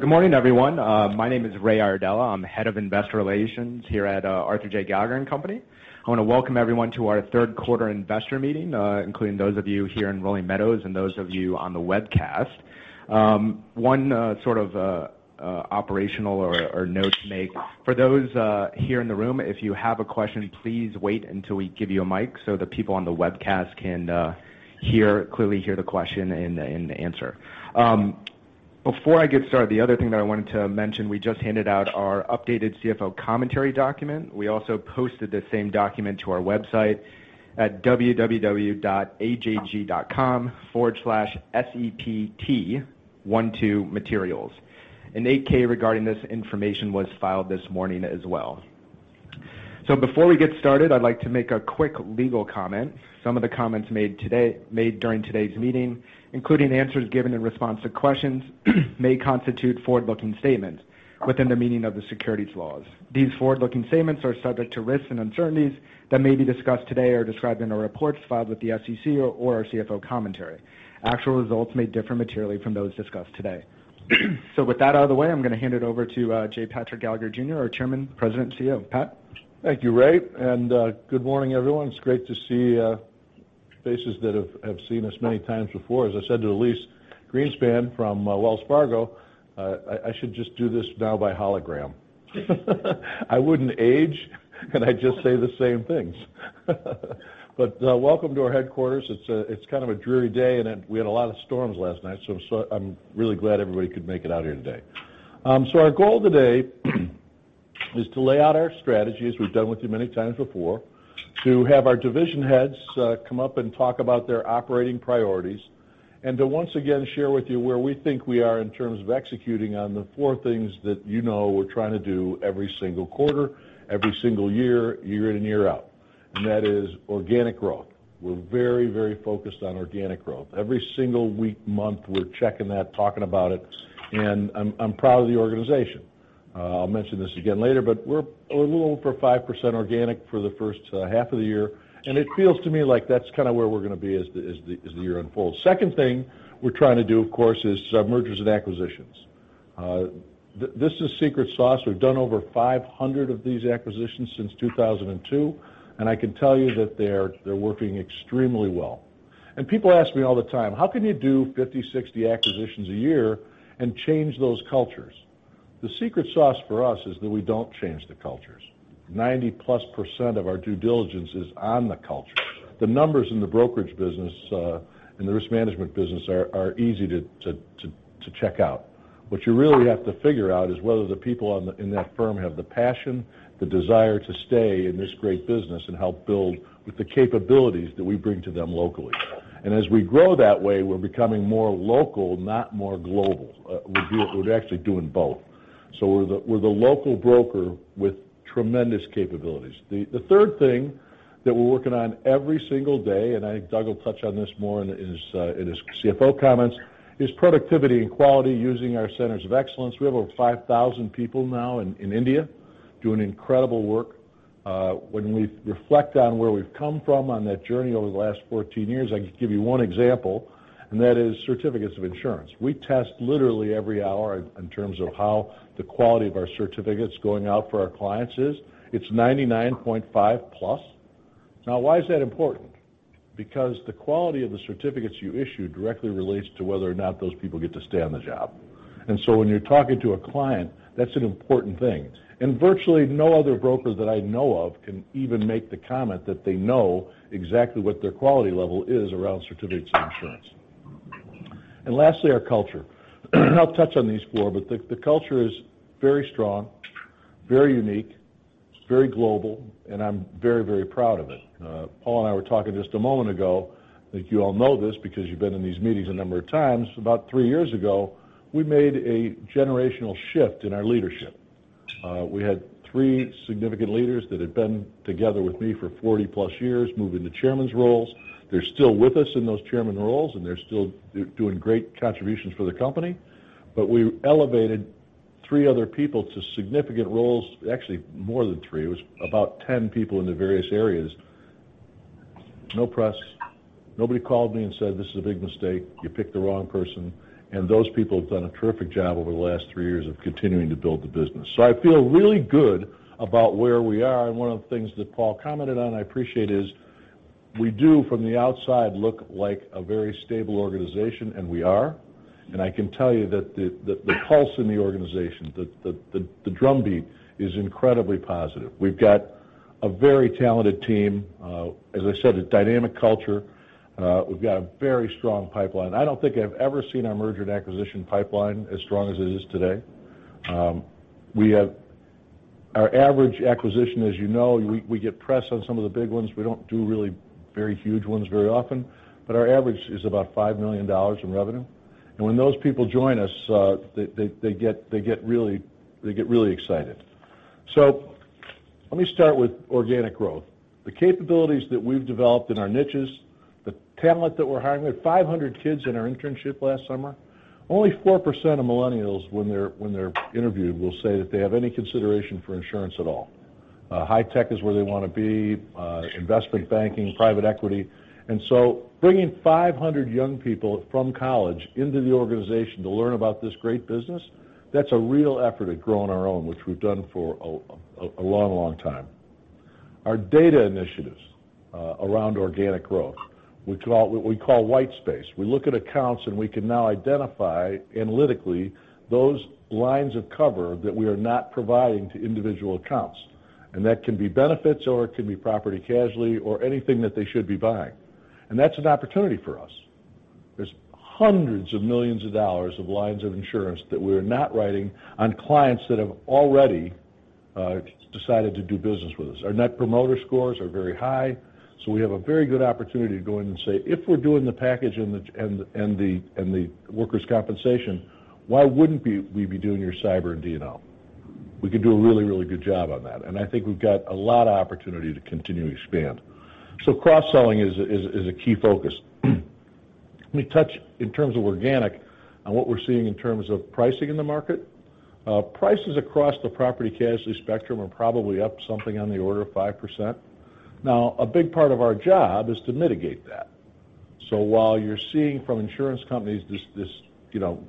Good morning, everyone. My name is Ray Iardella. I'm Head of Investor Relations here at Arthur J. Gallagher & Co. I want to welcome everyone to our third quarter investor meeting, including those of you here in Rolling Meadows and those of you on the webcast. One sort of operational note to make, for those here in the room, if you have a question, please wait until we give you a mic so the people on the webcast can clearly hear the question and the answer. Before I get started, the other thing that I wanted to mention, we just handed out our updated CFO commentary document. We also posted the same document to our website at www.ajg.com/sept12materials. An 8-K regarding this information was filed this morning as well. Before we get started, I'd like to make a quick legal comment. Some of the comments made during today's meeting, including answers given in response to questions, may constitute forward-looking statements within the meaning of the securities laws. These forward-looking statements are subject to risks and uncertainties that may be discussed today or described in our reports filed with the SEC or our CFO commentary. Actual results may differ materially from those discussed today. With that out of the way, I'm going to hand it over to J. Patrick Gallagher, Jr., our Chairman, President, and CEO. Pat? Thank you, Ray, and good morning, everyone. It's great to see faces that have seen us many times before. As I said to Elyse Greenspan from Wells Fargo, I should just do this now by hologram. I wouldn't age, and I'd just say the same things. Welcome to our headquarters. It's kind of a dreary day, and we had a lot of storms last night, so I'm really glad everybody could make it out here today. Our goal today is to lay out our strategy, as we've done with you many times before, to have our division heads come up and talk about their operating priorities, and to once again share with you where we think we are in terms of executing on the four things that you know we're trying to do every single quarter, every single year in and year out. That is organic growth. We're very focused on organic growth. Every single week, month, we're checking that, talking about it, and I'm proud of the organization. I'll mention this again later, but we're a little over 5% organic for the first half of the year, and it feels to me like that's kind of where we're going to be as the year unfolds. Second thing we're trying to do, of course, is mergers and acquisitions. This is secret sauce. We've done over 500 of these acquisitions since 2002, and I can tell you that they're working extremely well. People ask me all the time, "How can you do 50, 60 acquisitions a year and change those cultures?" The secret sauce for us is that we don't change the cultures. 90-plus% of our due diligence is on the culture. The numbers in the brokerage business and the risk management business are easy to check out. What you really have to figure out is whether the people in that firm have the passion, the desire to stay in this great business and help build with the capabilities that we bring to them locally. As we grow that way, we're becoming more local, not more global. We're actually doing both. We're the local broker with tremendous capabilities. The third thing that we're working on every single day, I think Doug will touch on this more in his CFO comments, is productivity and quality using our centers of excellence. We have over 5,000 people now in India doing incredible work. When we reflect on where we've come from on that journey over the last 14 years, I can give you one example, and that is certificates of insurance. We test literally every hour in terms of how the quality of our certificates going out for our clients is. It's 99.5+. Why is that important? Because the quality of the certificates you issue directly relates to whether or not those people get to stay on the job. When you're talking to a client, that's an important thing. Virtually no other broker that I know of can even make the comment that they know exactly what their quality level is around certificates of insurance. Lastly, our culture. I'll touch on these four, but the culture is very strong, very unique, it's very global, and I'm very proud of it. Paul and I were talking just a moment ago, I think you all know this because you've been in these meetings a number of times. About three years ago, we made a generational shift in our leadership. We had three significant leaders that had been together with me for 40-plus years, move into chairman's roles. They're still with us in those chairman roles, they're still doing great contributions for the company. We elevated three other people to significant roles. Actually, more than three. It was about 10 people into various areas. No press. Nobody called me and said, "This is a big mistake. You picked the wrong person." Those people have done a terrific job over the last three years of continuing to build the business. I feel really good about where we are, one of the things that Paul commented on I appreciate is we do, from the outside, look like a very stable organization, and we are. I can tell you that the pulse in the organization, the drumbeat is incredibly positive. We've got a very talented team, as I said, a dynamic culture. We've got a very strong pipeline. I don't think I've ever seen our merger and acquisition pipeline as strong as it is today. Our average acquisition, as you know, we get press on some of the big ones. We don't do really very huge ones very often, but our average is about $5 million in revenue. When those people join us, they get really excited. Let me start with organic growth. The capabilities that we've developed in our niches, the talent that we're hiring. We had 500 kids in our internship last summer. Only 4% of millennials, when they're interviewed, will say that they have any consideration for insurance at all. High tech is where they want to be, investment banking, private equity. Bringing 500 young people from college into the organization to learn about this great business, that's a real effort at growing our own, which we've done for a long, long time. Our data initiatives around organic growth, what we call white space. We look at accounts, and we can now identify, analytically, those lines of cover that we are not providing to individual accounts. That can be benefits or it can be property casualty or anything that they should be buying. That's an opportunity for us. There's hundreds of millions of dollars of lines of insurance that we are not writing on clients that have already decided to do business with us. Our Net Promoter Scores are very high, we have a very good opportunity to go in and say, "If we're doing the package and the workers' compensation, why wouldn't we be doing your cyber and D&O?" We can do a really, really good job on that, I think we've got a lot of opportunity to continue to expand. Cross-selling is a key focus. Let me touch, in terms of organic, on what we're seeing in terms of pricing in the market. Prices across the property casualty spectrum are probably up something on the order of 5%. A big part of our job is to mitigate that. While you're seeing from insurance companies this,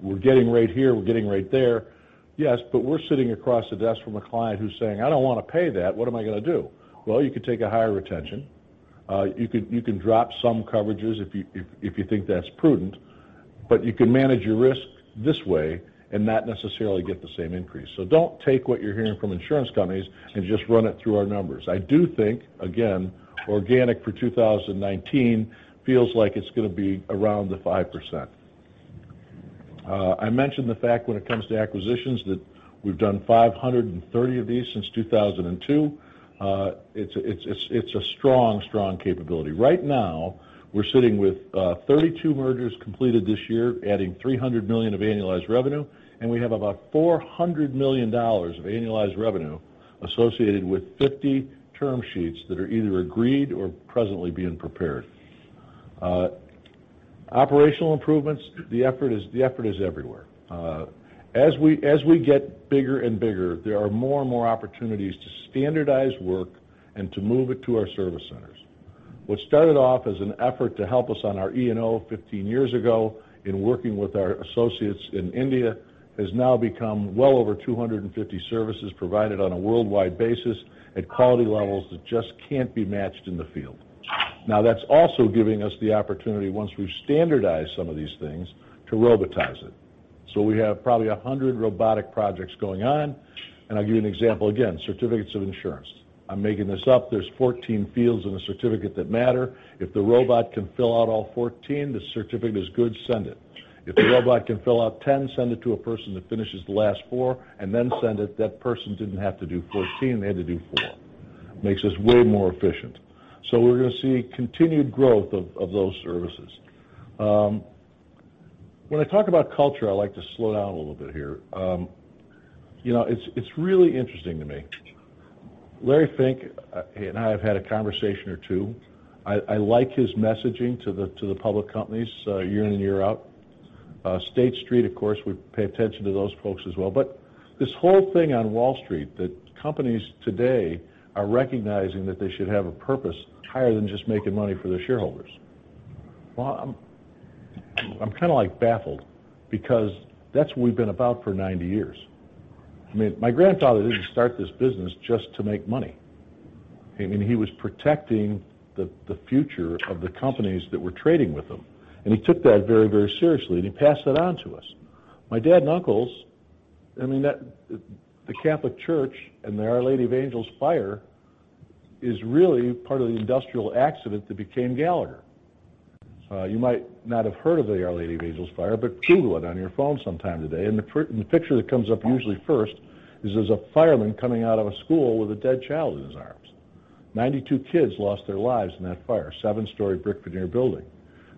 we're getting rate here, we're getting rate there, yes, we're sitting across the desk from a client who's saying, "I don't want to pay that. What am I going to do?" You could take a higher retention. You can drop some coverages if you think that's prudent, you can manage your risk this way and not necessarily get the same increase. Don't take what you're hearing from insurance companies and just run it through our numbers. I do think, again, organic for 2019 feels like it's going to be around the 5%. I mentioned the fact when it comes to acquisitions that we've done 530 of these since 2002. It's a strong capability. Right now, we're sitting with 32 mergers completed this year, adding $300 million of annualized revenue, and we have about $400 million of annualized revenue associated with 50 term sheets that are either agreed or presently being prepared. Operational improvements, the effort is everywhere. As we get bigger and bigger, there are more and more opportunities to standardize work and to move it to our service centers. What started off as an effort to help us on our E&O 15 years ago in working with our associates in India has now become well over 250 services provided on a worldwide basis at quality levels that just can't be matched in the field. That's also giving us the opportunity, once we've standardized some of these things, to robotize it. We have probably 100 robotic projects going on, I'll give you an example. Again, certificates of insurance. I'm making this up. There's 14 fields in a certificate that matter. If the robot can fill out all 14, the certificate is good, send it. If the robot can fill out 10, send it to a person that finishes the last four and then send it. That person didn't have to do 14. They had to do four. Makes us way more efficient. We're going to see continued growth of those services. When I talk about culture, I like to slow down a little bit here. It's really interesting to me. Larry Fink and I have had a conversation or two. I like his messaging to the public companies year in and year out. State Street, of course, we pay attention to those folks as well. This whole thing on Wall Street, that companies today are recognizing that they should have a purpose higher than just making money for their shareholders. Well, I'm kind of baffled because that's what we've been about for 90 years. My grandfather didn't start this business just to make money. He was protecting the future of the companies that were trading with him, and he took that very, very seriously, and he passed that on to us. My dad and uncles, the Catholic Church and the Our Lady of Angels fire is really part of the industrial accident that became Gallagher. You might not have heard of the Our Lady of Angels fire, Google it on your phone sometime today, and the picture that comes up usually first is there's a fireman coming out of a school with a dead child in his arms. 92 kids lost their lives in that fire. Seven-story brick veneer building.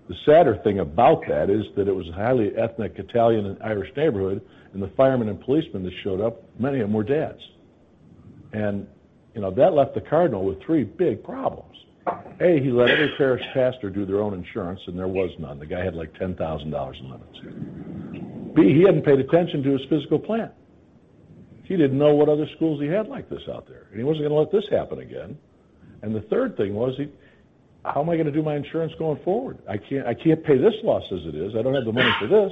The sadder thing about that is that it was a highly ethnic Italian and Irish neighborhood, and the firemen and policemen that showed up, many of them were dads. That left the cardinal with three big problems. He let every parish pastor do their own insurance, and there was none. The guy had, like, $10,000 in limits. He hadn't paid attention to his physical plan. He didn't know what other schools he had like this out there, and he wasn't going to let this happen again. The third thing was, how am I going to do my insurance going forward? I can't pay this loss as it is. I don't have the money for this,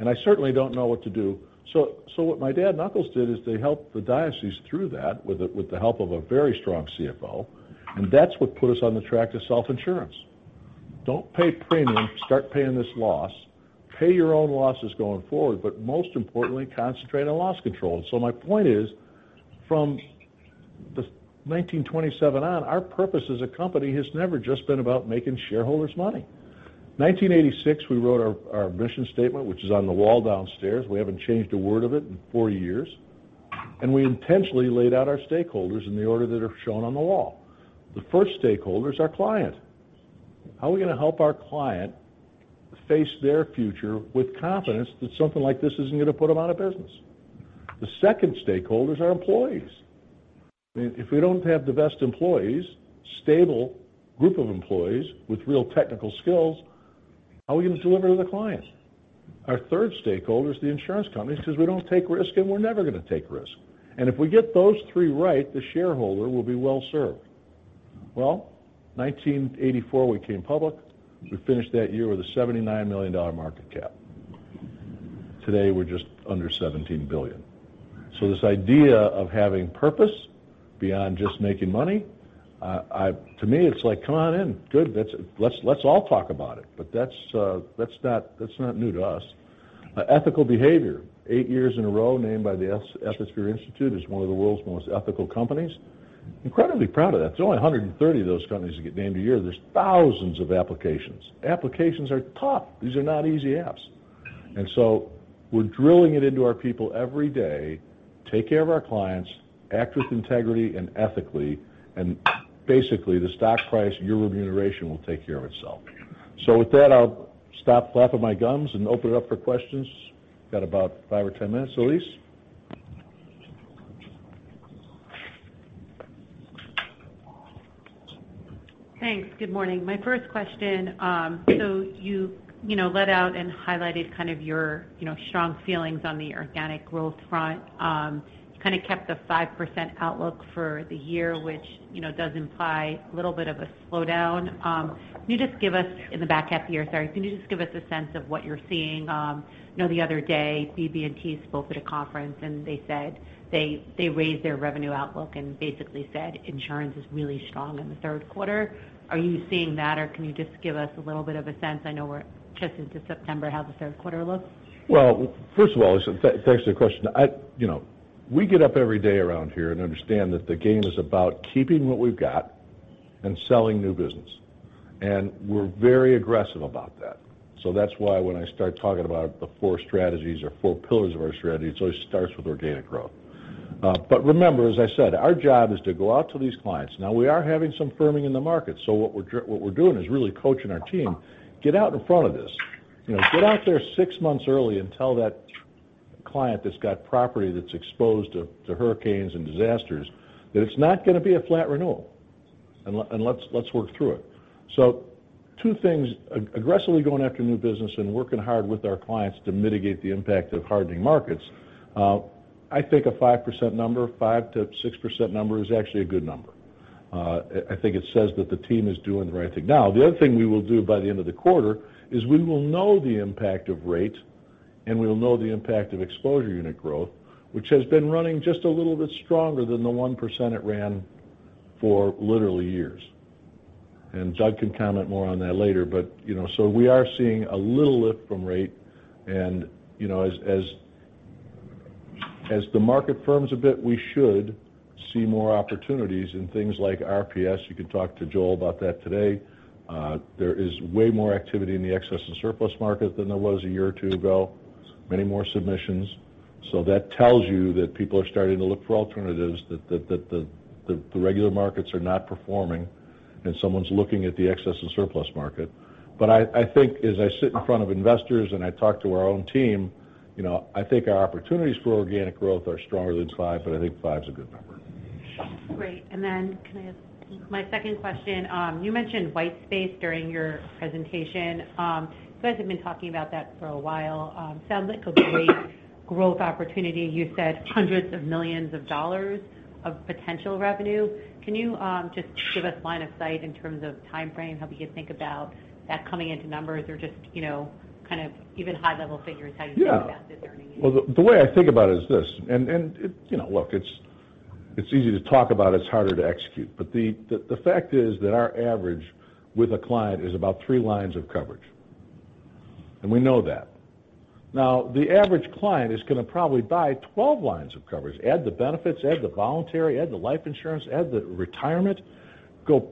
and I certainly don't know what to do. What my dad and uncles did is they helped the diocese through that with the help of a very strong CFO, and that's what put us on the track to self-insurance. Don't pay premium, start paying this loss. Pay your own losses going forward, most importantly, concentrate on loss control. My point is, from 1927 on, our purpose as a company has never just been about making shareholders money. 1986, we wrote our mission statement, which is on the wall downstairs. We haven't changed a word of it in four years. We intentionally laid out our stakeholders in the order that are shown on the wall. The first stakeholder is our client. How are we going to help our client face their future with confidence that something like this isn't going to put them out of business? The second stakeholder is our employees. If we don't have the best employees, stable group of employees with real technical skills How are we going to deliver to the client? Our third stakeholder is the insurance company, says we don't take risk and we're never going to take risk. If we get those three right, the shareholder will be well-served. 1984 we came public. We finished that year with a $79 million market cap. Today, we're just under $17 billion. This idea of having purpose beyond just making money, to me, it's like, "Come on in. Good. Let's all talk about it." That's not new to us. Ethical behavior. Eight years in a row, named by the Ethisphere Institute as one of the world's most ethical companies. Incredibly proud of that. There's only 130 of those companies that get named a year. There's thousands of applications. Applications are tough. These are not easy apps. We're drilling it into our people every day, take care of our clients, act with integrity and ethically, and basically, the stock price, your remuneration will take care of itself. With that, I'll stop flapping my gums and open it up for questions. Got about five or 10 minutes. Elyse? Thanks. Good morning. My first question. You let out and highlighted your strong feelings on the organic growth front. You kept the 5% outlook for the year, which does imply a little bit of a slowdown. Can you just give us In the back half year, sorry. Can you just give us a sense of what you're seeing? The other day, BB&T spoke at a conference and they said they raised their revenue outlook and basically said insurance is really strong in the third quarter. Are you seeing that or can you just give us a little bit of a sense? I know we're just into September, how the third quarter looks. First of all, thanks for the question. We get up every day around here and understand that the game is about keeping what we've got and selling new business. We're very aggressive about that. That's why when I start talking about the four strategies or four pillars of our strategy, it always starts with organic growth. Remember, as I said, our job is to go out to these clients. Now we are having some firming in the market, so what we're doing is really coaching our team, get out in front of this. Get out there six months early and tell that client that's got property that's exposed to hurricanes and disasters, that it's not going to be a flat renewal. Let's work through it. Two things, aggressively going after new business and working hard with our clients to mitigate the impact of hardening markets. I think a 5% number, 5%-6% number is actually a good number. I think it says that the team is doing the right thing. The other thing we will do by the end of the quarter is we will know the impact of rate, and we will know the impact of exposure unit growth, which has been running just a little bit stronger than the 1% it ran for literally years. Doug can comment more on that later. We are seeing a little lift from rate and as the market firms a bit, we should see more opportunities in things like RPS. You can talk to Joel about that today. There is way more activity in the excess and surplus market than there was a year or two ago. Many more submissions. That tells you that people are starting to look for alternatives, that the regular markets are not performing and someone's looking at the excess and surplus market. I think as I sit in front of investors and I talk to our own team, I think our opportunities for organic growth are stronger than 5, but I think 5's a good number. Great. Can I have my second question? You mentioned white space during your presentation. You guys have been talking about that for a while. Sounds like a great growth opportunity. You said $hundreds of millions of potential revenue. Can you just give us line of sight in terms of time frame? How we can think about that coming into numbers or just even high level figures, how you think about this earning? Yeah. Well, the way I think about it is this, look, it's easy to talk about, it's harder to execute. The fact is that our average with a client is about three lines of coverage. We know that. Now, the average client is going to probably buy 12 lines of coverage. Add the benefits, add the voluntary, add the life insurance, add the retirement, go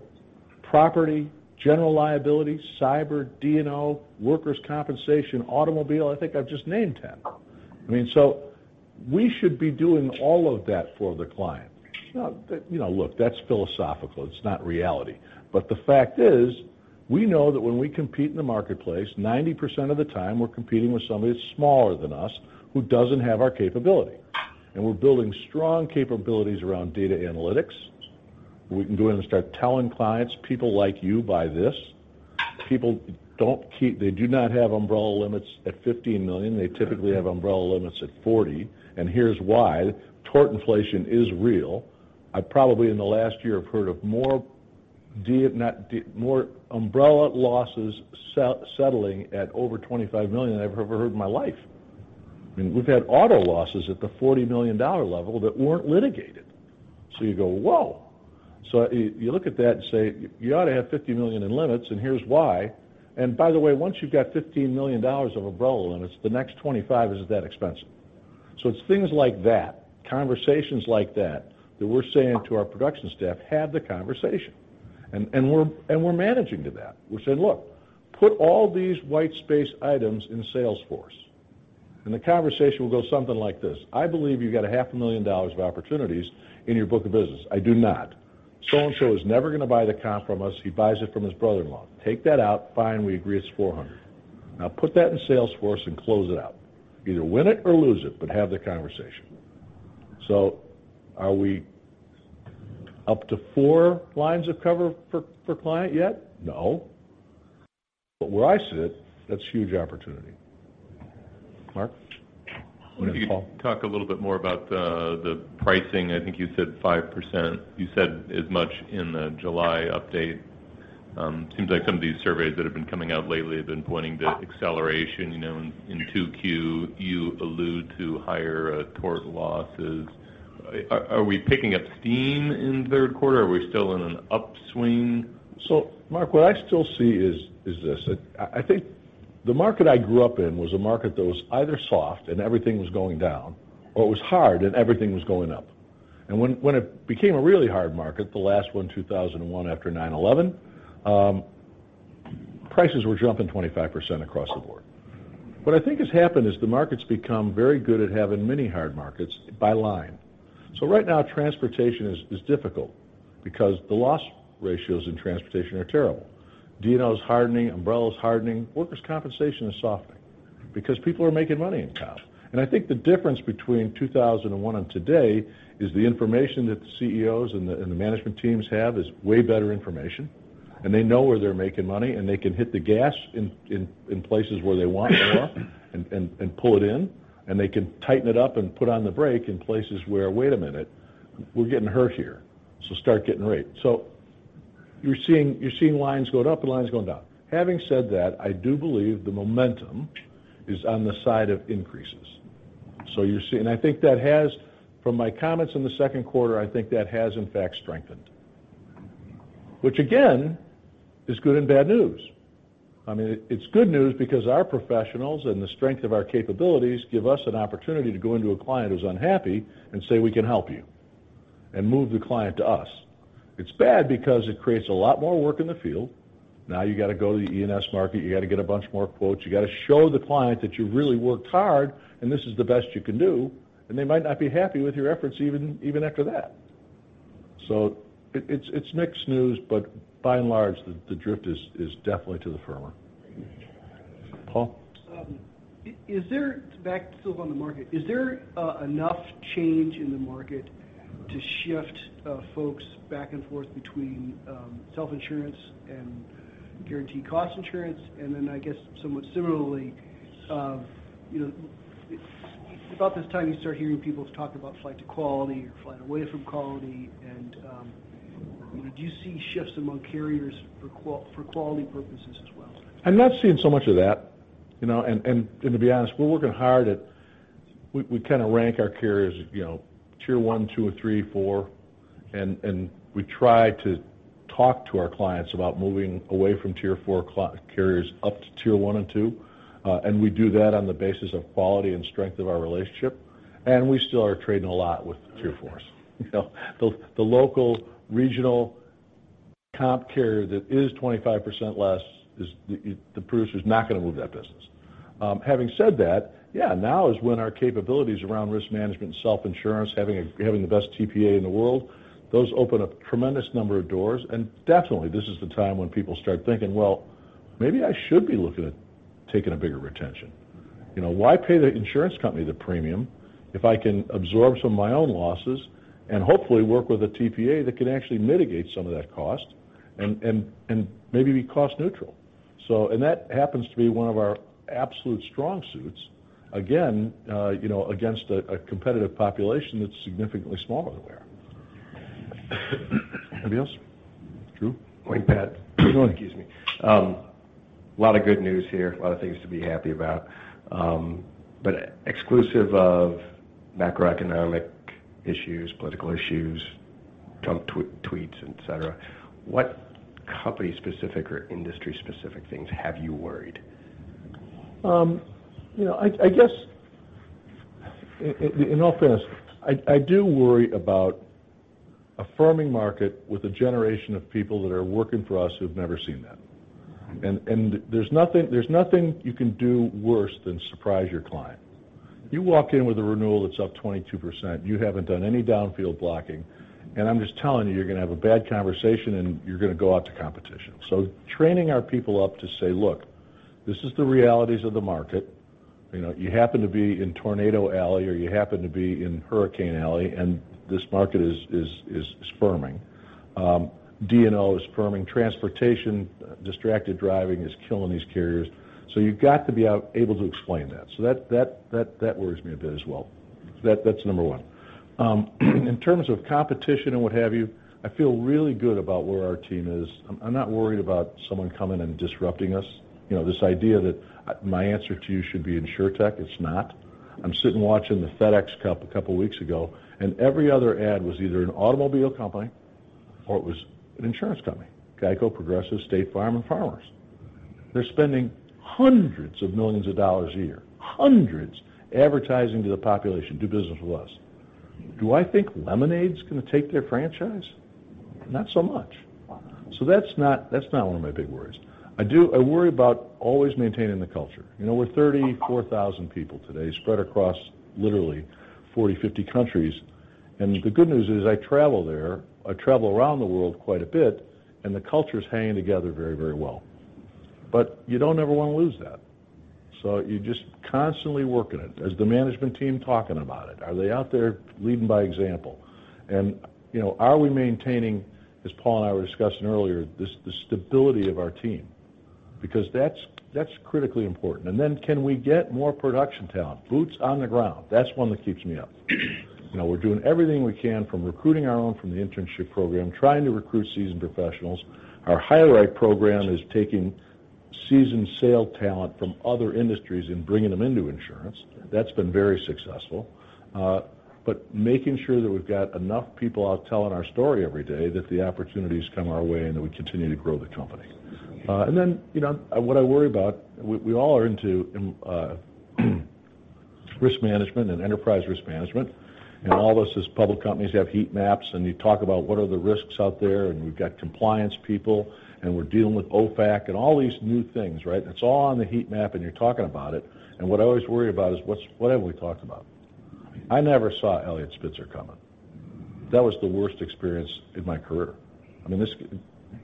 property, general liability, cyber, D&O, workers' compensation, automobile. I think I've just named 10. We should be doing all of that for the client. Look, that's philosophical. It's not reality. The fact is, we know that when we compete in the marketplace, 90% of the time we're competing with somebody that's smaller than us who doesn't have our capability. We're building strong capabilities around data analytics. We can go in and start telling clients, "People like you buy this. People do not have umbrella limits at $15 million. They typically have umbrella limits at $40 million, and here's why. Tort inflation is real. I probably in the last year have heard of more umbrella losses settling at over $25 million than I've ever heard in my life. We've had auto losses at the $40 million level that weren't litigated. You go, "Whoa." You look at that and say, "You ought to have $50 million in limits, and here's why." By the way, once you've got $15 million of umbrella limits, the next $25 million isn't that expensive. It's things like that, conversations like that we're saying to our production staff, "Have the conversation." We're managing to that. We're saying, "Look, put all these white space items in Salesforce." The conversation will go something like this: "I believe you got a half a million dollars of opportunities in your book of business." "I do not." "And so is never going to buy the car from us. He buys it from his brother-in-law." Take that out, fine, we agree it's $400,000. Now put that in Salesforce and close it out. Either win it or lose it, but have the conversation. Are we Up to four lines of cover for client yet? No. But where I sit, that's huge opportunity. Mark? I wonder if you could talk a little bit more about the pricing. I think you said 5%. You said as much in the July update. Seems like some of these surveys that have been coming out lately have been pointing to acceleration, in 2Q, you allude to higher tort losses. Are we picking up steam in the third quarter? Are we still in an upswing? Mark, what I still see is this. I think the market I grew up in was a market that was either soft and everything was going down, or it was hard and everything was going up. When it became a really hard market, the last one, 2001, after 9/11, prices were jumping 25% across the board. What I think has happened is the market's become very good at having many hard markets by line. Right now, transportation is difficult because the loss ratios in transportation are terrible. D&O is hardening, umbrella is hardening, workers' compensation is softening because people are making money in comp. I think the difference between 2001 and today is the information that the CEOs and the management teams have is way better information, and they know where they're making money, and they can hit the gas in places where they want more and pull it in, and they can tighten it up and put on the brake in places where, wait a minute, we're getting hurt here, so start getting rate. You're seeing lines going up and lines going down. Having said that, I do believe the momentum is on the side of increases. From my comments in the second quarter, I think that has in fact strengthened. Which again, is good and bad news. It's good news because our professionals and the strength of our capabilities give us an opportunity to go into a client who's unhappy and say, "We can help you," and move the client to us. It's bad because it creates a lot more work in the field. You got to go to the E&S market, you got to get a bunch more quotes, you got to show the client that you really worked hard and this is the best you can do, and they might not be happy with your efforts even after that. It's mixed news, but by and large, the drift is definitely to the firmer. Paul? Back still on the market. Is there enough change in the market to shift folks back and forth between self-insurance and guaranteed cost insurance? Then, I guess somewhat similarly, about this time you start hearing people talk about flight to quality or flight away from quality. Do you see shifts among carriers for quality purposes as well? I'm not seeing so much of that. To be honest, we kind of rank our carriers, tier 1, 2, or 3, 4, and we try to talk to our clients about moving away from tier 4 carriers up to tier 1 and 2. We do that on the basis of quality and strength of our relationship, and we still are trading a lot with tier 4s. The local regional comp carrier that is 25% less, the producer's not going to move that business. Having said that, yeah, now is when our capabilities around risk management and self-insurance, having the best TPA in the world, those open a tremendous number of doors. Definitely, this is the time when people start thinking, well, maybe I should be looking at taking a bigger retention. Why pay the insurance company the premium if I can absorb some of my own losses and hopefully work with a TPA that can actually mitigate some of that cost and maybe be cost neutral? That happens to be one of our absolute strong suits, again, against a competitive population that's significantly smaller than we are. Anybody else? Drew? Morning, Pat. Good morning. Excuse me. Lot of good news here, a lot of things to be happy about. Exclusive of macroeconomic issues, political issues, Trump tweets, et cetera, what company specific or industry specific things have you worried? I guess, in all fairness, I do worry about a firming market with a generation of people that are working for us who've never seen that. There's nothing you can do worse than surprise your client. You walk in with a renewal that's up 22%, you haven't done any downfield blocking, and I'm just telling you're going to have a bad conversation and you're going to go out to competition. Training our people up to say, look, this is the realities of the market. You happen to be in Tornado Alley, or you happen to be in Hurricane Alley, and this market is firming. D&O is firming. Transportation, distracted driving is killing these carriers. You've got to be able to explain that. That worries me a bit as well. That's number one. In terms of competition and what have you, I feel really good about where our team is. I'm not worried about someone coming and disrupting us. This idea that my answer to you should be InsurTech, it's not. I'm sitting watching the FedEx Cup a couple weeks ago, and every other ad was either an automobile company or it was an insurance company, GEICO, Progressive, State Farm, and Farmers. They're spending hundreds of millions of dollars a year, hundreds, advertising to the population, do business with us. Do I think Lemonade's going to take their franchise? Not so much. That's not one of my big worries. I worry about always maintaining the culture. We're 34,000 people today spread across literally 40, 50 countries. The good news is I travel there. I travel around the world quite a bit, and the culture's hanging together very well. You don't ever want to lose that. You're just constantly working it. Is the management team talking about it? Are they out there leading by example? Are we maintaining, as Paul and I were discussing earlier, the stability of our team? Because that's critically important. Can we get more production talent, boots on the ground? That's one that keeps me up. We're doing everything we can from recruiting our own from the internship program, trying to recruit seasoned professionals. Our HireRight program is taking seasoned sale talent from other industries and bringing them into insurance. That's been very successful. Making sure that we've got enough people out telling our story every day, that the opportunities come our way, and that we continue to grow the company. What I worry about, we all are into risk management and enterprise risk management, and all us as public companies have heat maps, and you talk about what are the risks out there, and we've got compliance people, and we're dealing with OFAC, and all these new things, right? It's all on the heat map, and you're talking about it, and what I always worry about is what haven't we talked about? I never saw Eliot Spitzer coming. That was the worst experience in my career.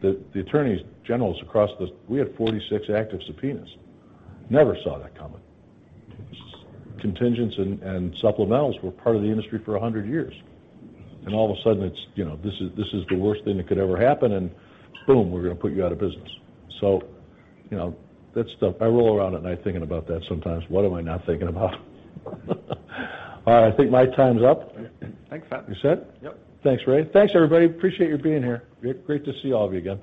The attorneys generals across the-- We had 46 active subpoenas. Never saw that coming. Contingents and supplementals were part of the industry for 100 years. All of a sudden, this is the worst thing that could ever happen, and boom, we're going to put you out of business. That stuff, I roll around at night thinking about that sometimes. What am I not thinking about? All right, I think my time's up. Thanks, Pat. You set? Yep. Thanks, Ray. Thanks, everybody. Appreciate you being here. Great to see all of you again.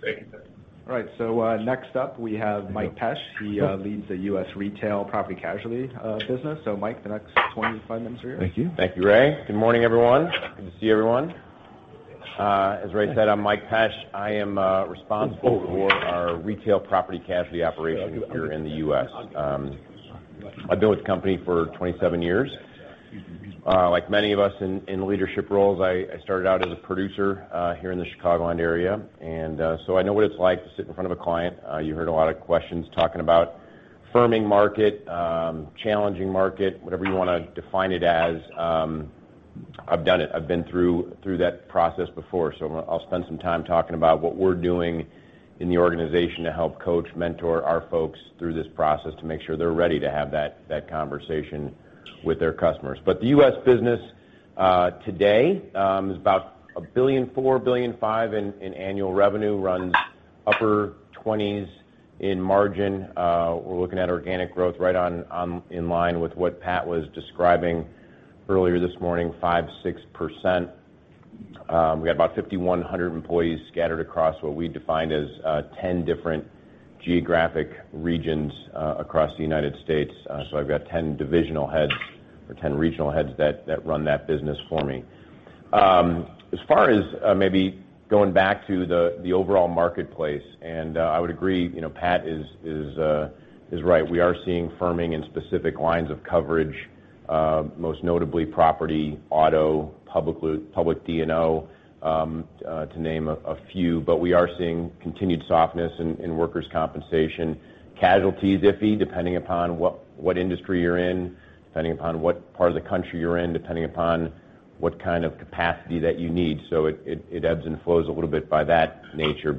Thank you. All right, next up we have Mike Pesch. He leads the U.S. retail property/casualty business. Mike, the next 25 minutes are yours. Thank you. Thank you, Ray. Good morning, everyone. Good to see everyone. As Ray said, I'm Mike Pesch. I am responsible for our retail property/casualty operations here in the U.S. I've been with the company for 27 years. Like many of us in leadership roles, I started out as a producer here in the Chicagoland area. I know what it's like to sit in front of a client. You heard a lot of questions talking about firming market, challenging market, whatever you want to define it as. I've done it. I've been through that process before. I'll spend some time talking about what we're doing in the organization to help coach, mentor our folks through this process to make sure they're ready to have that conversation with their customers. The U.S. business today is about $1.4 billion-$1.5 billion in annual revenue, runs upper 20s in margin. We're looking at organic growth right in line with what Pat was describing earlier this morning, 5%-6%. We've got about 5,100 employees scattered across what we define as 10 different geographic regions across the U.S. I've got 10 divisional heads or 10 regional heads that run that business for me. As far as maybe going back to the overall marketplace, I would agree, Pat is right. We are seeing firming in specific lines of coverage. Most notably property, auto, public D&O, to name a few. We are seeing continued softness in workers' compensation. Casualty is iffy, depending upon what industry you're in, depending upon what part of the country you're in, depending upon what kind of capacity that you need. It ebbs and flows a little bit by that nature.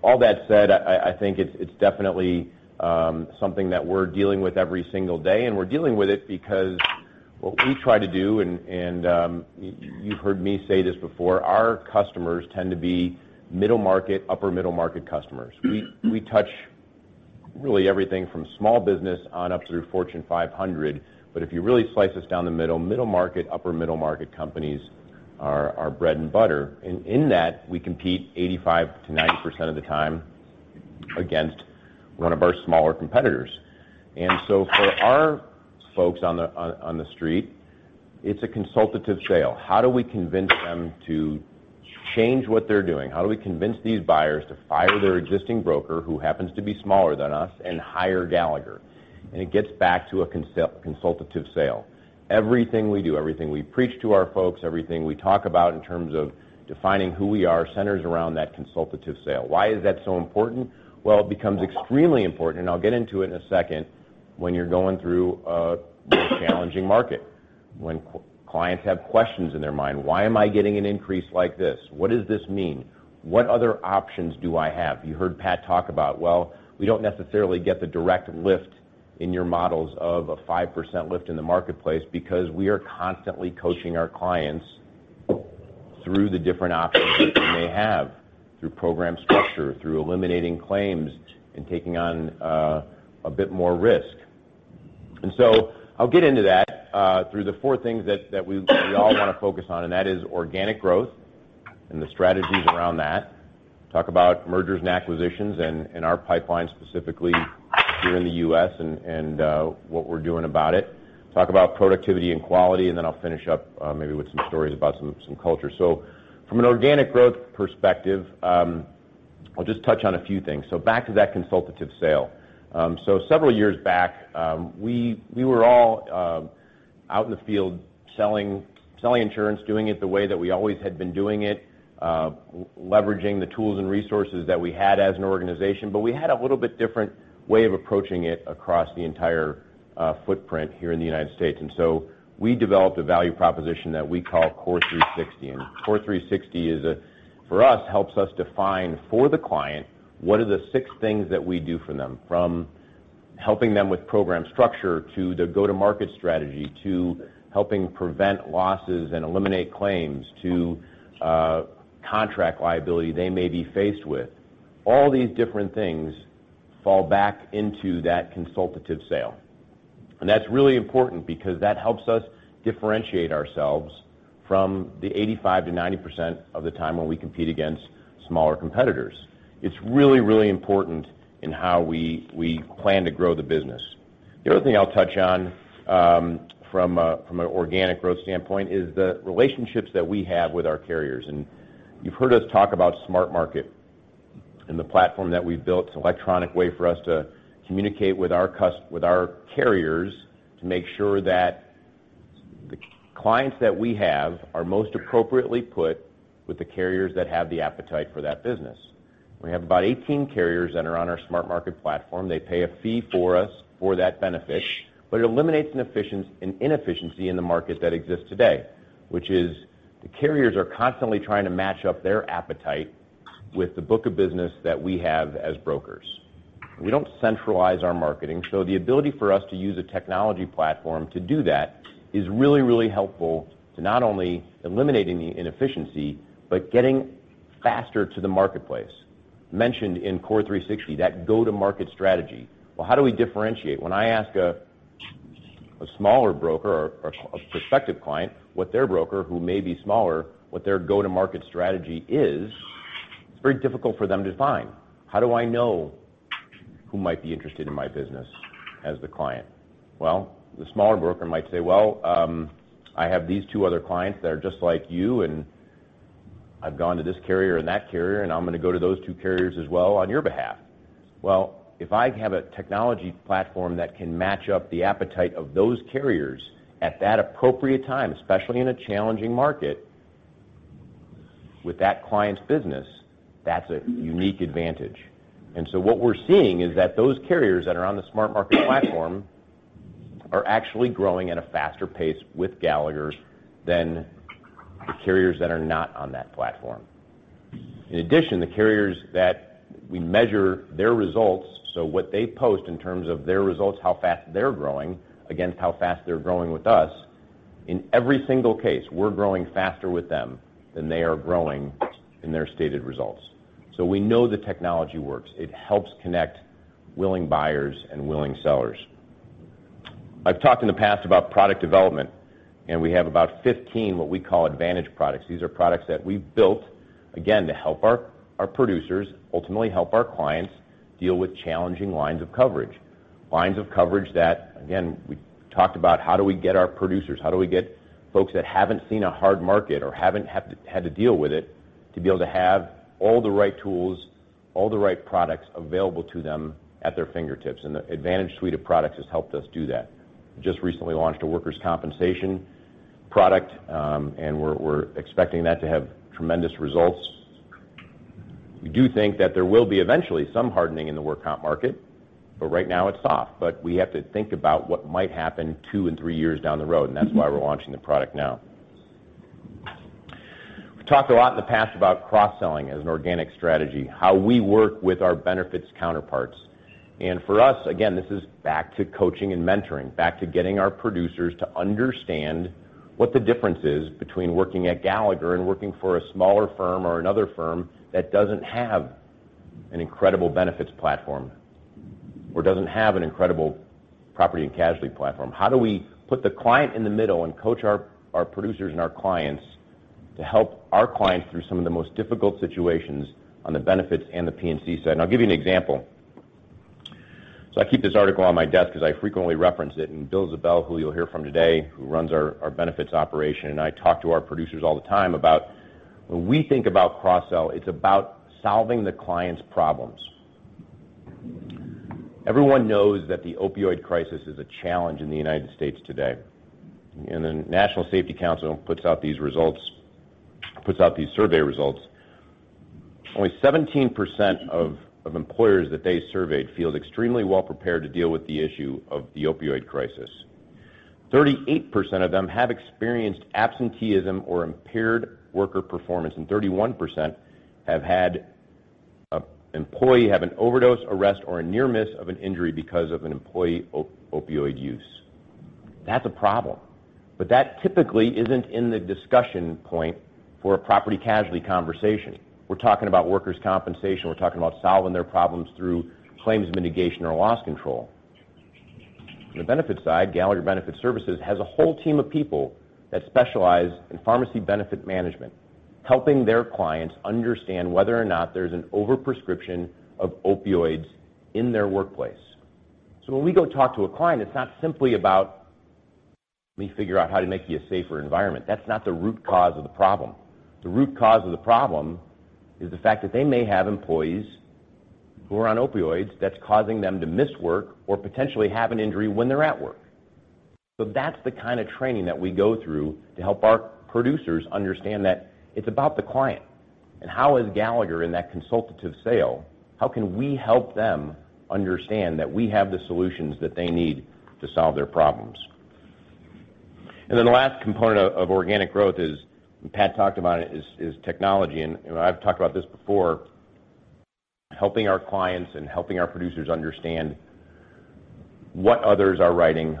All that said, I think it's definitely something that we're dealing with every single day, we're dealing with it because what we try to do, you've heard me say this before, our customers tend to be middle market, upper middle market customers. We touch really everything from small business on up through Fortune 500. If you really slice us down the middle market, upper middle market companies are our bread and butter. In that, we compete 85%-90% of the time against one of our smaller competitors. For our folks on the street, it's a consultative sale. How do we convince them to change what they're doing? How do we convince these buyers to fire their existing broker, who happens to be smaller than us, and hire Gallagher? It gets back to a consultative sale. Everything we do, everything we preach to our folks, everything we talk about in terms of defining who we are, centers around that consultative sale. Why is that so important? It becomes extremely important, I'll get into it in a second, when you're going through a challenging market. When clients have questions in their mind, why am I getting an increase like this? What does this mean? What other options do I have? You heard Pat talk about, we don't necessarily get the direct lift in your models of a 5% lift in the marketplace because we are constantly coaching our clients through the different options that they may have through program structure, through eliminating claims, taking on a bit more risk. I'll get into that through the four things that we all want to focus on, that is organic growth and the strategies around that. Talk about mergers and acquisitions and our pipeline specifically here in the U.S. what we're doing about it. Talk about productivity and quality, I'll finish up maybe with some stories about some culture. From an organic growth perspective, I'll just touch on a few things. Back to that consultative sale. Several years back, we were all out in the field selling insurance, doing it the way that we always had been doing it, leveraging the tools and resources that we had as an organization. We had a little bit different way of approaching it across the entire footprint here in the U.S. We developed a value proposition that we call CORE360. CORE360, for us, helps us define for the client what are the six things that we do for them from helping them with program structure to their go-to-market strategy, to helping prevent losses and eliminate claims, to contract liability they may be faced with. All these different things fall back into that consultative sale. That's really important because that helps us differentiate ourselves from the 85%-90% of the time when we compete against smaller competitors. It's really, really important in how we plan to grow the business. The other thing I'll touch on from an organic growth standpoint is the relationships that we have with our carriers. You've heard us talk about Smart Market and the platform that we've built. It's an electronic way for us to communicate with our carriers to make sure that the clients that we have are most appropriately put with the carriers that have the appetite for that business. We have about 18 carriers that are on our Smart Market platform. They pay a fee for us for that benefit, it eliminates an inefficiency in the market that exists today, which is the carriers are constantly trying to match up their appetite with the book of business that we have as brokers. We don't centralize our marketing, the ability for us to use a technology platform to do that is really, really helpful to not only eliminating the inefficiency, but getting faster to the marketplace. Mentioned in Core 360, that go-to-market strategy. How do we differentiate? When I ask a smaller broker or a prospective client what their broker, who may be smaller, what their go-to-market strategy is, it's very difficult for them to define. How do I know who might be interested in my business as the client? The smaller broker might say, "I have these two other clients that are just like you, I've gone to this carrier and that carrier, I'm going to go to those two carriers as well on your behalf." If I have a technology platform that can match up the appetite of those carriers at that appropriate time, especially in a challenging market, with that client's business, that's a unique advantage. What we're seeing is that those carriers that are on the Smart Market platform are actually growing at a faster pace with Gallagher's than the carriers that are not on that platform. In addition, the carriers that we measure their results, what they post in terms of their results, how fast they're growing against how fast they're growing with us, in every single case, we're growing faster with them than they are growing in their stated results. We know the technology works. It helps connect willing buyers and willing sellers. I've talked in the past about product development, we have about 15 what we call advantage products. These are products that we've built, again, to help our producers ultimately help our clients deal with challenging lines of coverage. Lines of coverage that, again, we talked about how do we get our producers, how do we get folks that haven't seen a hard market or haven't had to deal with it, to be able to have all the right tools, all the right products available to them at their fingertips? The advantage suite of products has helped us do that. Just recently launched a workers' compensation product, and we're expecting that to have tremendous results. We do think that there will be eventually some hardening in the work comp market, but right now it's soft. We have to think about what might happen two and three years down the road, and that's why we're launching the product now. We've talked a lot in the past about cross-selling as an organic strategy, how we work with our benefits counterparts. For us, again, this is back to coaching and mentoring, back to getting our producers to understand what the difference is between working at Gallagher and working for a smaller firm or another firm that doesn't have an incredible benefits platform or doesn't have an incredible property and casualty platform. How do we put the client in the middle and coach our producers and our clients to help our clients through some of the most difficult situations on the benefits and the P&C side? I'll give you an example. I keep this article on my desk because I frequently reference it. Bill Ziebell, who you'll hear from today, who runs our benefits operation, and I talk to our producers all the time about when we think about cross-sell, it's about solving the client's problems. Everyone knows that the opioid crisis is a challenge in the U.S. today. The National Safety Council puts out these survey results. Only 17% of employers that they surveyed feel extremely well prepared to deal with the issue of the opioid crisis. 38% of them have experienced absenteeism or impaired worker performance, and 31% have had an employee have an overdose, arrest, or a near miss of an injury because of an employee opioid use. That's a problem. That typically isn't in the discussion point for a property and casualty conversation. We're talking about workers' compensation. We're talking about solving their problems through claims mitigation or loss control. On the benefits side, Gallagher Benefit Services has a whole team of people that specialize in pharmacy benefit management, helping their clients understand whether or not there's an over-prescription of opioids in their workplace. When we go talk to a client, it's not simply about me figure out how to make you a safer environment. That's not the root cause of the problem. The root cause of the problem is the fact that they may have employees who are on opioids that's causing them to miss work or potentially have an injury when they're at work. That's the kind of training that we go through to help our producers understand that it's about the client. How is Gallagher in that consultative sale, how can we help them understand that we have the solutions that they need to solve their problems? The last component of organic growth is, and Pat talked about it, is technology. I've talked about this before, helping our clients and helping our producers understand what others are writing,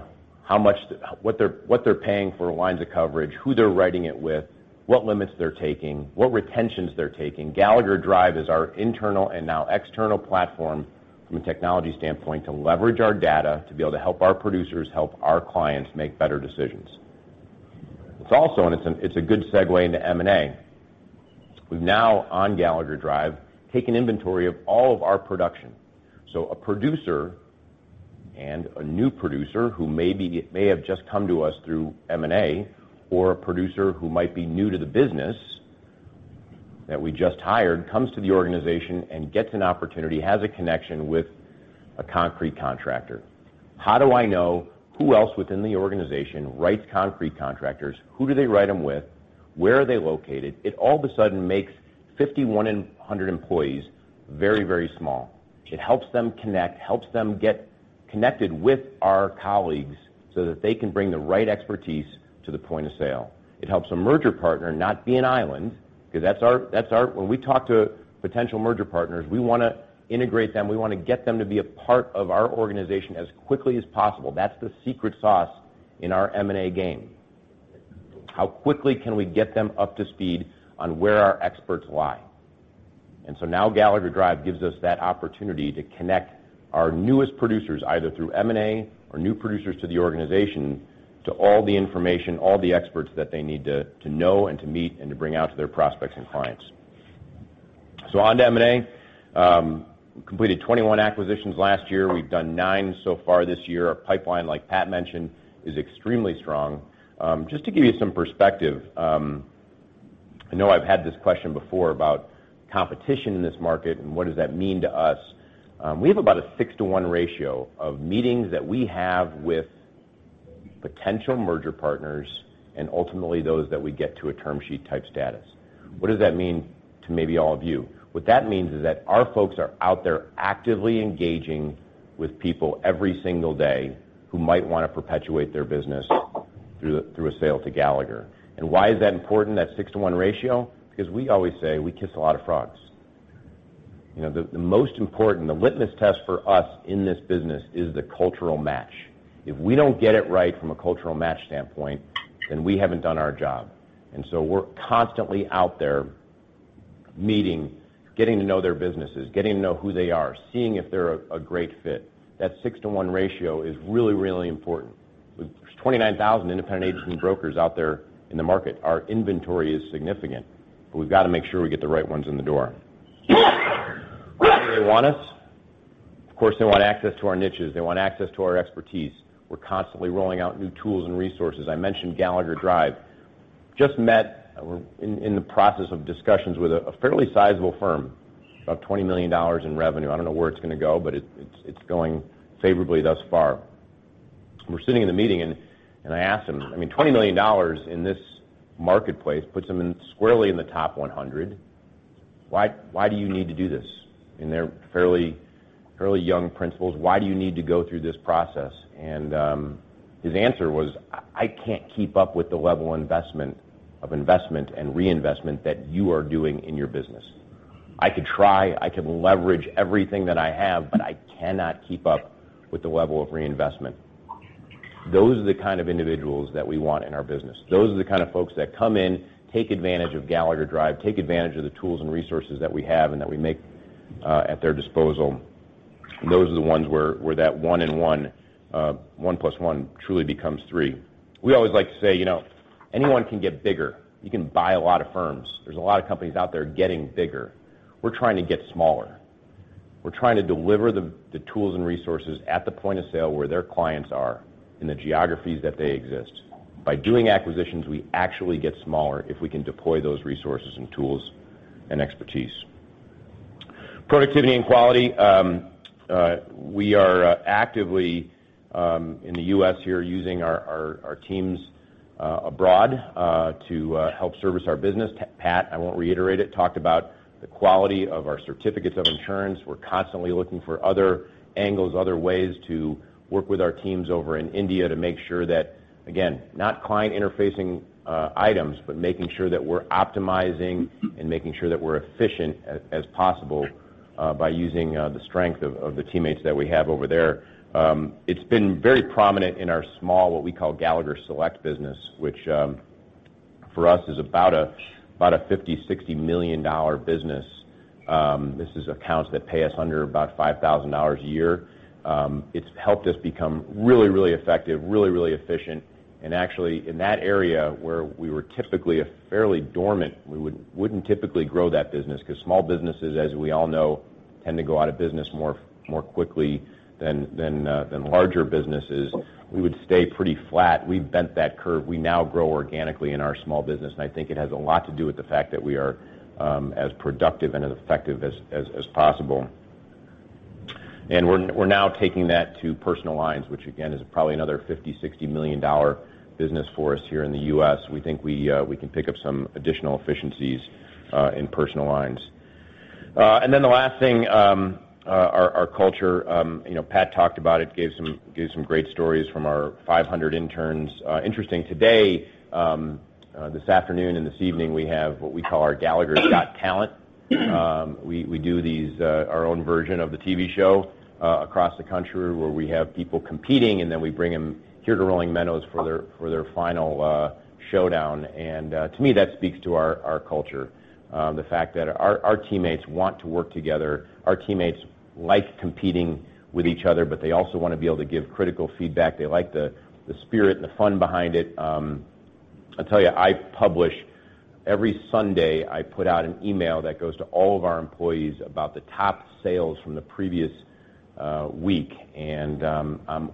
what they're paying for lines of coverage, who they're writing it with, what limits they're taking, what retentions they're taking. Gallagher Drive is our internal and now external platform from a technology standpoint to leverage our data to be able to help our producers help our clients make better decisions. It's also, and it's a good segue into M&A, we've now on Gallagher Drive taken inventory of all of our production. A producer and a new producer who may have just come to us through M&A or a producer who might be new to the business that we just hired, comes to the organization and gets an opportunity, has a connection with a concrete contractor. How do I know who else within the organization writes concrete contractors? Who do they write them with? Where are they located? It all of a sudden makes 5,100 employees very small. It helps them connect, helps them get connected with our colleagues so that they can bring the right expertise to the point of sale. It helps a merger partner not be an island, because when we talk to potential merger partners, we want to integrate them. We want to get them to be a part of our organization as quickly as possible. That's the secret sauce in our M&A game. How quickly can we get them up to speed on where our experts lie? Now Gallagher Drive gives us that opportunity to connect our newest producers, either through M&A or new producers to the organization, to all the information, all the experts that they need to know and to meet and to bring out to their prospects and clients. On to M&A. Completed 21 acquisitions last year. We've done nine so far this year. Our pipeline, like Pat mentioned, is extremely strong. Just to give you some perspective, I know I've had this question before about competition in this market and what does that mean to us. We have about a 6 to 1 ratio of meetings that we have with potential merger partners and ultimately those that we get to a term sheet type status. What does that mean to maybe all of you? What that means is that our folks are out there actively engaging with people every single day who might want to perpetuate their business through a sale to Gallagher. Why is that important, that 6 to 1 ratio? Because we always say we kiss a lot of frogs. The most important, the litmus test for us in this business is the cultural match. If we don't get it right from a cultural match standpoint, then we haven't done our job. We're constantly out there meeting, getting to know their businesses, getting to know who they are, seeing if they're a great fit. That 6 to 1 ratio is really important. There's 29,000 independent agents and brokers out there in the market. Our inventory is significant, but we've got to make sure we get the right ones in the door. Why do they want us? Of course, they want access to our niches. They want access to our expertise. We're constantly rolling out new tools and resources. I mentioned Gallagher Drive. We're in the process of discussions with a fairly sizable firm, about $20 million in revenue. I don't know where it's going to go, but it's going favorably thus far. We're sitting in the meeting, I asked him, I mean, $20 million in this marketplace puts him squarely in the top 100. Why do you need to do this? They're fairly young principals. Why do you need to go through this process? His answer was, "I can't keep up with the level of investment and reinvestment that you are doing in your business. I could try, I can leverage everything that I have, but I cannot keep up with the level of reinvestment." Those are the kind of individuals that we want in our business. Those are the kind of folks that come in, take advantage of Gallagher Drive, take advantage of the tools and resources that we have and that we make at their disposal. Those are the ones where that one and one plus one truly becomes three. We always like to say, anyone can get bigger. You can buy a lot of firms. There's a lot of companies out there getting bigger. We're trying to get smaller. We're trying to deliver the tools and resources at the point of sale where their clients are in the geographies that they exist. By doing acquisitions, we actually get smaller if we can deploy those resources and tools and expertise. Productivity and quality. We are actively in the U.S. here using our teams abroad to help service our business. Pat, I won't reiterate it, talked about the quality of our certificates of insurance. We're constantly looking for other angles, other ways to work with our teams over in India to make sure that, again, not client interfacing items, but making sure that we're optimizing and making sure that we're efficient as possible by using the strength of the teammates that we have over there. It's been very prominent in our small, what we call Gallagher Select business, which for us is about a $50 million-$60 million business. This is accounts that pay us under about $5,000 a year. It's helped us become really effective, really efficient. Actually in that area where we were typically fairly dormant, we wouldn't typically grow that business because small businesses, as we all know, tend to go out of business more quickly than larger businesses. We would stay pretty flat. We bent that curve. We now grow organically in our small business. I think it has a lot to do with the fact that we are as productive and as effective as possible. We're now taking that to personal lines, which again, is probably another $50 million-$60 million business for us here in the U.S. We think we can pick up some additional efficiencies in personal lines. Then the last thing, our culture. Pat talked about it, gave some great stories from our 500 interns. Interesting today, this afternoon and this evening, we have what we call our Gallagher Got Talent. We do our own version of the TV show across the country, where we have people competing, then we bring them here to Rolling Meadows for their final showdown. To me, that speaks to our culture. The fact that our teammates want to work together, our teammates like competing with each other, but they also want to be able to give critical feedback. They like the spirit and the fun behind it. I'll tell you, every Sunday, I put out an email that goes to all of our employees about the top sales from the previous week, and I'm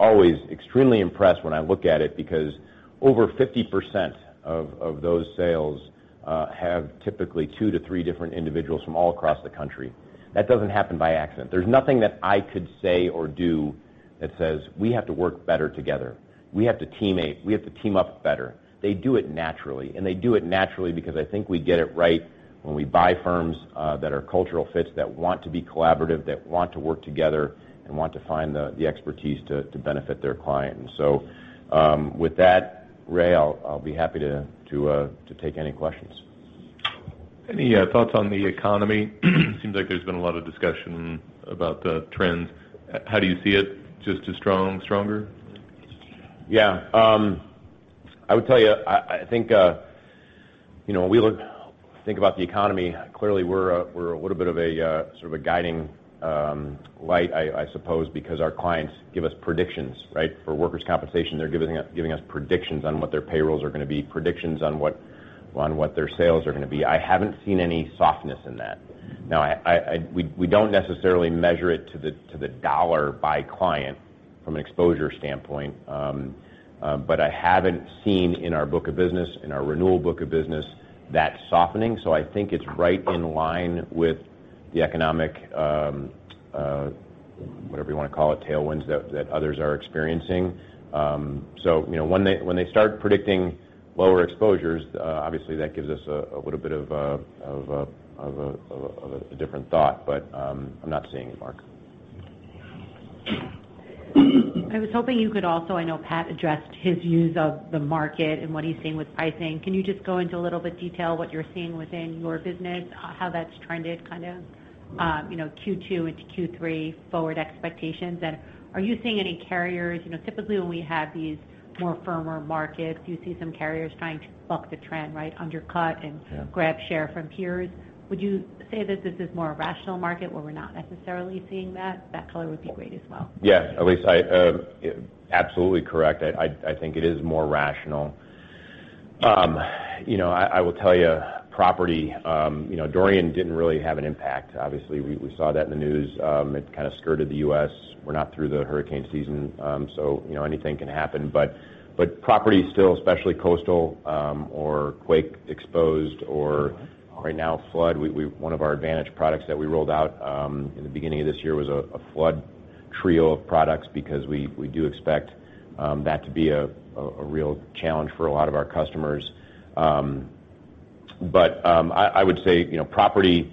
always extremely impressed when I look at it, because over 50% of those sales have typically two to three different individuals from all across the country. That doesn't happen by accident. There's nothing that I could say or do that says we have to work better together. We have to team up better. They do it naturally, and they do it naturally because I think we get it right when we buy firms that are cultural fits, that want to be collaborative, that want to work together, and want to find the expertise to benefit their clients. With that, Ray, I'll be happy to take any questions. Any thoughts on the economy? Seems like there's been a lot of discussion about the trends. How do you see it? Just as strong, stronger? Yeah. I would tell you, I think, when we think about the economy, clearly we're a little bit of a guiding light, I suppose, because our clients give us predictions. For workers' compensation, they're giving us predictions on what their payrolls are going to be, predictions on what their sales are going to be. I haven't seen any softness in that. Now, we don't necessarily measure it to the dollar by client from an exposure standpoint. I haven't seen in our book of business, in our renewal book of business, that softening. I think it's right in line with the economic, whatever you want to call it, tailwinds that others are experiencing. When they start predicting lower exposures, obviously that gives us a little bit of a different thought, but I'm not seeing any, Mark. I know Pat addressed his views of the market and what he's seeing with pricing. Can you just go into a little bit detail what you're seeing within your business, how that's trended Q2 into Q3 forward expectations? Are you seeing any carriers? Typically, when we have these more firmer markets, you see some carriers trying to buck the trend, undercut, and grab share from peers. Would you say that this is more a rational market where we're not necessarily seeing that? That color would be great as well. Yes, Elyse, absolutely correct. I think it is more rational. I will tell you, property, Dorian didn't really have an impact. Obviously, we saw that in the news. It kind of skirted the U.S. We're not through the hurricane season, so anything can happen. Property is still, especially coastal or quake exposed or right now flood. One of our advantage products that we rolled out in the beginning of this year was a flood trio of products because we do expect that to be a real challenge for a lot of our customers. I would say, property,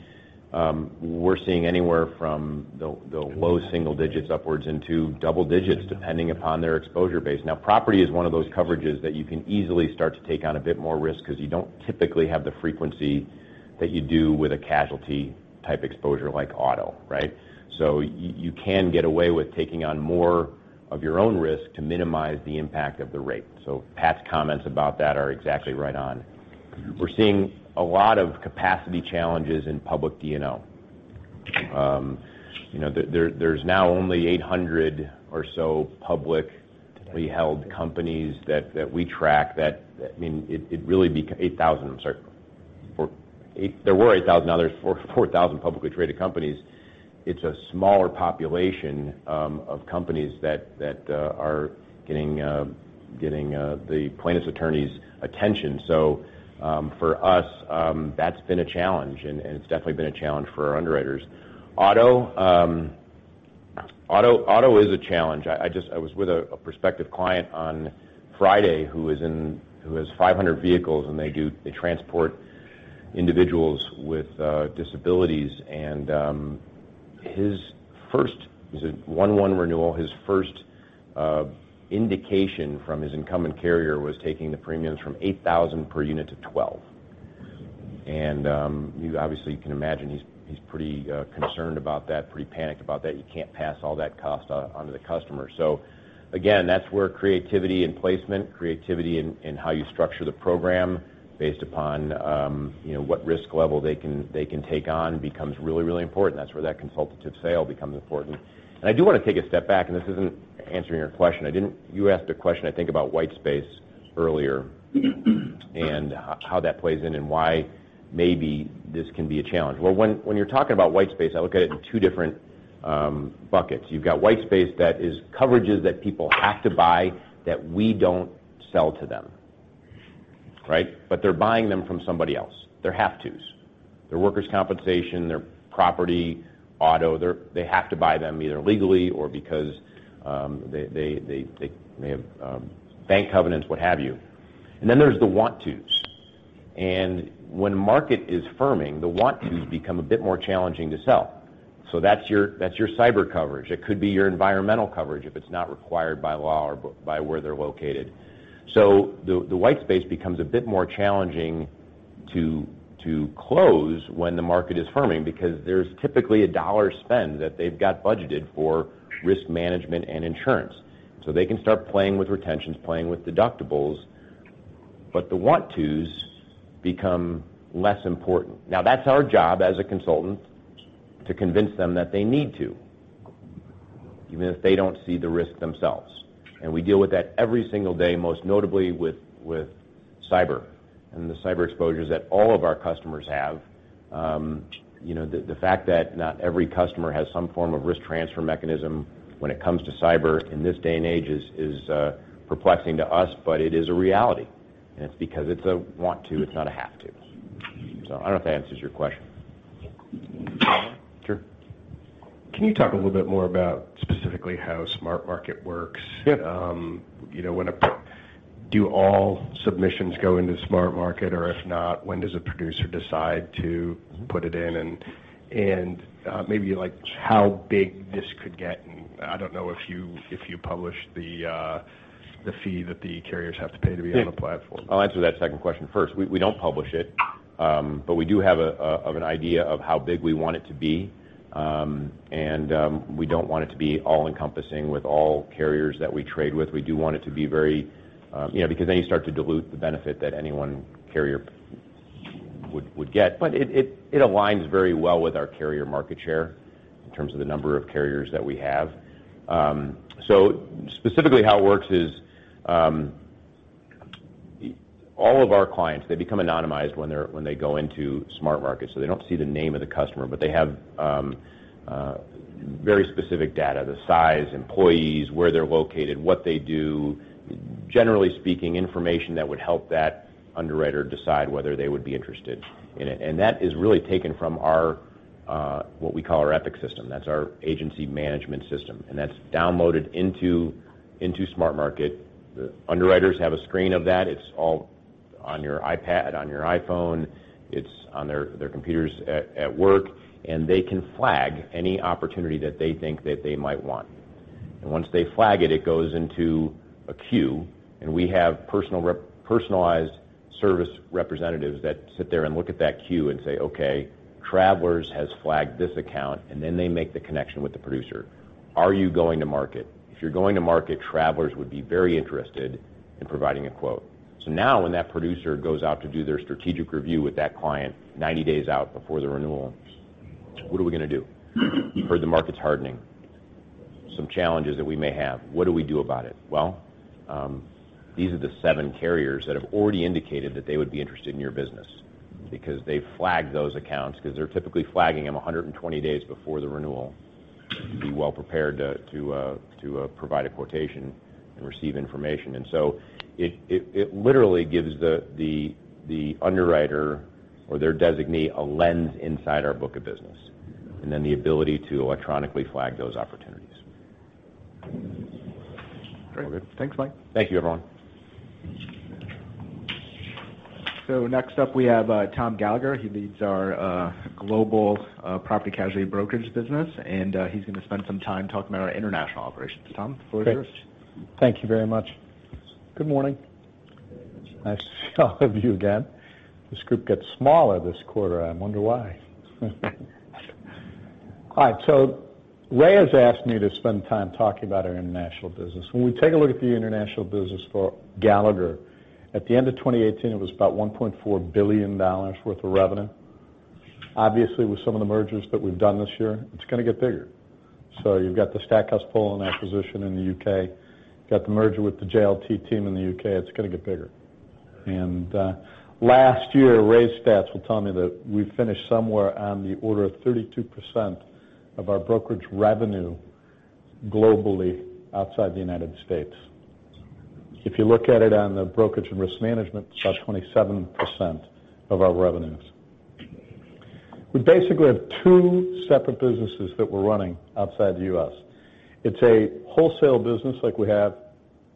we're seeing anywhere from the low single digits upwards into double digits, depending upon their exposure base. Property is one of those coverages that you can easily start to take on a bit more risk because you don't typically have the frequency that you do with a casualty type exposure like auto. You can get away with taking on more of your own risk to minimize the impact of the rate. Pat's comments about that are exactly right on. We're seeing a lot of capacity challenges in public D&O. There's now only 800 or so publicly held companies that we track. 8,000, I'm sorry. There were 8,000, now there's 4,000 publicly traded companies. It's a smaller population of companies that are getting the plaintiff's attorney's attention. For us, that's been a challenge, and it's definitely been a challenge for our underwriters. Auto is a challenge. I was with a prospective client on Friday who has 500 vehicles, and they transport individuals with disabilities. His first, he said 1/1 renewal, his first indication from his incumbent carrier was taking the premiums from 8,000 per unit to 12. You obviously can imagine he's pretty concerned about that, pretty panicked about that. You can't pass all that cost onto the customer. Again, that's where creativity and placement, creativity in how you structure the program based upon what risk level they can take on becomes really, really important. That's where that consultative sale becomes important. I do want to take a step back, and this isn't answering your question. You asked a question, I think, about white space earlier and how that plays in and why maybe this can be a challenge. Well, when you are talking about white space, I look at it in two different buckets. You have got white space that is coverages that people have to buy that we don't sell to them. They are buying them from somebody else. They are have-tos. Their workers' compensation, their property, auto, they have to buy them either legally or because they may have bank covenants, what have you. Then there is the want tos. When market is firming, the want tos become a bit more challenging to sell. That is your cyber coverage. It could be your environmental coverage if it is not required by law or by where they are located. The white space becomes a bit more challenging to close when the market is firming, because there is typically a dollar spend that they have got budgeted for risk management and insurance. They can start playing with retentions, playing with deductibles, but the want tos become less important. Now, that is our job as a consultant to convince them that they need to, even if they don't see the risk themselves. We deal with that every single day, most notably with cyber and the cyber exposures that all of our customers have. The fact that not every customer has some form of risk transfer mechanism when it comes to cyber in this day and age is perplexing to us, it is a reality, and it is because it is a want to, it is not a have to. I don't know if that answers your question. Yeah. Sure. Can you talk a little bit more about specifically how Smart Market works? Yeah. Do all submissions go into Smart Market? If not, when does a producer decide to put it in? Maybe how big this could get, I don't know if you publish the fee that the carriers have to pay to be on the platform. I'll answer that second question first. We don't publish it. We do have an idea of how big we want it to be. We don't want it to be all-encompassing with all carriers that we trade with. We do want it to be very because then you start to dilute the benefit that any one carrier would get. It aligns very well with our carrier market share in terms of the number of carriers that we have. Specifically how it works is, all of our clients, they become anonymized when they go into Smart Market, so they don't see the name of the customer, but they have very specific data, the size, employees, where they're located, what they do, generally speaking, information that would help that underwriter decide whether they would be interested in it. That is really taken from our what we call our Applied Epic system. That's our agency management system. That's downloaded into Smart Market. The underwriters have a screen of that. It's all on your iPad, on your iPhone. It's on their computers at work, they can flag any opportunity that they think that they might want. Once they flag it goes into a queue, we have personalized service representatives that sit there and look at that queue and say, "Okay, Travelers has flagged this account," then they make the connection with the producer. "Are you going to market? If you're going to market, Travelers would be very interested in providing a quote." Now when that producer goes out to do their strategic review with that client 90 days out before the renewal, what are we going to do? We've heard the market's hardening. Some challenges that we may have. What do we do about it? These are the seven carriers that have already indicated that they would be interested in your business because they've flagged those accounts because they're typically flagging them 120 days before the renewal to be well prepared to provide a quotation and receive information. It literally gives the underwriter or their designee a lens inside our book of business, then the ability to electronically flag those opportunities. Great. All good. Thanks, Mike. Thank you, everyone. Next up, we have Tom Gallagher. He leads our global property casualty brokerage business, and he's going to spend some time talking about our international operations. Tom, the floor is yours. Thank you very much. Good morning. Nice to see all of you again. This group gets smaller this quarter. I wonder why. All right. Ray has asked me to spend time talking about our international business. When we take a look at the international business for Gallagher, at the end of 2018, it was about $1.4 billion worth of revenue. Obviously, with some of the mergers that we've done this year, it's going to get bigger. You've got the Stackhouse Poland acquisition in the U.K., you've got the merger with the JLT team in the U.K. It's going to get bigger. Last year, Ray's stats will tell me that we finished somewhere on the order of 32% of our brokerage revenue globally outside the U.S. If you look at it on the brokerage and risk management, it's about 27% of our revenues. We basically have two separate businesses that we're running outside the U.S. It's a wholesale business like we have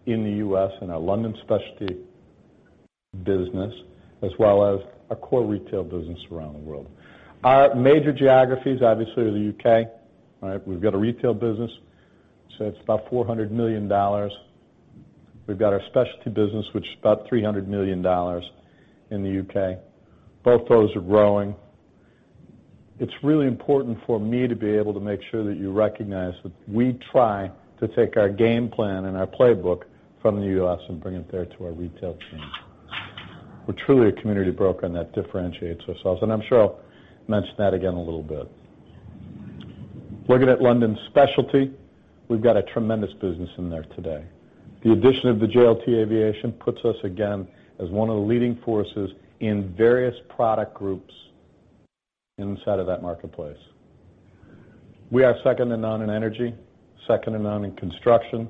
in the U.S. and our London specialty business, as well as our core retail business around the world. Our major geographies, obviously, are the U.K. We've got a retail business. It's about $400 million. We've got our specialty business, which is about $300 million in the U.K. Both those are growing. It's really important for me to be able to make sure that you recognize that we try to take our game plan and our playbook from the U.S. and bring it there to our retail team. We're truly a community broker, and that differentiates ourselves, and I'm sure I'll mention that again a little bit. Looking at London specialty, we've got a tremendous business in there today. The addition of the JLT Aviation puts us again as one of the leading forces in various product groups inside of that marketplace. We are second to none in energy, second to none in construction,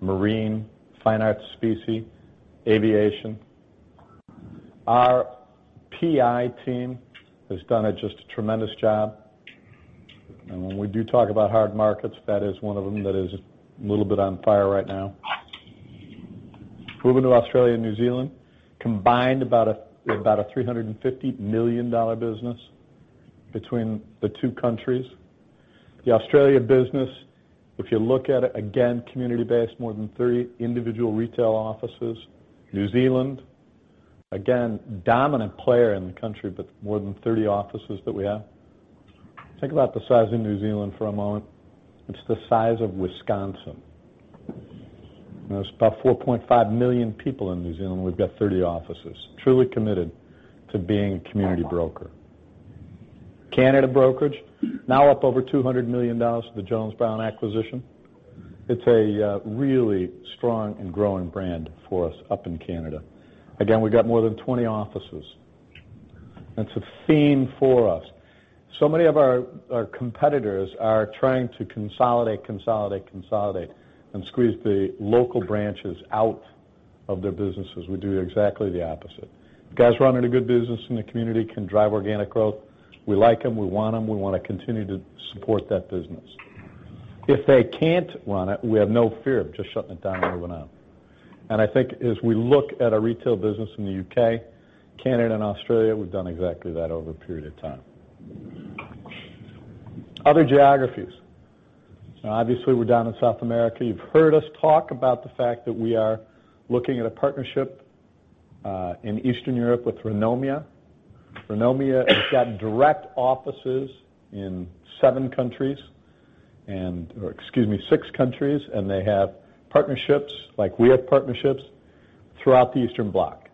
marine, fine arts, specie, aviation. Our PI team has done just a tremendous job. When we do talk about hard markets, that is one of them that is a little bit on fire right now. Moving to Australia and New Zealand, combined about a $350 million business between the two countries. The Australia business, if you look at it, again, community-based, more than 30 individual retail offices. New Zealand, again, dominant player in the country with more than 30 offices that we have. Think about the size of New Zealand for a moment. It's the size of Wisconsin. There's about 4.5 million people in New Zealand, and we've got 30 offices truly committed to being a community broker. Canada brokerage, now up over $200 million with the Jones Brown acquisition. It's a really strong and growing brand for us up in Canada. Again, we've got more than 20 offices. That's a theme for us. Many of our competitors are trying to consolidate, consolidate, and squeeze the local branches out of their businesses. We do exactly the opposite. Guys running a good business in the community can drive organic growth. We like them. We want them. We want to continue to support that business. If they can't run it, we have no fear of just shutting it down and moving on. I think as we look at our retail business in the U.K., Canada, and Australia, we've done exactly that over a period of time. Other geographies. Obviously, we're down in South America. You've heard us talk about the fact that we are looking at a partnership, in Eastern Europe with Renomia. Renomia has got direct offices in seven countries, or excuse me, six countries, and they have partnerships like we have partnerships throughout the Eastern Bloc.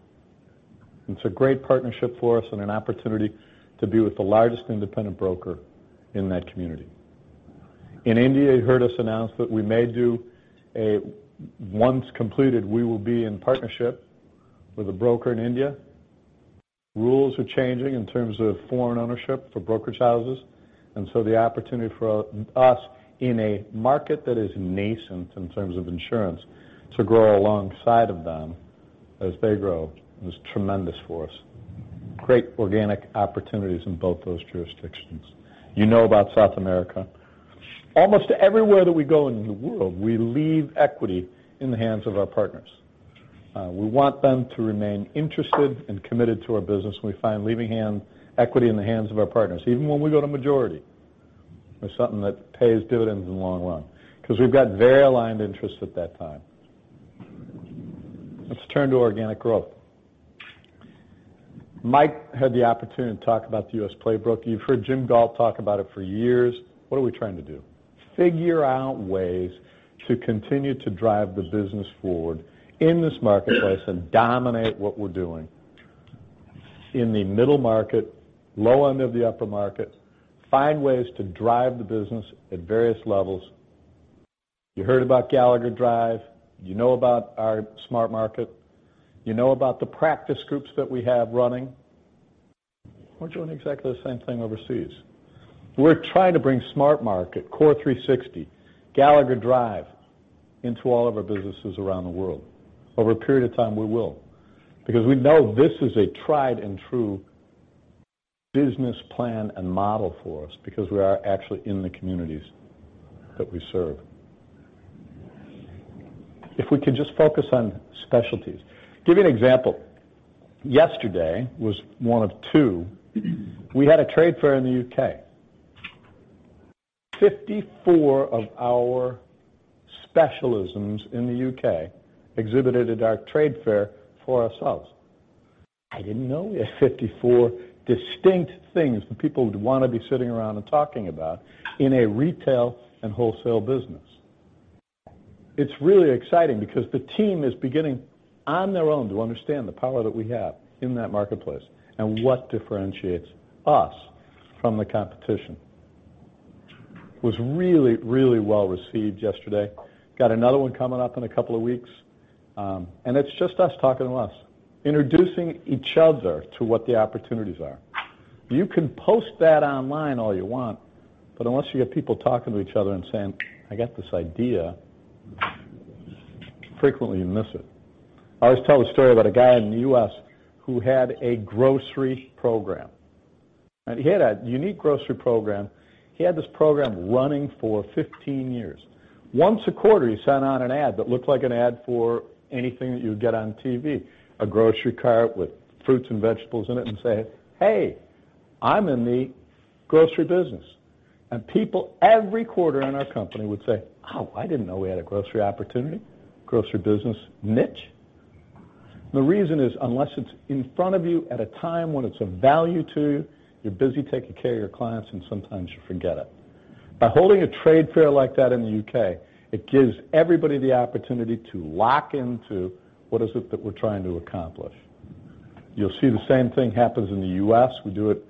It's a great partnership for us and an opportunity to be with the largest independent broker in that community. In India, you heard us announce that we may do a-- once completed, we will be in partnership with a broker in India. Rules are changing in terms of foreign ownership for brokerage houses, so the opportunity for us in a market that is nascent in terms of insurance to grow alongside of them as they grow is tremendous for us. Great organic opportunities in both those jurisdictions. You know about South America. Almost everywhere that we go in the world, we leave equity in the hands of our partners. We want them to remain interested and committed to our business. We find leaving equity in the hands of our partners, even when we go to majority, is something that pays dividends in the long run because we have very aligned interests at that time. Let's turn to organic growth. Mike had the opportunity to talk about the U.S. playbook. You've heard Jim Gault talk about it for years. What are we trying to do? Figure out ways to continue to drive the business forward in this marketplace to dominate what we're doing in the middle market, low end of the upper market, find ways to drive the business at various levels. You heard about Gallagher Drive. You know about our Smart Market. You know about the practice groups that we have running. We're doing exactly the same thing overseas. We're trying to bring Smart Market, CORE360, Gallagher Drive into all of our businesses around the world. Over a period of time, we will, because we know this is a tried and true business plan and model for us because we are actually in the communities that we serve. If we could just focus on specialties. Give you an example. Yesterday, was one of two, we had a trade fair in the U.K. 54 of our specialisms in the U.K. exhibited at our trade fair for ourselves. I didn't know we had 54 distinct things that people would want to be sitting around and talking about in a retail and wholesale business. It's really exciting because the team is beginning, on their own, to understand the power that we have in that marketplace and what differentiates us from the competition. Was really well received yesterday. Got another one coming up in a couple of weeks. It's just us talking to us, introducing each other to what the opportunities are. You can post that online all you want, unless you get people talking to each other and saying, "I got this idea," frequently, you miss it. I always tell the story about a guy in the U.S. who had a grocery program. He had a unique grocery program. He had this program running for 15 years. Once a quarter, he sent out an ad that looked like an ad for anything that you would get on TV, a grocery cart with fruits and vegetables in it, to say, "Hey, I'm in the grocery business." People every quarter in our company would say, "Oh, I didn't know we had a grocery opportunity, grocery business niche." The reason is, unless it's in front of you at a time when it's of value to you're busy taking care of your clients, and sometimes you forget it. By holding a trade fair like that in the U.K., it gives everybody the opportunity to lock into what is it that we're trying to accomplish. You'll see the same thing happens in the U.S. We do it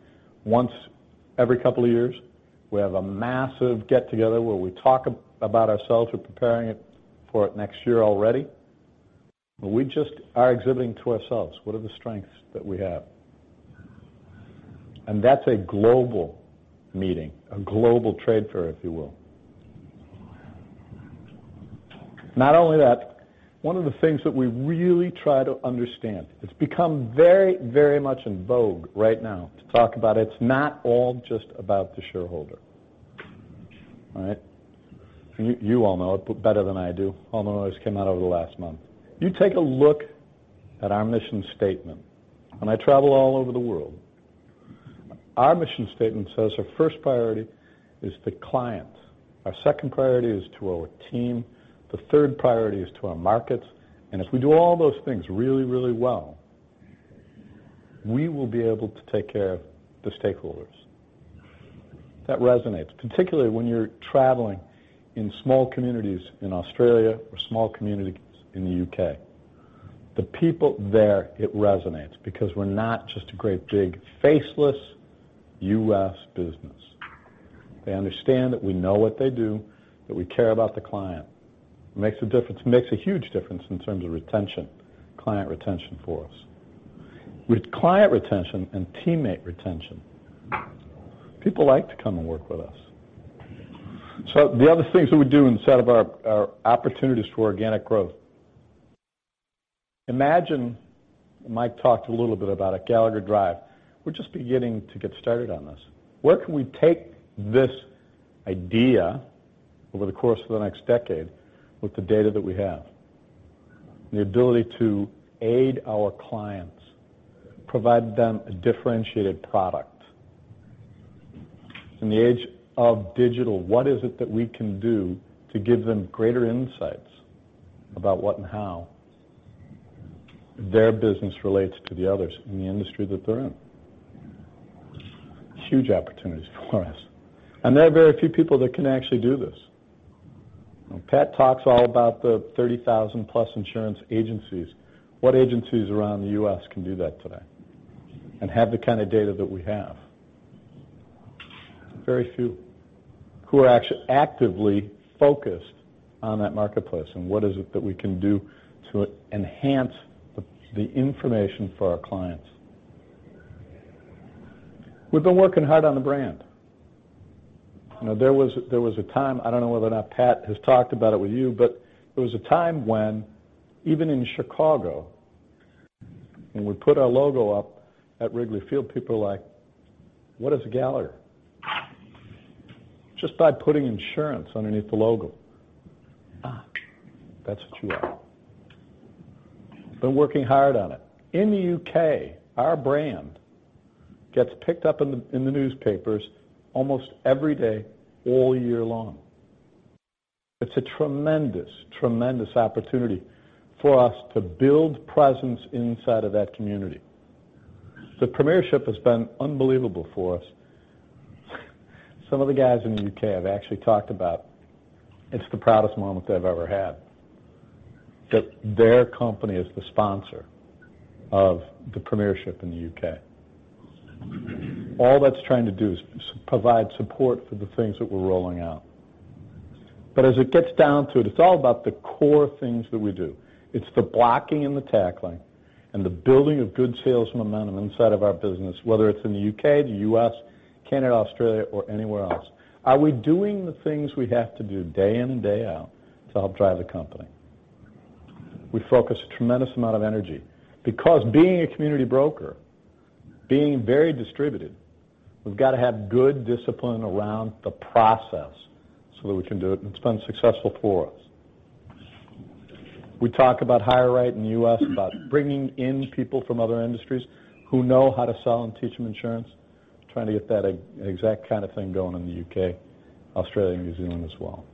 once every couple of years. We have a massive get-together where we talk about ourselves. We're preparing for it next year already, but we just are exhibiting to ourselves what are the strengths that we have. That's a global meeting, a global trade fair, if you will. Not only that, one of the things that we really try to understand, it's become very much in vogue right now to talk about it's not all just about the shareholder. Right? You all know it better than I do, although it always came out over the last month. You take a look at our mission statement. When I travel all over the world, our mission statement says our first priority is the client. Our second priority is to our team. The third priority is to our markets. If we do all those things really well, we will be able to take care of the stakeholders. That resonates, particularly when you're traveling in small communities in Australia or small communities in the U.K. The people there, it resonates because we're not just a great big faceless U.S. business. They understand that we know what they do, that we care about the client. It makes a huge difference in terms of retention, client retention for us. With client retention and teammate retention, people like to come and work with us. The other things that we do inside of our opportunities for organic growth. Imagine Mike talked a little bit about it, Gallagher Drive. We're just beginning to get started on this. Where can we take this idea over the course of the next decade with the data that we have? The ability to aid our clients, provide them a differentiated product. In the age of digital, what is it that we can do to give them greater insights about what and how their business relates to the others in the industry that they're in? Huge opportunities for us, there are very few people that can actually do this. Pat talks all about the 30,000 plus insurance agencies. What agencies around the U.S. can do that today and have the kind of data that we have? Very few who are actively focused on that marketplace, what is it that we can do to enhance the information for our clients. We've been working hard on the brand. There was a time, I don't know whether or not Pat has talked about it with you, but there was a time when even in Chicago, when we put our logo up at Wrigley Field, people were like, "What is Gallagher?" Just by putting insurance underneath the logo. That's what you are. Been working hard on it. In the U.K., our brand gets picked up in the newspapers almost every day, all year long. It's a tremendous opportunity for us to build presence inside of that community. The Premiership has been unbelievable for us. Some of the guys in the U.K. have actually talked about it's the proudest moment they've ever had, that their company is the sponsor of the Premiership in the U.K. All that's trying to do is provide support for the things that we're rolling out. As it gets down to it's all about the core things that we do. It's the blocking and the tackling and the building of good sales momentum inside of our business, whether it's in the U.K., the U.S., Canada, Australia, or anywhere else. Are we doing the things we have to do day in and day out to help drive the company? We focus a tremendous amount of energy because being a community broker, being very distributed, we've got to have good discipline around the process so that we can do it, and it's been successful for us. We talk about HireRight in the U.S., about bringing in people from other industries who know how to sell and teach them insurance, trying to get that exact kind of thing going in the U.K., Australia, and New Zealand as well.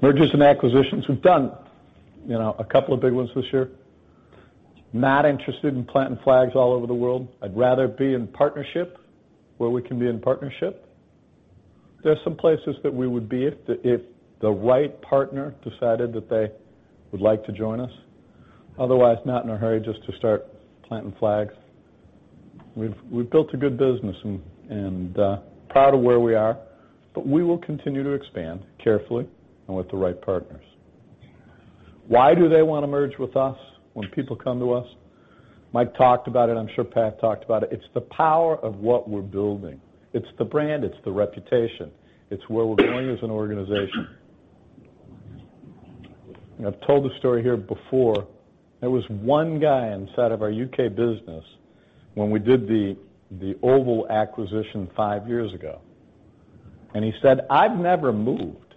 Mergers and acquisitions. We've done a couple of big ones this year. Not interested in planting flags all over the world. I'd rather be in partnership where we can be in partnership. There's some places that we would be if the right partner decided that they would like to join us. Otherwise, not in a hurry just to start planting flags. We've built a good business and proud of where we are, we will continue to expand carefully and with the right partners. Why do they want to merge with us when people come to us? Mike talked about it. I'm sure Pat talked about it. It's the power of what we're building. It's the brand. It's the reputation. It's where we're going as an organization. I've told this story here before. There was one guy inside of our U.K. business when we did the Oval acquisition five years ago, and he said, "I've never moved.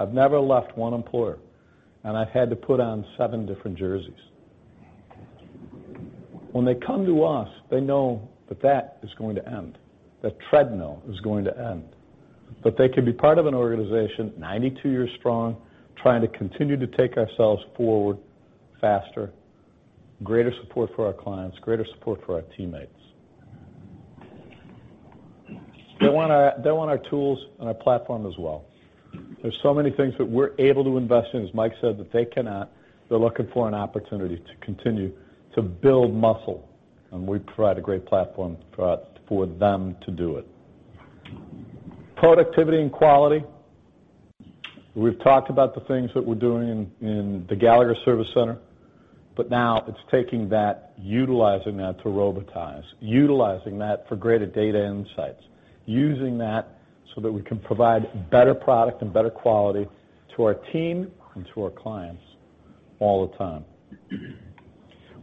I've never left one employer, and I've had to put on seven different jerseys." When they come to us, they know that is going to end. That treadmill is going to end. They can be part of an organization, 92 years strong, trying to continue to take ourselves forward faster, greater support for our clients, greater support for our teammates. They want our tools and our platform as well. There's so many things that we're able to invest in, as Mike said, that they cannot. They're looking for an opportunity to continue to build muscle, and we provide a great platform for them to do it. Productivity and quality. We've talked about the things that we're doing in the Gallagher Center of Excellence. Now it's taking that, utilizing that to robotize, utilizing that for greater data insights, using that so that we can provide better product and better quality to our team and to our clients all the time.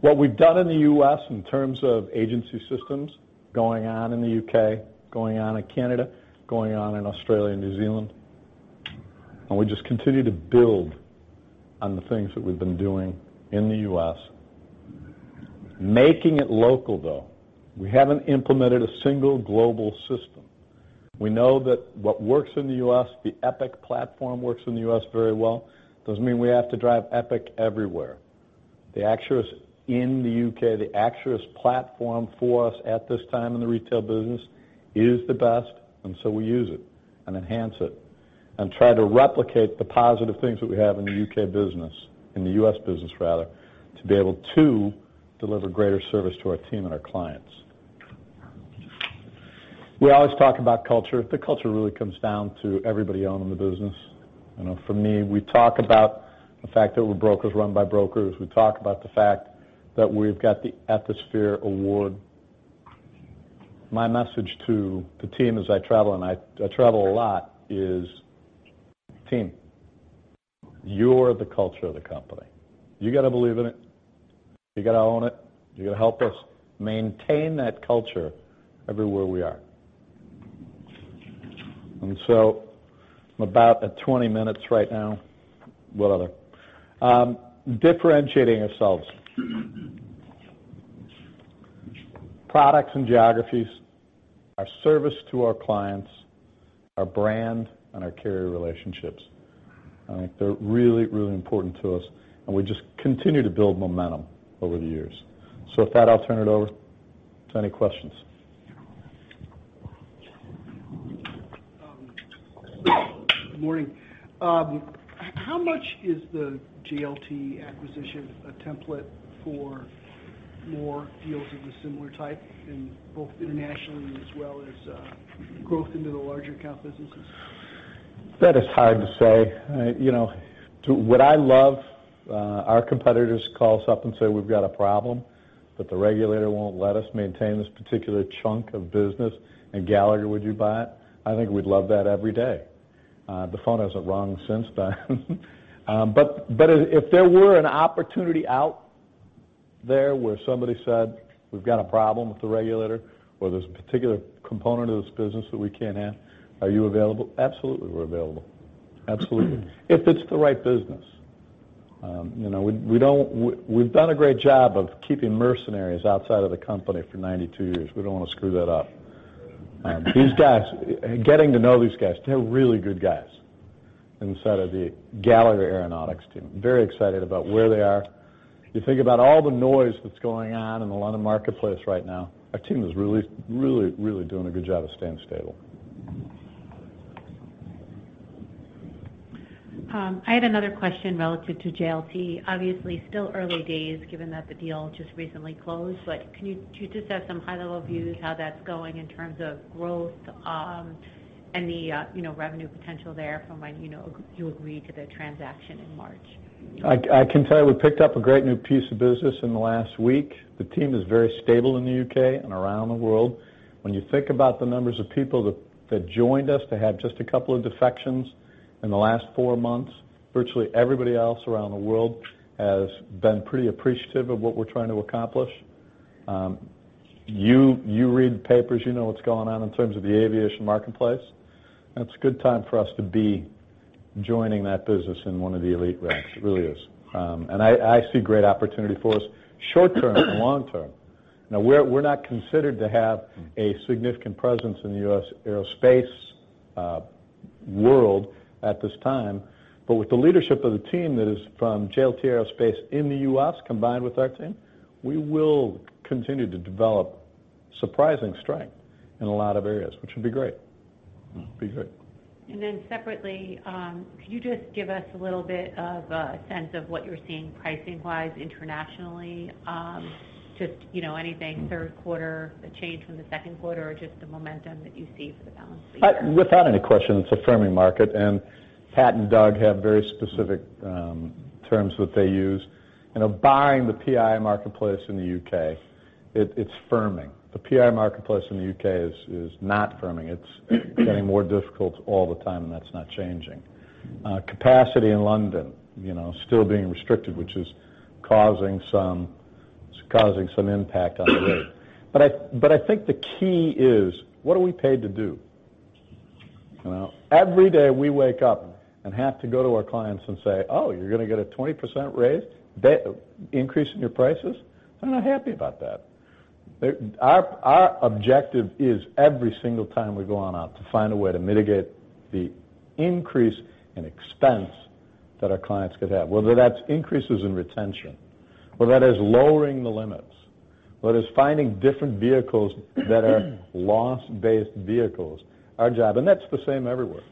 What we've done in the U.S. in terms of agency systems, going on in the U.K., going on in Canada, going on in Australia and New Zealand, and we just continue to build on the things that we've been doing in the U.S. Making it local, though. We haven't implemented a single global system. We know that what works in the U.S., the Applied Epic platform works in the U.S. very well, doesn't mean we have to drive Applied Epic everywhere. The Acturis in the U.K., the Acturis platform for us at this time in the retail business is the best. We use it and enhance it and try to replicate the positive things that we have in the U.K. business, in the U.S. business rather, to be able to deliver greater service to our team and our clients. We always talk about culture. The culture really comes down to everybody owning the business. For me, we talk about the fact that we're brokers run by brokers. We talk about the fact that we've got the Ethisphere Award. My message to the team as I travel, and I travel a lot, is, "Team, you're the culture of the company. You got to believe in it. You got to own it. You got to help us maintain that culture everywhere we are." I'm about at 20 minutes right now. What other Differentiating ourselves. Products and geographies, our service to our clients, our brand, and our carrier relationships. They're really, really important to us, and we just continue to build momentum over the years. With that, I'll turn it over to any questions. Good morning. How much is the JLT acquisition a template for more deals of a similar type in both internationally as well as growth into the larger account businesses? That is hard to say. Would I love our competitors to call us up and say, "We've got a problem, but the regulator won't let us maintain this particular chunk of business, and Gallagher would you buy it?" I think we'd love that every day. The phone hasn't rung since then. If there were an opportunity out there where somebody said, "We've got a problem with the regulator," or, "There's a particular component of this business that we can't have. Are you available?" Absolutely, we're available. Absolutely. If it's the right business. We've done a great job of keeping mercenaries outside of the company for 92 years. We don't want to screw that up. Getting to know these guys, they're really good guys inside of the Gallagher Aerospace team. Very excited about where they are. You think about all the noise that's going on in the London marketplace right now, our team is really doing a good job of staying stable. I had another question relative to JLT. Obviously, still early days, given that the deal just recently closed, can you just have some high-level views how that's going in terms of growth, and the revenue potential there from when you agreed to the transaction in March? I can tell you we picked up a great new piece of business in the last week. The team is very stable in the U.K. and around the world. When you think about the numbers of people that joined us to have just a couple of defections in the last four months, virtually everybody else around the world has been pretty appreciative of what we're trying to accomplish. You read the papers, you know what's going on in terms of the aviation marketplace. That's a good time for us to be joining that business in one of the elite ranks. It really is. I see great opportunity for us short-term and long-term. Now, we're not considered to have a significant presence in the U.S. aerospace world at this time, with the leadership of the team that is from JLT Aerospace in the U.S. combined with our team, we will continue to develop surprising strength in a lot of areas, which would be great. Be good. Could you just give us a little bit of a sense of what you're seeing pricing-wise internationally? Just anything third quarter, a change from the second quarter or just the momentum that you see for the balance of the year. Without any question, it's a firming market. Pat and Doug have very specific terms that they use. Buying the PI marketplace in the U.K., it's firming. The PI marketplace in the U.K. is not firming. It's getting more difficult all the time, and that's not changing. Capacity in London, still being restricted, which is causing some impact on the rate. I think the key is, what are we paid to do? Every day we wake up and have to go to our clients and say, "Oh, you're going to get a 20% raise, increase in your prices?" They're not happy about that. Our objective is every single time we go on out to find a way to mitigate the increase in expense that our clients could have, whether that's increases in retention, whether that is lowering the limits, whether it's finding different vehicles that are loss-based vehicles, our job. That's the same everywhere.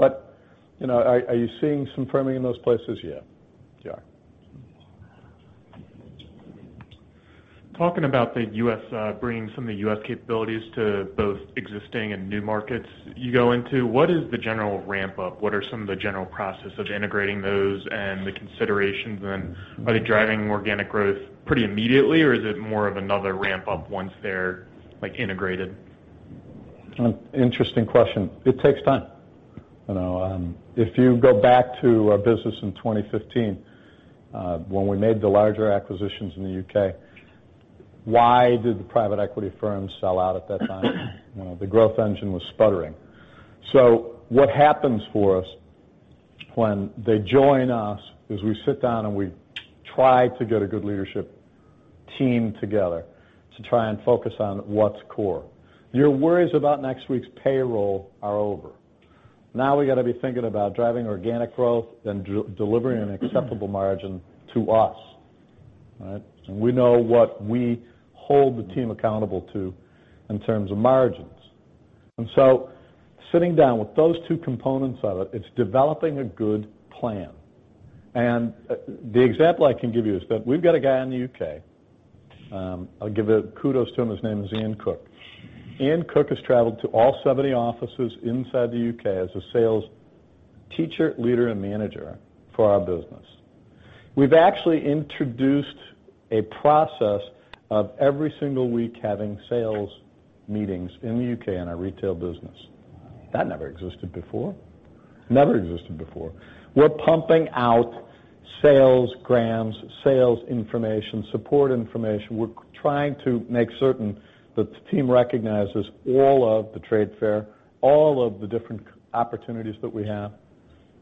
Are you seeing some firming in those places? Yeah. You are. Talking about bringing some of the U.S. capabilities to both existing and new markets you go into, what is the general ramp-up? What are some of the general process of integrating those and the considerations? Are they driving organic growth pretty immediately, or is it more of another ramp up once they're integrated? Interesting question. It takes time. If you go back to our business in 2015, when we made the larger acquisitions in the U.K., why did the private equity firms sell out at that time? The growth engine was sputtering. What happens for us when they join us, is we sit down and we try to get a good leadership team together to try and focus on what's core. Your worries about next week's payroll are over. We got to be thinking about driving organic growth, delivering an acceptable margin to us. All right? We know what we hold the team accountable to in terms of margins. Sitting down with those two components of it's developing a good plan. The example I can give you is that we've got a guy in the U.K., I'll give a kudos to him, his name is Lee Cook. Lee Cook has traveled to all 70 offices inside the U.K. as a sales teacher, leader, and manager for our business. We've actually introduced a process of every single week having sales meetings in the U.K. in our retail business. That never existed before. Never existed before. We're pumping out sales grams, sales information, support information. We're trying to make certain that the team recognizes all of the trade fair, all of the different opportunities that we have,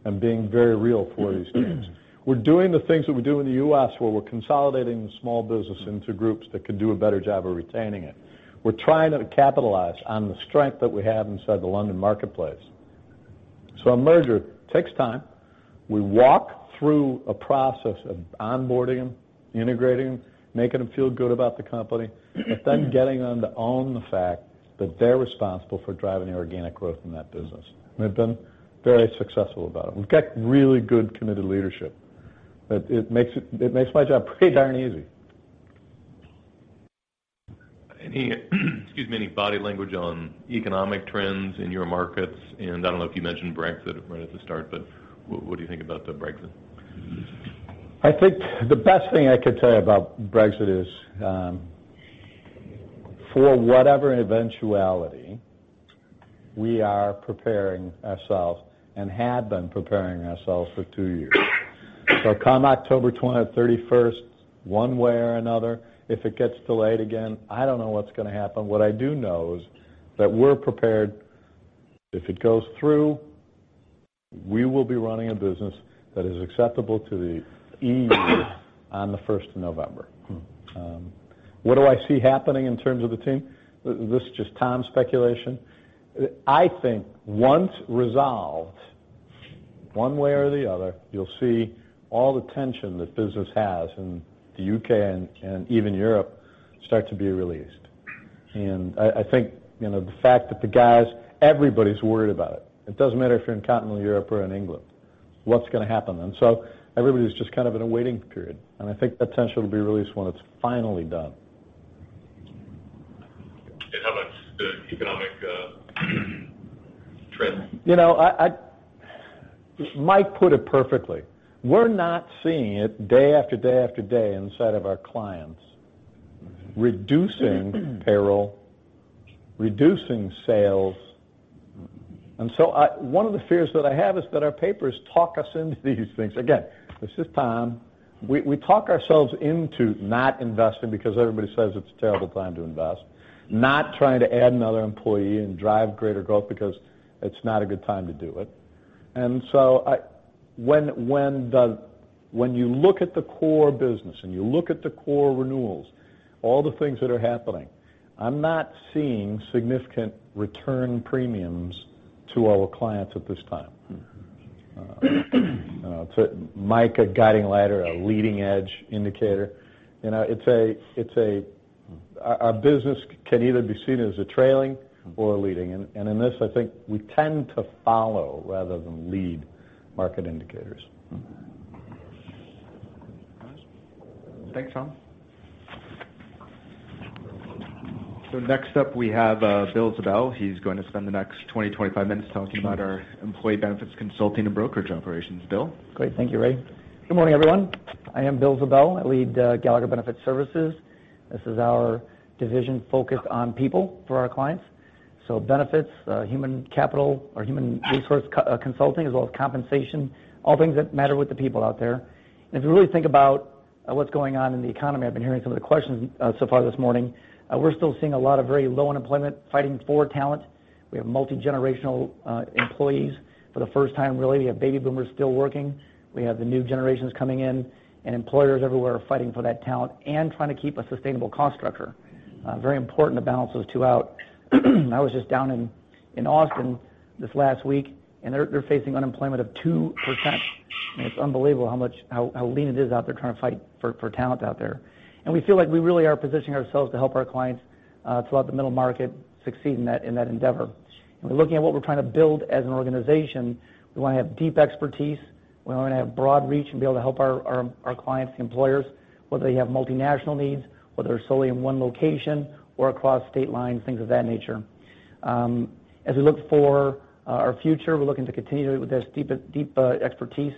and being very real for these teams. We're doing the things that we do in the U.S., where we're consolidating the small business into groups that could do a better job of retaining it. We're trying to capitalize on the strength that we have inside the London marketplace. A merger takes time. We walk through a process of onboarding them, integrating them, making them feel good about the company, getting them to own the fact that they're responsible for driving the organic growth in that business. They've been very successful about it. We've got really good, committed leadership. It makes my job pretty darn easy. Any, excuse me, body language on economic trends in your markets? I don't know if you mentioned Brexit right at the start, what do you think about the Brexit? I think the best thing I could tell you about Brexit is, for whatever eventuality, we are preparing ourselves, and had been preparing ourselves for 2 years. Come October 20 or 31st, one way or another, if it gets delayed again, I don't know what's going to happen. What I do know is that we're prepared. If it goes through, we will be running a business that is acceptable to the EU on the 1st of November. What do I see happening in terms of the team? This is just Tom speculation. I think once resolved, one way or the other, you'll see all the tension that business has in the U.K. and even Europe start to be released. I think, the fact that the guys, everybody's worried about it. It doesn't matter if you're in continental Europe or in England. What's going to happen? Everybody's just in a waiting period, and I think that tension will be released when it's finally done. How about the economic trends? Mike put it perfectly. We're not seeing it day after day after day inside of our clients, reducing payroll, reducing sales. One of the fears that I have is that our papers talk us into these things. Again, this is Tom. We talk ourselves into not investing because everybody says it's a terrible time to invest, not trying to add another employee and drive greater growth because it's not a good time to do it. When you look at the core business and you look at the core renewals, all the things that are happening, I'm not seeing significant return premiums to our clients at this time. To Mike, a guiding ladder, a leading edge indicator. Our business can either be seen as a trailing or a leading. In this, I think we tend to follow rather than lead market indicators. Thanks, Tom. Next up, we have Bill Ziebell. He's going to spend the next 20, 25 minutes talking about our Employee Benefits Consulting and Brokerage operations. Bill? Great. Thank you, Ray. Good morning, everyone. I am Bill Ziebell. I lead Gallagher Benefit Services. This is our division focused on people for our clients. Benefits, human capital or human resource consulting, as well as compensation, all things that matter with the people out there. If you really think about what's going on in the economy, I've been hearing some of the questions so far this morning, we're still seeing a lot of very low unemployment, fighting for talent. We have multigenerational employees for the first time, really. We have baby boomers still working. We have the new generations coming in, and employers everywhere are fighting for that talent and trying to keep a sustainable cost structure. Very important to balance those two out. I was just down in Austin this last week, and they're facing unemployment of 2%. It's unbelievable how lean it is out there trying to fight for talent out there. We feel like we really are positioning ourselves to help our clients throughout the middle market succeed in that endeavor. We're looking at what we're trying to build as an organization. We want to have deep expertise. We want to have broad reach and be able to help our clients, the employers, whether they have multinational needs, whether they're solely in one location or across state lines, things of that nature. As we look for our future, we're looking to continue with this deep expertise.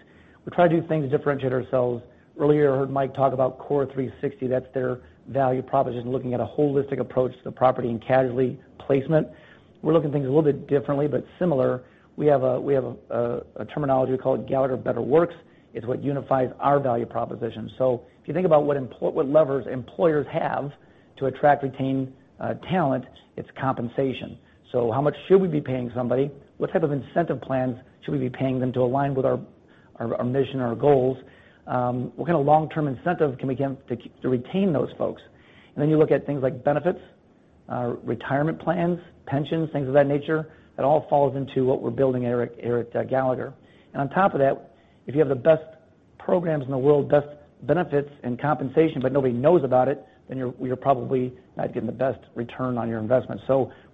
We try to do things to differentiate ourselves. Earlier, I heard Mike talk about CORE360. That's their value proposition, looking at a holistic approach to property and casualty placement. We're looking at things a little bit differently, but similar. We have a terminology, we call it Gallagher Better Works. It's what unifies our value proposition. If you think about what levers employers have to attract, retain talent, it's compensation. How much should we be paying somebody? What type of incentive plans should we be paying them to align with our mission, our goals? What kind of long-term incentive can we give to retain those folks? Then you look at things like benefits, retirement plans, pensions, things of that nature. It all falls into what we're building here at Gallagher. On top of that, if you have the best programs in the world, best benefits and compensation, but nobody knows about it, then you're probably not getting the best return on your investment.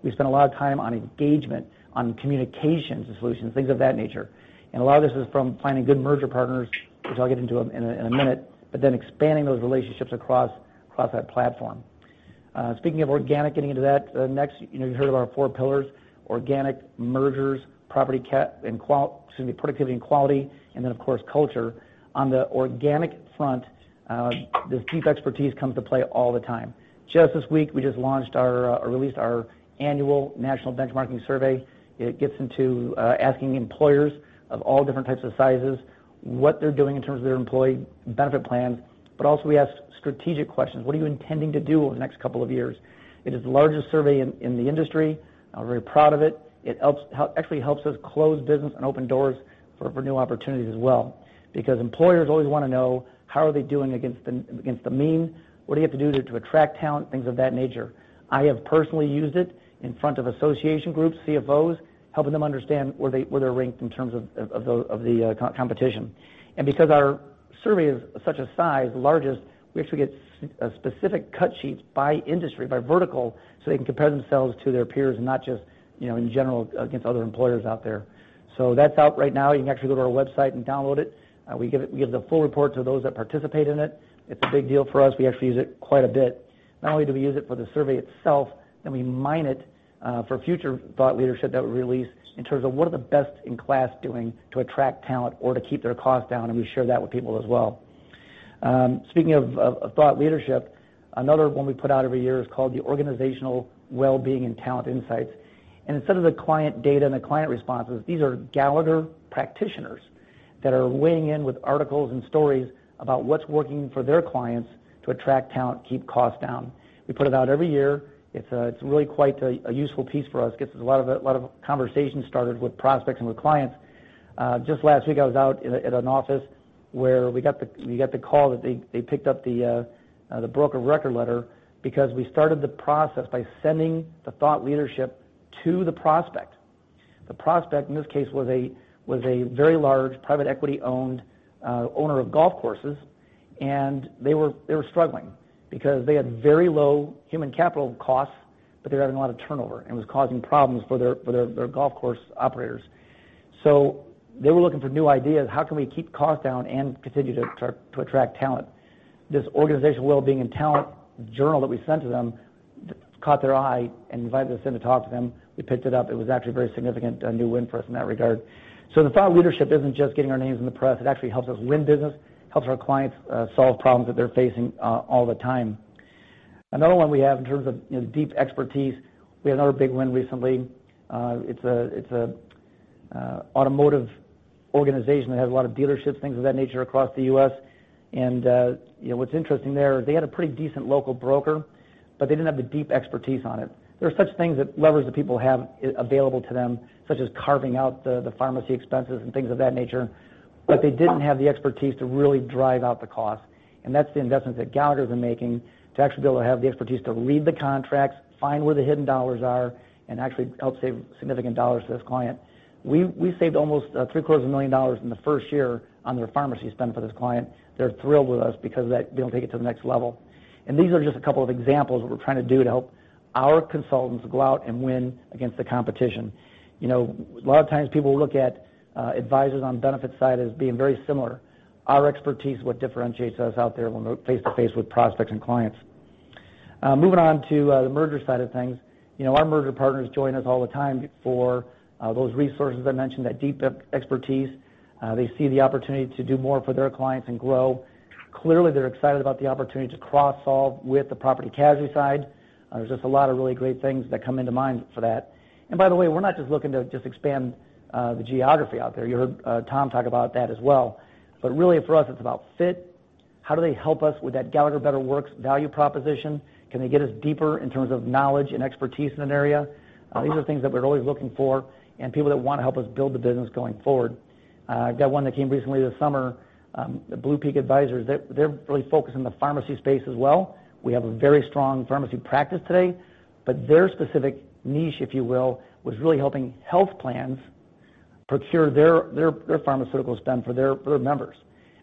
We spend a lot of time on engagement, on communications solutions, things of that nature. A lot of this is from finding good merger partners, which I'll get into in a minute, but then expanding those relationships across that platform. Speaking of organic, getting into that next, you heard of our four pillars, organic, mergers, property, productivity, and quality, and then of course, culture. On the organic front, this deep expertise comes to play all the time. Just this week, we just released our annual National Benchmarking Survey. It gets into asking employers of all different types of sizes, what they're doing in terms of their employee benefit plans, but also we ask strategic questions. What are you intending to do over the next couple of years? It is the largest survey in the industry. I'm very proud of it. It actually helps us close business and open doors for new opportunities as well, because employers always want to know how are they doing against the mean, what do you have to do to attract talent, things of that nature. I have personally used it in front of association groups, CFOs, helping them understand where they're ranked in terms of the competition. Because our survey is such a size, the largest, we actually get specific cut sheets by industry, by vertical, so they can compare themselves to their peers, and not just in general against other employers out there. That's out right now. You can actually go to our website and download it. We give the full report to those that participate in it. It's a big deal for us. We actually use it quite a bit. Not only do we use it for the survey itself, then we mine it for future thought leadership that we release in terms of what are the best in class doing to attract talent or to keep their costs down, and we share that with people as well. Speaking of thought leadership, another one we put out every year is called the Organizational Wellbeing and Talent Insights. Instead of the client data and the client responses, these are Gallagher practitioners that are weighing in with articles and stories about what's working for their clients to attract talent, keep costs down. We put it out every year. It's really quite a useful piece for us, gets a lot of conversation started with prospects and with clients. Just last week, I was out at an office where we got the call that they picked up the broker record letter because we started the process by sending the thought leadership to the prospect. The prospect, in this case, was a very large private equity-owned owner of golf courses, and they were struggling because they had very low human capital costs, but they were having a lot of turnover, and it was causing problems for their golf course operators. They were looking for new ideas. How can we keep costs down and continue to attract talent? This Organizational Wellbeing and Talent Journal that we sent to them caught their eye and invited us in to talk to them. We picked it up. It was actually a very significant new win for us in that regard. The thought leadership isn't just getting our names in the press. It actually helps us win business, helps our clients solve problems that they're facing all the time. Another one we have in terms of deep expertise, we had another big win recently. It's an automotive organization that has a lot of dealerships, things of that nature across the U.S. What's interesting there, they had a pretty decent local broker, but they didn't have the deep expertise on it. There are such things, levers that people have available to them, such as carving out the pharmacy expenses and things of that nature. They didn't have the expertise to really drive out the cost, and that's the investments that Gallagher's been making to actually be able to have the expertise to lead the contracts, find where the hidden dollars are, and actually help save significant dollars to this client. We saved almost three-quarters of a million dollars in the first year on their pharmacy spend for this client. They're thrilled with us because of that, being able to take it to the next level. These are just a couple of examples of what we're trying to do to help our consultants go out and win against the competition. A lot of times people look at advisors on the benefits side as being very similar. Our expertise is what differentiates us out there when we're face-to-face with prospects and clients. Moving on to the merger side of things. Our merger partners join us all the time for those resources I mentioned, that deep expertise. They see the opportunity to do more for their clients and grow. Clearly, they're excited about the opportunity to cross-solve with the property casualty side. There's just a lot of really great things that come into mind for that. By the way, we're not just looking to just expand the geography out there. You heard Tom talk about that as well. Really for us, it's about fit. How do they help us with that Gallagher Better Works value proposition? Can they get us deeper in terms of knowledge and expertise in an area? These are things that we're always looking for and people that want to help us build the business going forward. I've got one that came recently this summer, BluePeak Advisors. They're really focused on the pharmacy space as well. We have a very strong pharmacy practice today, but their specific niche, if you will, was really helping health plans procure their pharmaceutical spend for their members.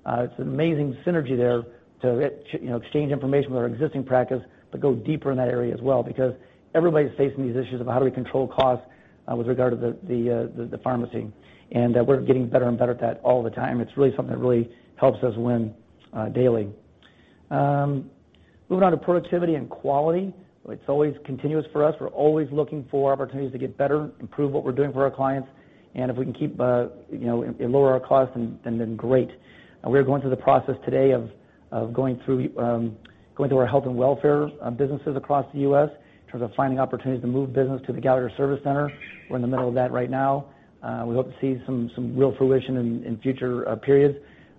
It's an amazing synergy there to exchange information with our existing practice, but go deeper in that area as well, because everybody's facing these issues of how do we control costs with regard to the pharmacy. We're getting better and better at that all the time. It's really something that really helps us win daily. Moving on to productivity and quality, it's always continuous for us. We're always looking for opportunities to get better, improve what we're doing for our clients, and if we can lower our costs, then great. We're going through the process today of going through our health and welfare businesses across the U.S. in terms of finding opportunities to move business to the Gallagher Service Center. We're in the middle of that right now. We hope to see some real fruition in future periods.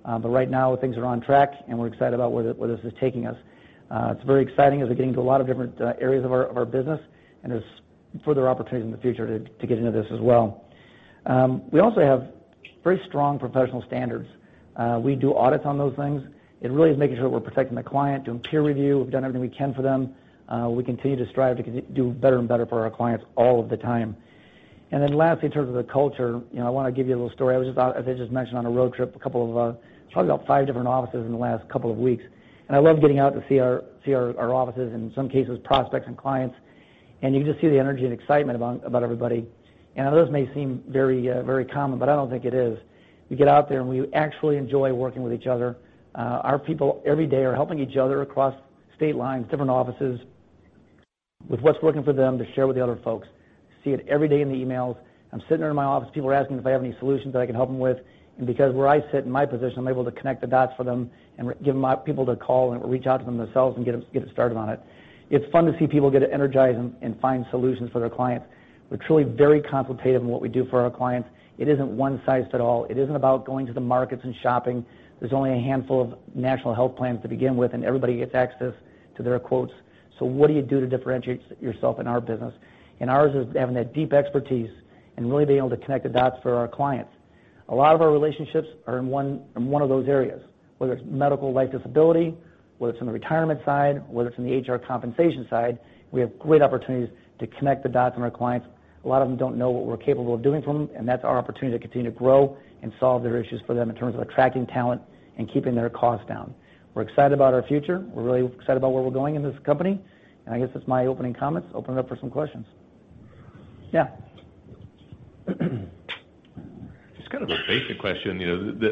Right now, things are on track, we're excited about where this is taking us. It's very exciting as we get into a lot of different areas of our business, there's further opportunities in the future to get into this as well. We also have very strong professional standards. We do audits on those things. It really is making sure that we're protecting the client, doing peer review. We've done everything we can for them. We continue to strive to do better and better for our clients all of the time. Lastly, in terms of the culture, I want to give you a little story. As I just mentioned, on a road trip, a couple of, probably about five different offices in the last couple of weeks. I love getting out to see our offices, in some cases, prospects and clients. You can just see the energy and excitement about everybody. I know this may seem very common, but I don't think it is. We get out there, we actually enjoy working with each other. Our people, every day, are helping each other across state lines, different offices with what's working for them to share with the other folks. See it every day in the emails. I'm sitting there in my office, people are asking if I have any solutions that I can help them with. Because where I sit in my position, I'm able to connect the dots for them and give them people to call, reach out to them themselves and get it started on it. It's fun to see people get energized and find solutions for their clients. We're truly very consultative in what we do for our clients. It isn't one-sized fit all. It isn't about going to the markets and shopping. There's only a handful of national health plans to begin with, everybody gets access to their quotes. What do you do to differentiate yourself in our business? Ours is having that deep expertise and really being able to connect the dots for our clients. A lot of our relationships are in one of those areas, whether it's medical, life, disability, whether it's on the retirement side, whether it's on the HR compensation side, we have great opportunities to connect the dots on our clients. A lot of them don't know what we're capable of doing for them, that's our opportunity to continue to grow and solve their issues for them in terms of attracting talent and keeping their costs down. We're excited about our future. We're really excited about where we're going in this company, I guess that's my opening comments. Open it up for some questions. Yeah. Just kind of a basic question.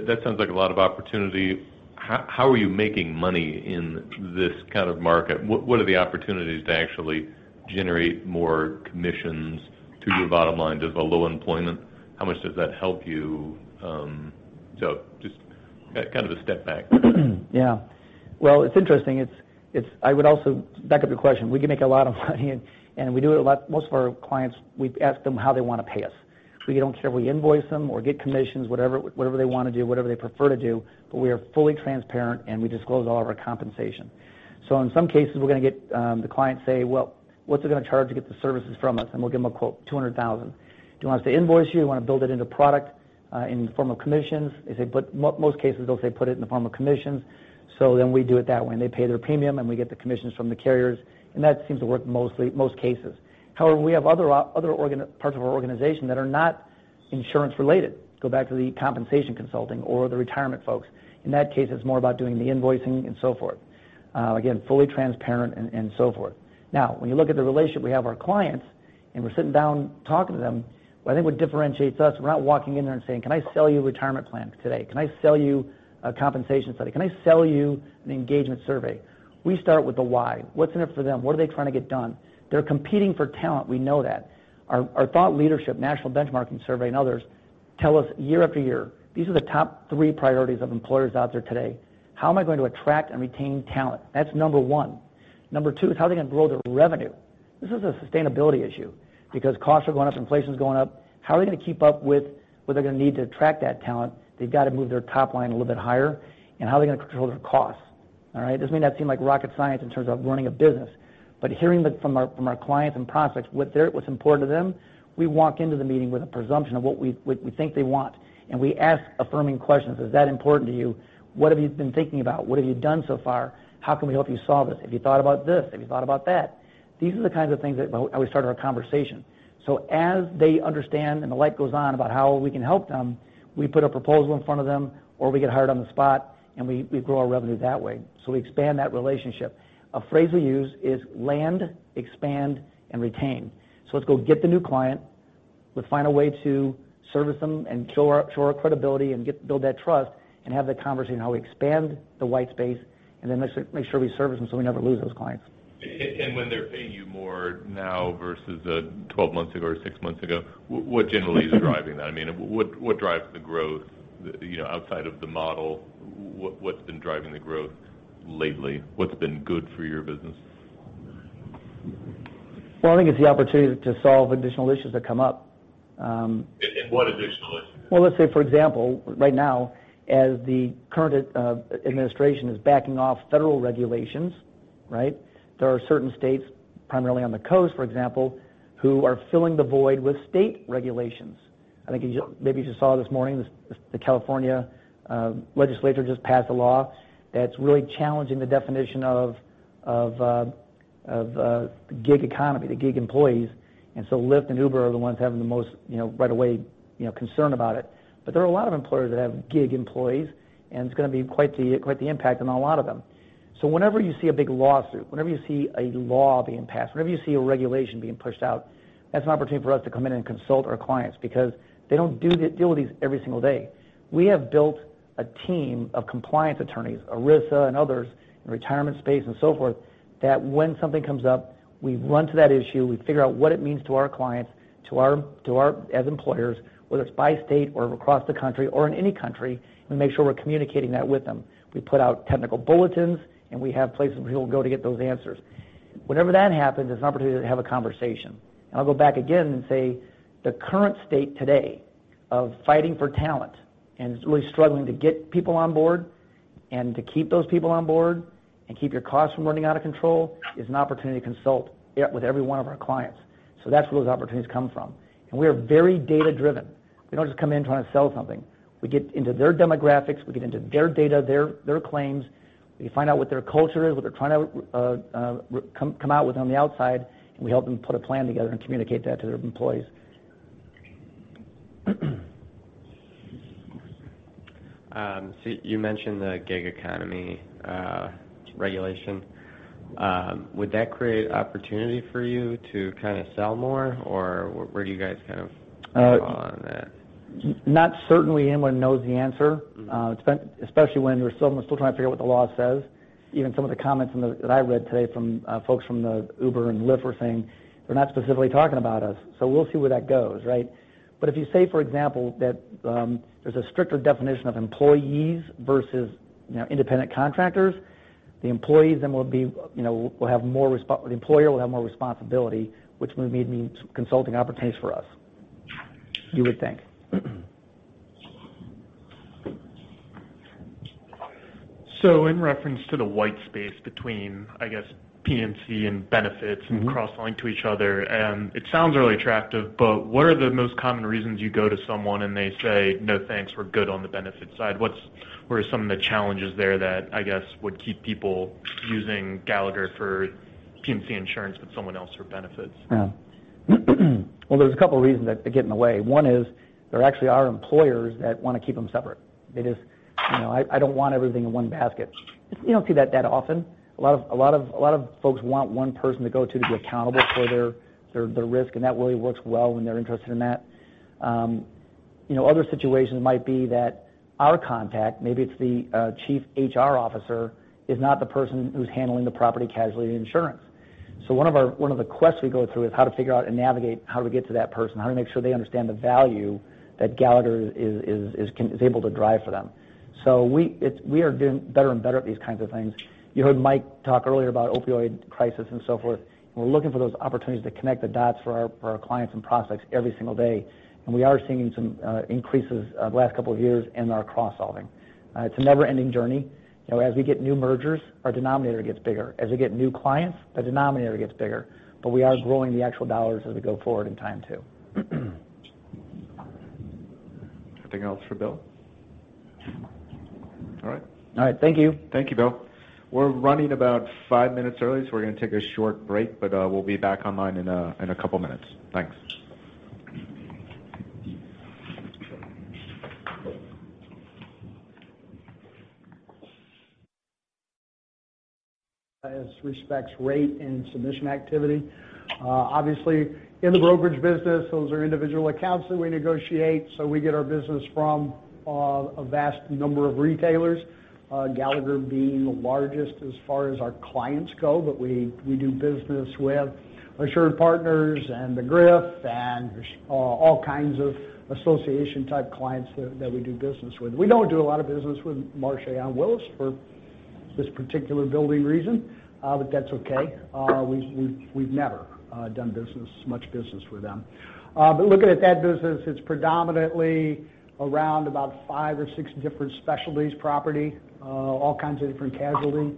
That sounds like a lot of opportunity. How are you making money in this kind of market? What are the opportunities to actually generate more commissions to your bottom line? Does the low employment, how much does that help you? Just kind of a step back. Well, it's interesting. I would also, back up your question, we can make a lot of money and we do it a lot. Most of our clients, we ask them how they want to pay us. We don't care if we invoice them or get commissions, whatever they want to do, whatever they prefer to do, but we are fully transparent, and we disclose all of our compensation. In some cases, we're going to get the client say, "Well, what's it going to charge to get the services from us?" We'll give them a quote, $200,000. "Do you want us to invoice you? You want to build it into product in the form of commissions?" Most cases, they'll say put it in the form of commissions. We do it that way, and they pay their premium, and we get the commissions from the carriers, and that seems to work in most cases. However, we have other parts of our organization that are not insurance-related. Go back to the compensation consulting or the retirement folks. In that case, it's more about doing the invoicing and so forth. Again, fully transparent and so forth. When you look at the relationship we have with our clients, and we're sitting down talking to them, what I think what differentiates us, we're not walking in there and saying, "Can I sell you a retirement plan today? Can I sell you a compensation study? Can I sell you an engagement survey?" We start with the why. What's in it for them? What are they trying to get done? They're competing for talent, we know that. Our thought leadership, national benchmarking survey, and others tell us year after year, these are the top three priorities of employers out there today. How am I going to attract and retain talent? That's number one. Number two is how are they going to grow their revenue? This is a sustainability issue because costs are going up, inflation's going up. How are they going to keep up with what they're going to need to attract that talent? They've got to move their top line a little bit higher, and how are they going to control their costs? All right? This may not seem like rocket science in terms of running a business, but hearing from our clients and prospects, what's important to them, we walk into the meeting with a presumption of what we think they want. We ask affirming questions. Is that important to you? What have you been thinking about? What have you done so far? How can we help you solve this? Have you thought about this? Have you thought about that? These are the kinds of things how we start our conversation. As they understand and the light goes on about how we can help them, we put a proposal in front of them, or we get hired on the spot, and we grow our revenue that way. We expand that relationship. A phrase we use is land, expand, and retain. Let's go get the new client. Let's find a way to service them and show our credibility and build that trust and have that conversation how we expand the white space, and then make sure we service them so we never lose those clients. When they're paying you more now versus 12 months ago or six months ago, what generally is driving that? What drives the growth outside of the model? What's been driving the growth lately? What's been good for your business? Well, I think it's the opportunity to solve additional issues that come up. What additional issues? Well, let's say, for example, right now, as the current administration is backing off federal regulations, there are certain states, primarily on the coast, for example, who are filling the void with state regulations. I think maybe you just saw this morning, the California legislature just passed a law that's really challenging the definition of the gig economy, the gig employees. Lyft and Uber are the ones having the most, right away, concern about it. There are a lot of employers that have gig employees, and it's going to be quite the impact on a lot of them. Whenever you see a big lawsuit, whenever you see a law being passed, whenever you see a regulation being pushed out, that's an opportunity for us to come in and consult our clients, because they don't deal with these every single day. We have built a team of compliance attorneys, ERISA and others, in retirement space and so forth, that when something comes up, we run to that issue. We figure out what it means to our clients as employers, whether it's by state or across the country or in any country, and we make sure we're communicating that with them. We put out technical bulletins, and we have places people go to get those answers. Whenever that happens, it's an opportunity to have a conversation. I'll go back again and say the current state today of fighting for talent and really struggling to get people on board and to keep those people on board and keep your costs from running out of control, is an opportunity to consult with every one of our clients. That's where those opportunities come from. We are very data-driven. We don't just come in trying to sell something. We get into their demographics. We get into their data, their claims. We find out what their culture is, what they're trying to come out with on the outside, and we help them put a plan together and communicate that to their employees. You mentioned the gig economy regulation. Would that create opportunity for you to sell more, or where do you guys fall on that? Not certainly anyone knows the answer, especially when we're still trying to figure out what the law says. Even some of the comments that I read today from folks from the Uber and Lyft were saying they're not specifically talking about us. We'll see where that goes, right? If you say, for example, that there's a stricter definition of employees versus independent contractors, the employer will have more responsibility, which may mean consulting opportunities for us, you would think. In reference to the white space between, I guess, P&C and benefits and cross-selling to each other, and it sounds really attractive, but what are the most common reasons you go to someone and they say, "No, thanks. We're good on the benefits side"? What are some of the challenges there that, I guess, would keep people using Gallagher for P&C insurance, but someone else for benefits? Yeah. Well, there's a couple of reasons that get in the way. One is there actually are employers that want to keep them separate. "I don't want everything in one basket." You don't see that that often. A lot of folks want one person to go to be accountable for their risk, and that really works well when they're interested in that. Other situations might be that our contact, maybe it's the Chief HR Officer, is not the person who's handling the property casualty insurance. One of the quests we go through is how to figure out and navigate how to get to that person, how to make sure they understand the value that Gallagher is able to drive for them. We are doing better and better at these kinds of things. You heard Mike talk earlier about opioid crisis and so forth, we're looking for those opportunities to connect the dots for our clients and prospects every single day. We are seeing some increases the last couple of years in our cross-selling. It's a never-ending journey. As we get new mergers, our denominator gets bigger. As we get new clients, the denominator gets bigger. We are growing the actual dollars as we go forward in time, too. Anything else for Bill? All right. All right. Thank you. Thank you, Bill. We're running about five minutes early, so we're going to take a short break, but we'll be back online in a couple of minutes. Thanks. As respects rate and submission activity. Obviously, in the brokerage business, those are individual accounts that we negotiate. We get our business from a vast number of retailers, Gallagher being the largest as far as our clients go, but we do business with AssuredPartners and McGriff and all kinds of association type clients that we do business with. We don't do a lot of business with Marsh & Willis for this particular building reason, but that's okay. We've never done much business with them. Looking at that business, it's predominantly around about five or six different specialties property, all kinds of different casualty,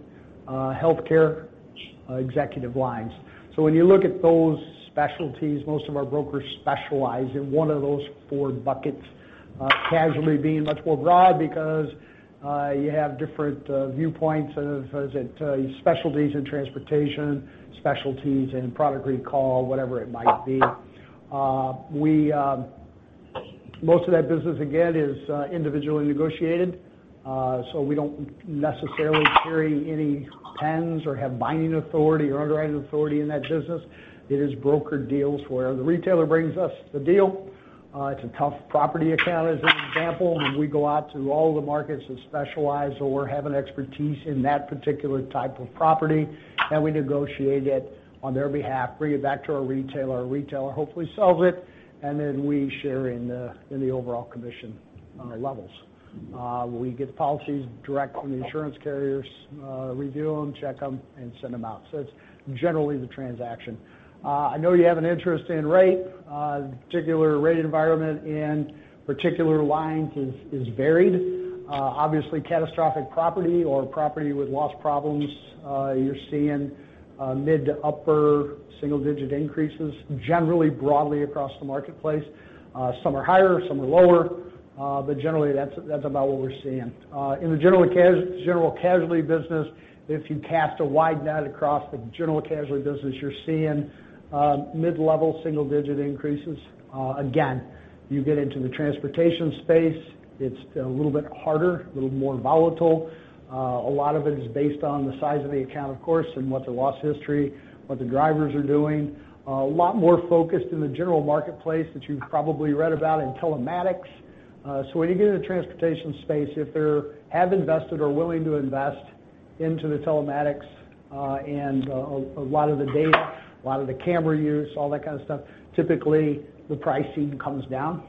healthcare, executive lines. When you look at those specialties, most of our brokers specialize in one of those four buckets. Casualty being much more broad because you have different viewpoints of, is it specialties in transportation, specialties in product recall, whatever it might be. Most of that business, again, is individually negotiated. We don't necessarily carry any pens or have binding authority or underwriting authority in that business. It is brokered deals where the retailer brings us the deal. It's a tough property account, as an example, and we go out to all the markets that specialize or have an expertise in that particular type of property, and we negotiate it on their behalf, bring it back to our retailer. Our retailer hopefully sells it, and then we share in the overall commission. On our levels. We get the policies direct from the insurance carriers, review them, check them, and send them out. It's generally the transaction. I know you have an interest in rate. The particular rate environment and particular lines is varied. Obviously, catastrophic property or property with loss problems, you're seeing mid to upper single-digit increases, generally broadly across the marketplace. Some are higher, some are lower, but generally that's about what we're seeing. In the general casualty business, if you cast a wide net across the general casualty business, you're seeing mid-level single-digit increases. Again, you get into the transportation space, it's a little bit harder, a little more volatile. A lot of it is based on the size of the account, of course, and what their loss history, what the drivers are doing. A lot more focused in the general marketplace that you've probably read about in telematics. When you get into the transportation space, if they have invested or are willing to invest into the telematics and a lot of the data, a lot of the camera use, all that kind of stuff, typically the pricing comes down.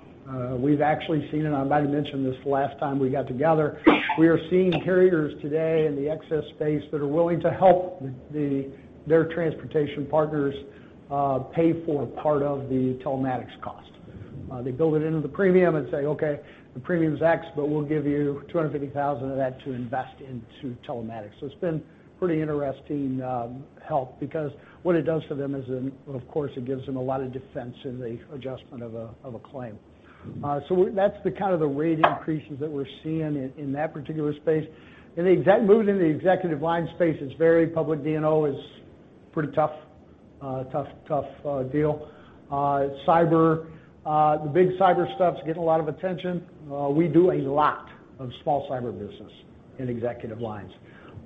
We've actually seen, and I might have mentioned this the last time we got together, we are seeing carriers today in the excess space that are willing to help their transportation partners pay for part of the telematics cost. They build it into the premium and say, okay, the premium's X, but we'll give you $250,000 of that to invest into telematics. It's been pretty interesting help because what it does for them is, of course, it gives them a lot of defense in the adjustment of a claim. That's the kind of the rate increases that we're seeing in that particular space. Moving into the executive line space, it's varied. Public D&O is pretty tough. A tough deal. Cyber, the big cyber stuff's getting a lot of attention. We do a lot of small cyber business in executive lines.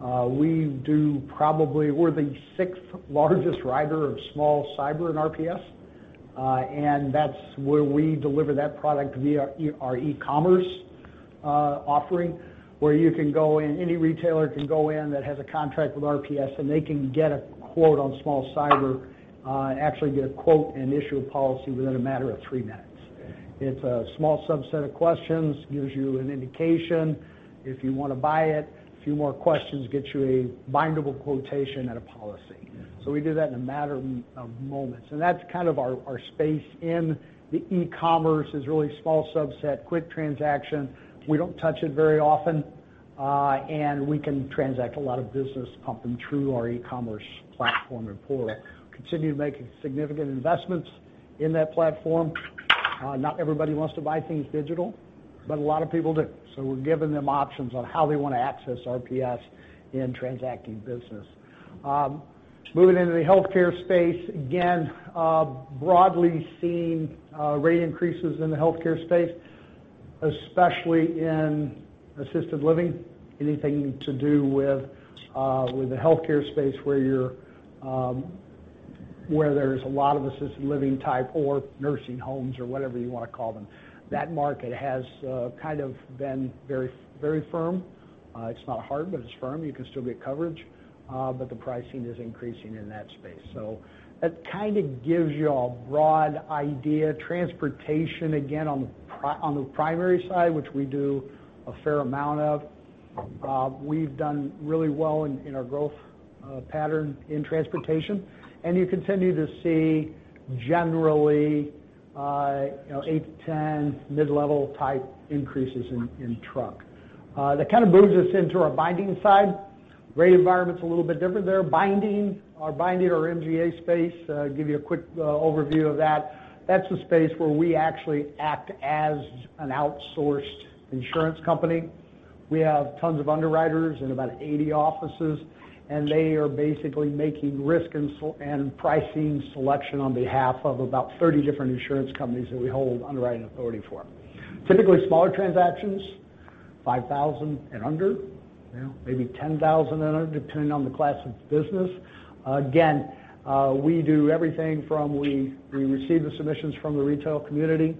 We're the sixth largest rider of small cyber in RPS, and that's where we deliver that product via our e-commerce offering, where any retailer can go in that has a contract with RPS, and they can get a quote on small cyber, actually get a quote and issue a policy within a matter of three minutes. It's a small subset of questions, gives you an indication. If you want to buy it, a few more questions gets you a bindable quotation and a policy. We do that in a matter of moments. That's kind of our space in the e-commerce is really small subset, quick transaction. We don't touch it very often. We can transact a lot of business pumping through our e-commerce platform and portal. Continue to make significant investments in that platform. Not everybody wants to buy things digital, but a lot of people do, so we're giving them options on how they want to access RPS in transacting business. Moving into the healthcare space, again, broadly seeing rate increases in the healthcare space, especially in assisted living, anything to do with the healthcare space where there's a lot of assisted living type or nursing homes or whatever you want to call them. That market has kind of been very firm. It's not hard, but it's firm. You can still get coverage. But the pricing is increasing in that space. That kind of gives you a broad idea. Transportation, again, on the primary side, which we do a fair amount of, we've done really well in our growth pattern in transportation. You continue to see generally, 8-10 mid-level type increases in truck. That kind of moves us into our binding side. Rate environment's a little bit different there. Binding, our binding or MGA space, give you a quick overview of that. That's the space where we actually act as an outsourced insurance company. We have tons of underwriters in about 80 offices, and they are basically making risk and pricing selection on behalf of about 30 different insurance companies that we hold underwriting authority for. Typically smaller transactions, $5,000 and under, maybe $10,000 and under, depending on the class of business. Again, we do everything from we receive the submissions from the retail community,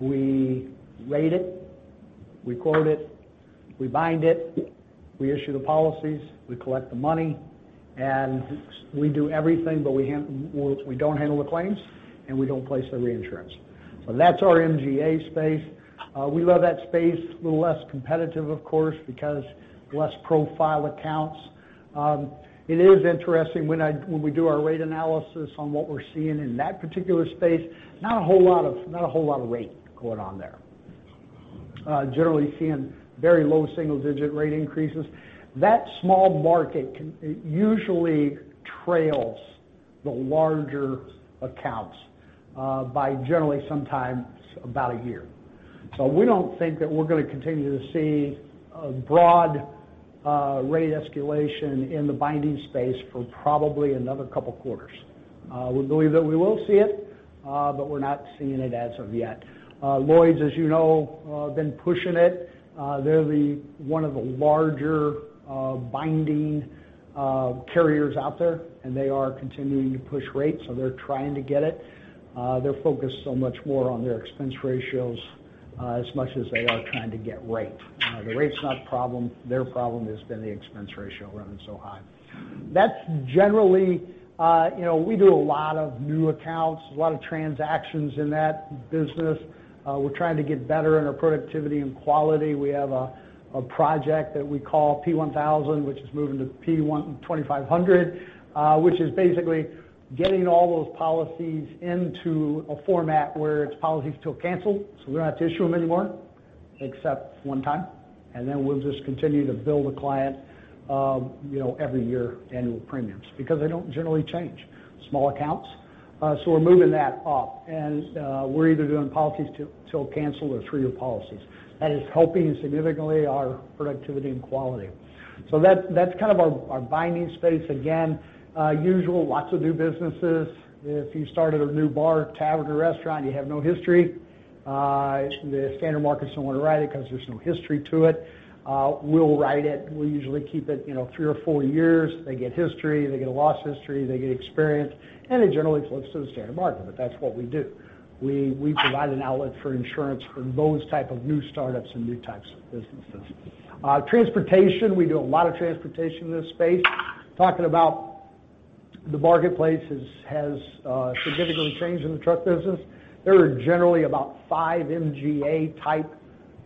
we rate it, we quote it, we bind it, we issue the policies, we collect the money, and we do everything, but we don't handle the claims, and we don't place the re-insurance. That's our MGA space. We love that space. A little less competitive, of course, because less profile accounts. It is interesting when we do our rate analysis on what we're seeing in that particular space, not a whole lot of rate going on there. Generally seeing very low single digit rate increases. That small market usually trails the larger accounts by generally sometimes about a year. We don't think that we're going to continue to see a broad rate escalation in the binding space for probably another couple quarters. We believe that we will see it, but we're not seeing it as of yet. Lloyd's, as you know, been pushing it. They're one of the larger binding carriers out there, and they are continuing to push rates, so they're trying to get it. They're focused so much more on their expense ratios as much as they are trying to get rate. The rate's not the problem. Their problem has been the expense ratio running so high. That's generally, we do a lot of new accounts, a lot of transactions in that business. We're trying to get better in our productivity and quality. We have a project that we call P1000, which is moving to P2500, which is basically getting all those policies into a format where it's policies till canceled. We don't have to issue them anymore except one time, and then we'll just continue to bill the client every year annual premiums, because they don't generally change. Small accounts. We're moving that up, and we're either doing policies till cancel or three-year policies. That is helping significantly our productivity and quality. That's kind of our binding space. Again, usual, lots of new businesses. If you started a new bar, tavern, or restaurant, you have no history, the standard markets don't want to write it because there's no history to it. We'll write it. We'll usually keep it 3 or 4 years. They get history. They get a loss history. They get experience, and it generally floats to the standard market. That's what we do. We provide an outlet for insurance for those type of new startups and new types of businesses. Transportation, we do a lot of transportation in this space. Talking about the marketplace has significantly changed in the truck business. There are generally about 5 MGA type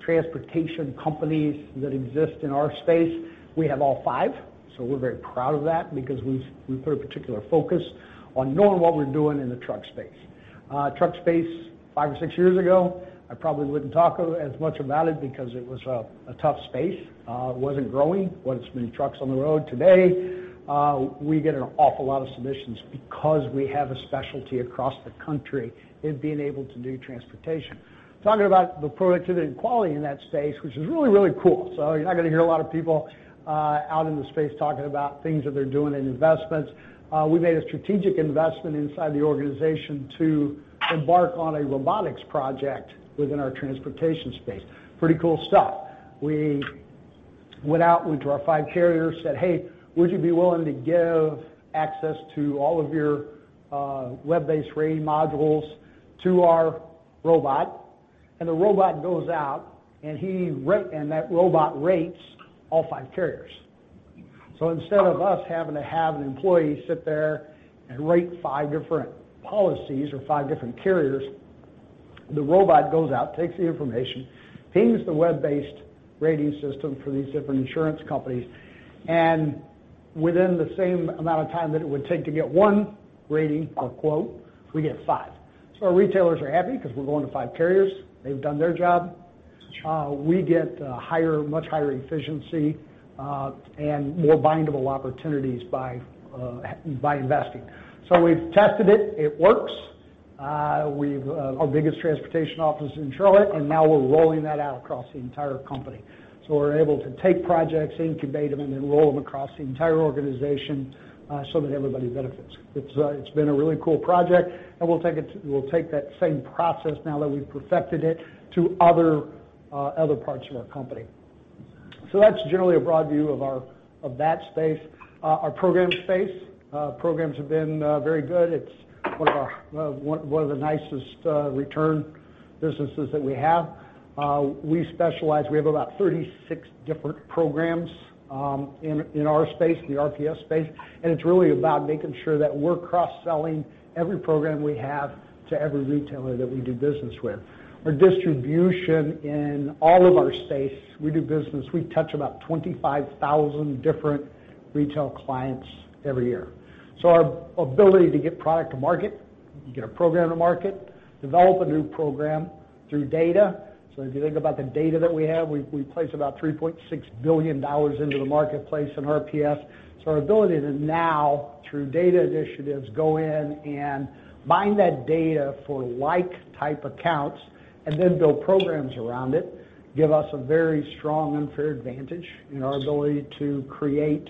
transportation companies that exist in our space. We have all five, so we're very proud of that because we've put a particular focus on knowing what we're doing in the truck space. Truck space, five or six years ago, I probably wouldn't talk as much about it because it was a tough space. It wasn't growing. Wasn't as many trucks on the road. Today, we get an awful lot of submissions because we have a specialty across the country in being able to do transportation. Talking about the productivity and quality in that space, which is really, really cool. You're not going to hear a lot of people out in the space talking about things that they're doing in investments. We made a strategic investment inside the organization to embark on a robotics project within our transportation space. Pretty cool stuff. We went out, went to our five carriers, said, "Hey, would you be willing to give access to all of your web-based rating modules to our robot?" The robot goes out, and that robot rates all five carriers. Instead of us having to have an employee sit there and rate five different policies or five different carriers, the robot goes out, takes the information, pings the web-based rating system for these different insurance companies, and within the same amount of time that it would take to get one rating or quote, we get five. Our retailers are happy because we're going to five carriers. They've done their job. We get much higher efficiency, and more bindable opportunities by investing. We've tested it. It works. Our biggest transportation office is in Charlotte, and now we're rolling that out across the entire company. We're able to take projects, incubate them, and then roll them across the entire organization so that everybody benefits. It's been a really cool project, and we'll take that same process now that we've perfected it to other parts of our company. That's generally a broad view of that space. Our programs space. Programs have been very good. It's one of the nicest return businesses that we have. We specialize. We have about 36 different programs in our space, in the RPS space, and it's really about making sure that we're cross-selling every program we have to every retailer that we do business with. Our distribution in all of our space we do business, we touch about 25,000 different retail clients every year. Our ability to get product to market, get a program to market, develop a new program through data. If you think about the data that we have, we place about $3.6 billion into the marketplace in RPS. Our ability to now, through data initiatives, go in and bind that data for like type accounts and then build programs around it, give us a very strong and fair advantage in our ability to create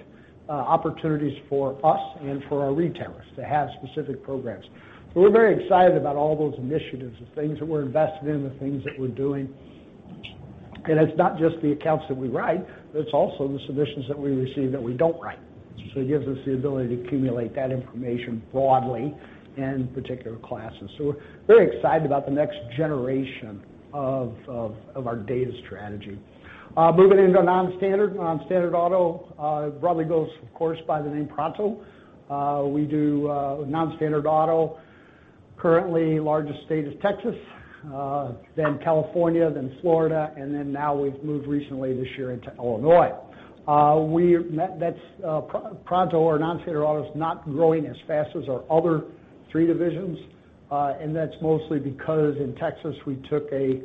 opportunities for us and for our retailers to have specific programs. We're very excited about all those initiatives, the things that we're invested in, the things that we're doing. It's not just the accounts that we write, but it's also the submissions that we receive that we don't write. It gives us the ability to accumulate that information broadly in particular classes. We're very excited about the next generation of our data strategy. Moving into non-standard. Non-standard auto broadly goes, of course, by the name Pronto. We do non-standard auto. Currently, largest state is Texas, then California, then Florida, and then now we've moved recently this year into Illinois. Pronto, our non-standard auto, is not growing as fast as our other three divisions. That's mostly because in Texas, we took a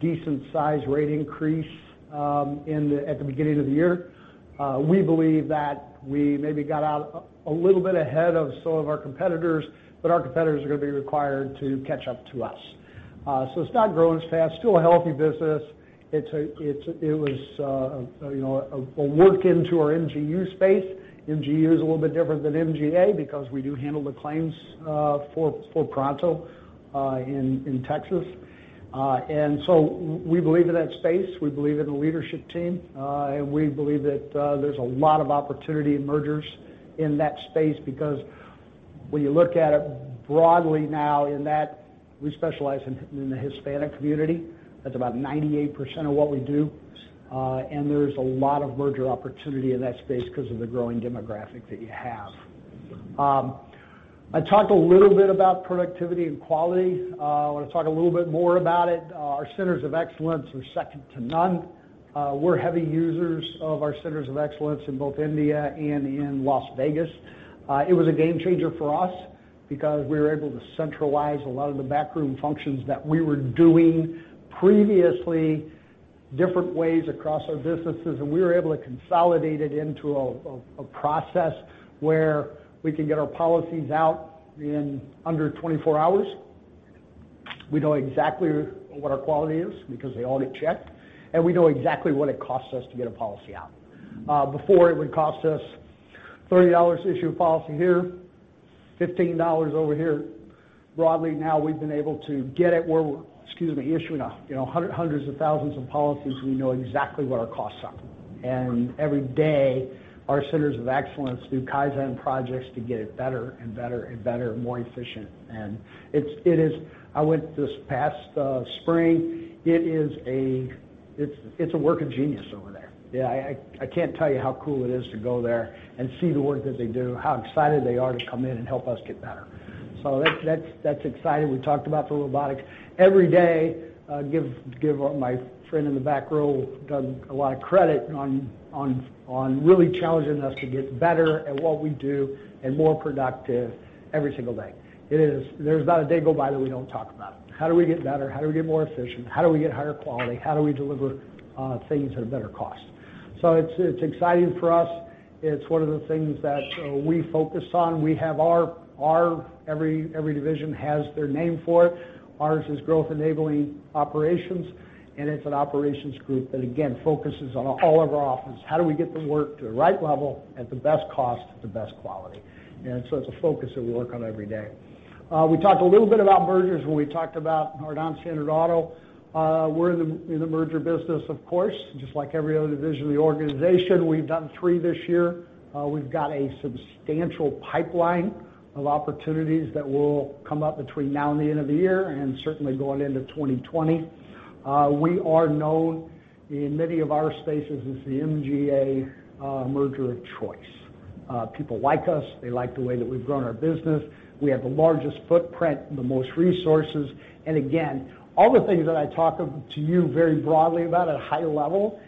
decent size rate increase at the beginning of the year. We believe that we maybe got out a little bit ahead of some of our competitors, but our competitors are going to be required to catch up to us. It's not growing as fast. Still a healthy business. It was a work into our MGU space. MGU is a little bit different than MGA because we do handle the claims for Pronto in Texas. We believe in that space. We believe in the leadership team. We believe that there's a lot of opportunity in mergers in that space because when you look at it broadly now, in that we specialize in the Hispanic community, that's about 98% of what we do, and there's a lot of merger opportunity in that space because of the growing demographic that you have. I talked a little bit about productivity and quality. I want to talk a little bit more about it. Our Centers of Excellence are second to none. We're heavy users of our Centers of Excellence in both India and in Las Vegas. It was a game changer for us because we were able to centralize a lot of the backroom functions that we were doing previously, different ways across our businesses, and we were able to consolidate it into a process where we can get our policies out in under 24 hours. We know exactly what our quality is because they all get checked, and we know exactly what it costs us to get a policy out. Before, it would cost us $30 to issue a policy here, $15 over here. Broadly now, we've been able to get it where we're issuing hundreds of thousands of policies, we know exactly what our costs are. Every day, our Centers of Excellence do Kaizen projects to get it better and better and better and more efficient. I went this past spring. It's a work of genius over there. I can't tell you how cool it is to go there and see the work that they do, how excited they are to come in and help us get better. That's exciting. We talked about the robotics. Every day, give my friend in the back row a lot of credit on really challenging us to get better at what we do and more productive every single day. There's not a day go by that we don't talk about it. How do we get better? How do we get more efficient? How do we get higher quality? How do we deliver things at a better cost? It's exciting for us. It's one of the things that we focus on. Every division has their name for it. Ours is growth enabling operations, and it's an operations group that, again, focuses on all of our offices. How do we get the work to the right level at the best cost, the best quality? It's a focus that we work on every day. We talked a little bit about mergers when we talked about our non-standard auto. We're in the merger business, of course, just like every other division of the organization. We've done 3 this year. We've got a substantial pipeline of opportunities that will come up between now and the end of the year, and certainly going into 2020. We are known in many of our spaces as the MGA merger of choice. People like us. They like the way that we've grown our business. We have the largest footprint and the most resources. Again, all the things that I talk to you very broadly about at a high level,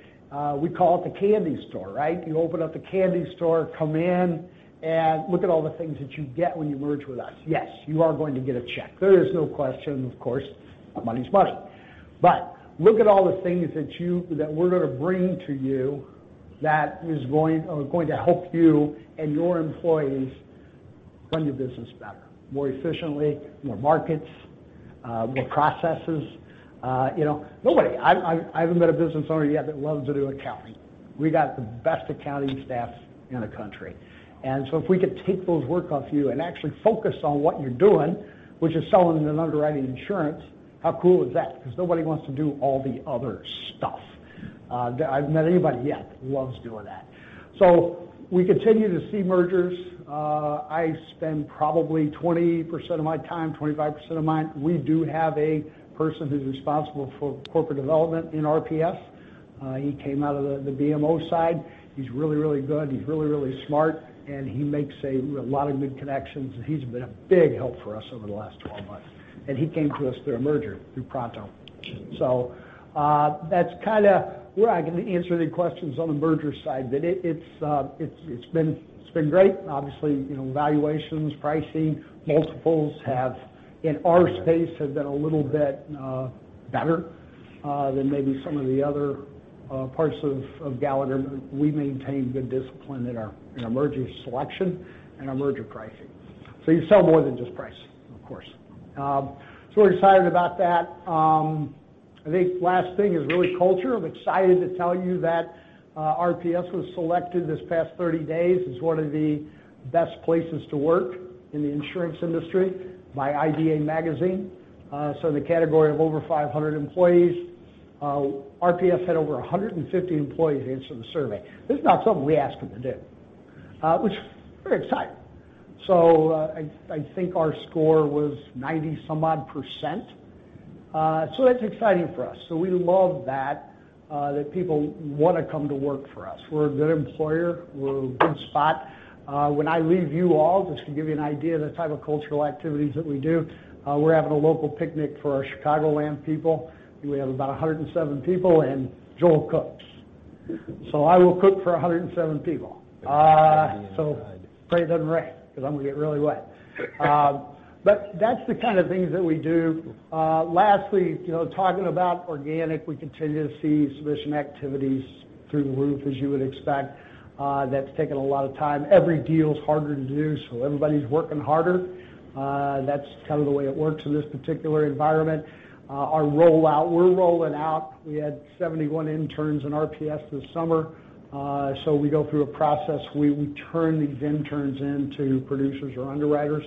we call it the candy store. You open up the candy store, come in, and look at all the things that you get when you merge with us. Yes, you are going to get a check. There is no question, of course, money's money. Look at all the things that we're going to bring to you that are going to help you and your employees run your business better, more efficiently, more markets, more processes. I haven't met a business owner yet that loves to do accounting. We got the best accounting staff in the country. If we could take those work off you and actually focus on what you're doing, which is selling and underwriting insurance, how cool is that? Because nobody wants to do all the other stuff. I haven't met anybody yet who loves doing that. We continue to see mergers. I spend probably 20% of my time, 25%. We do have a person who's responsible for corporate development in RPS. He came out of the BMO side. He's really, really good. He's really, really smart, and he makes a lot of good connections, and he's been a big help for us over the last 12 months. He came to us through a merger, through Pronto. That's where I can answer any questions on the merger side. It's been great. Obviously, valuations, pricing, multiples have, in our space, have been a little bit better than maybe some of the other parts of Gallagher. We maintain good discipline in our merger selection and our merger pricing. You sell more than just price, of course. We're excited about that. I think last thing is really culture. I'm excited to tell you that RPS was selected this past 30 days as one of the best places to work in the insurance industry by IBA Magazine. In the category of over 500 employees, RPS had over 150 employees answer the survey. This is not something we asked them to do, which is very exciting. I think our score was 90-some odd %. That's exciting for us. We love that people want to come to work for us. We're a good employer. We're in a good spot. When I leave you all, just to give you an idea of the type of cultural activities that we do, we're having a local picnic for our Chicagoland people. We have about 107 people, and Joel cooks. I will cook for 107 people. Pray it doesn't rain because I'm going to get really wet. That's the kind of things that we do. Lastly, talking about organic, we continue to see submission activities through the roof, as you would expect. That's taken a lot of time. Every deal is harder to do, everybody's working harder. That's the way it works in this particular environment. Our rollout, we're rolling out. We had 71 interns in RPS this summer. We go through a process. We turn these interns into producers or underwriters.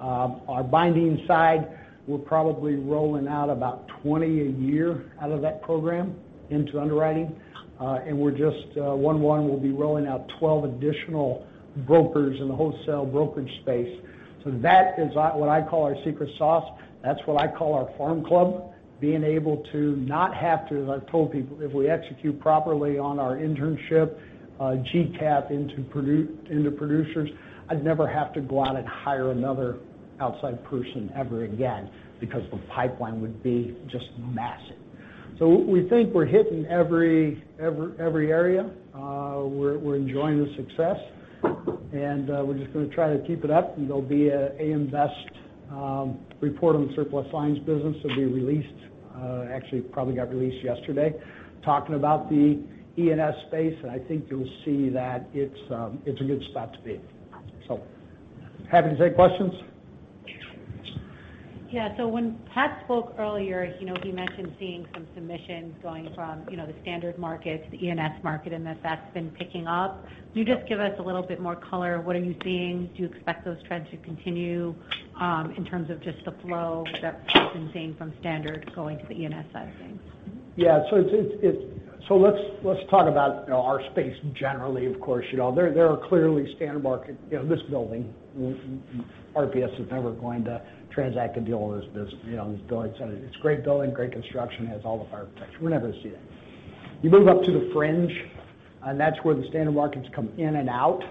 Our binding side, we're probably rolling out about 20 a year out of that program into underwriting. We're just, 1/1, we'll be rolling out 12 additional brokers in the wholesale brokerage space. That is what I call our secret sauce. That's what I call our farm club. Being able to not have to, as I've told people, if we execute properly on our internship, GCAP into producers, I'd never have to go out and hire another outside person ever again, because the pipeline would be just massive. We think we're hitting every area. We're enjoying the success, we're just going to try to keep it up. There'll be an AM Best report on the surplus lines business that will be released, actually probably got released yesterday, talking about the E&S space, I think you'll see that it's a good spot to be. Happy to take questions. Yeah. When Pat spoke earlier, he mentioned seeing some submissions going from the standard market to the E&S market, that's been picking up. Can you just give us a little bit more color? What are you seeing? Do you expect those trends to continue in terms of just the flow that Pat's been seeing from standard going to the E&S side of things? Let's talk about our space generally. Of course, there are clearly standard market. This building, RPS is never going to transact a deal on this building. It's a great building, great construction, it has all the fire protection. We're never going to see that. You move up to the fringe, and that's where the standard markets come in and out.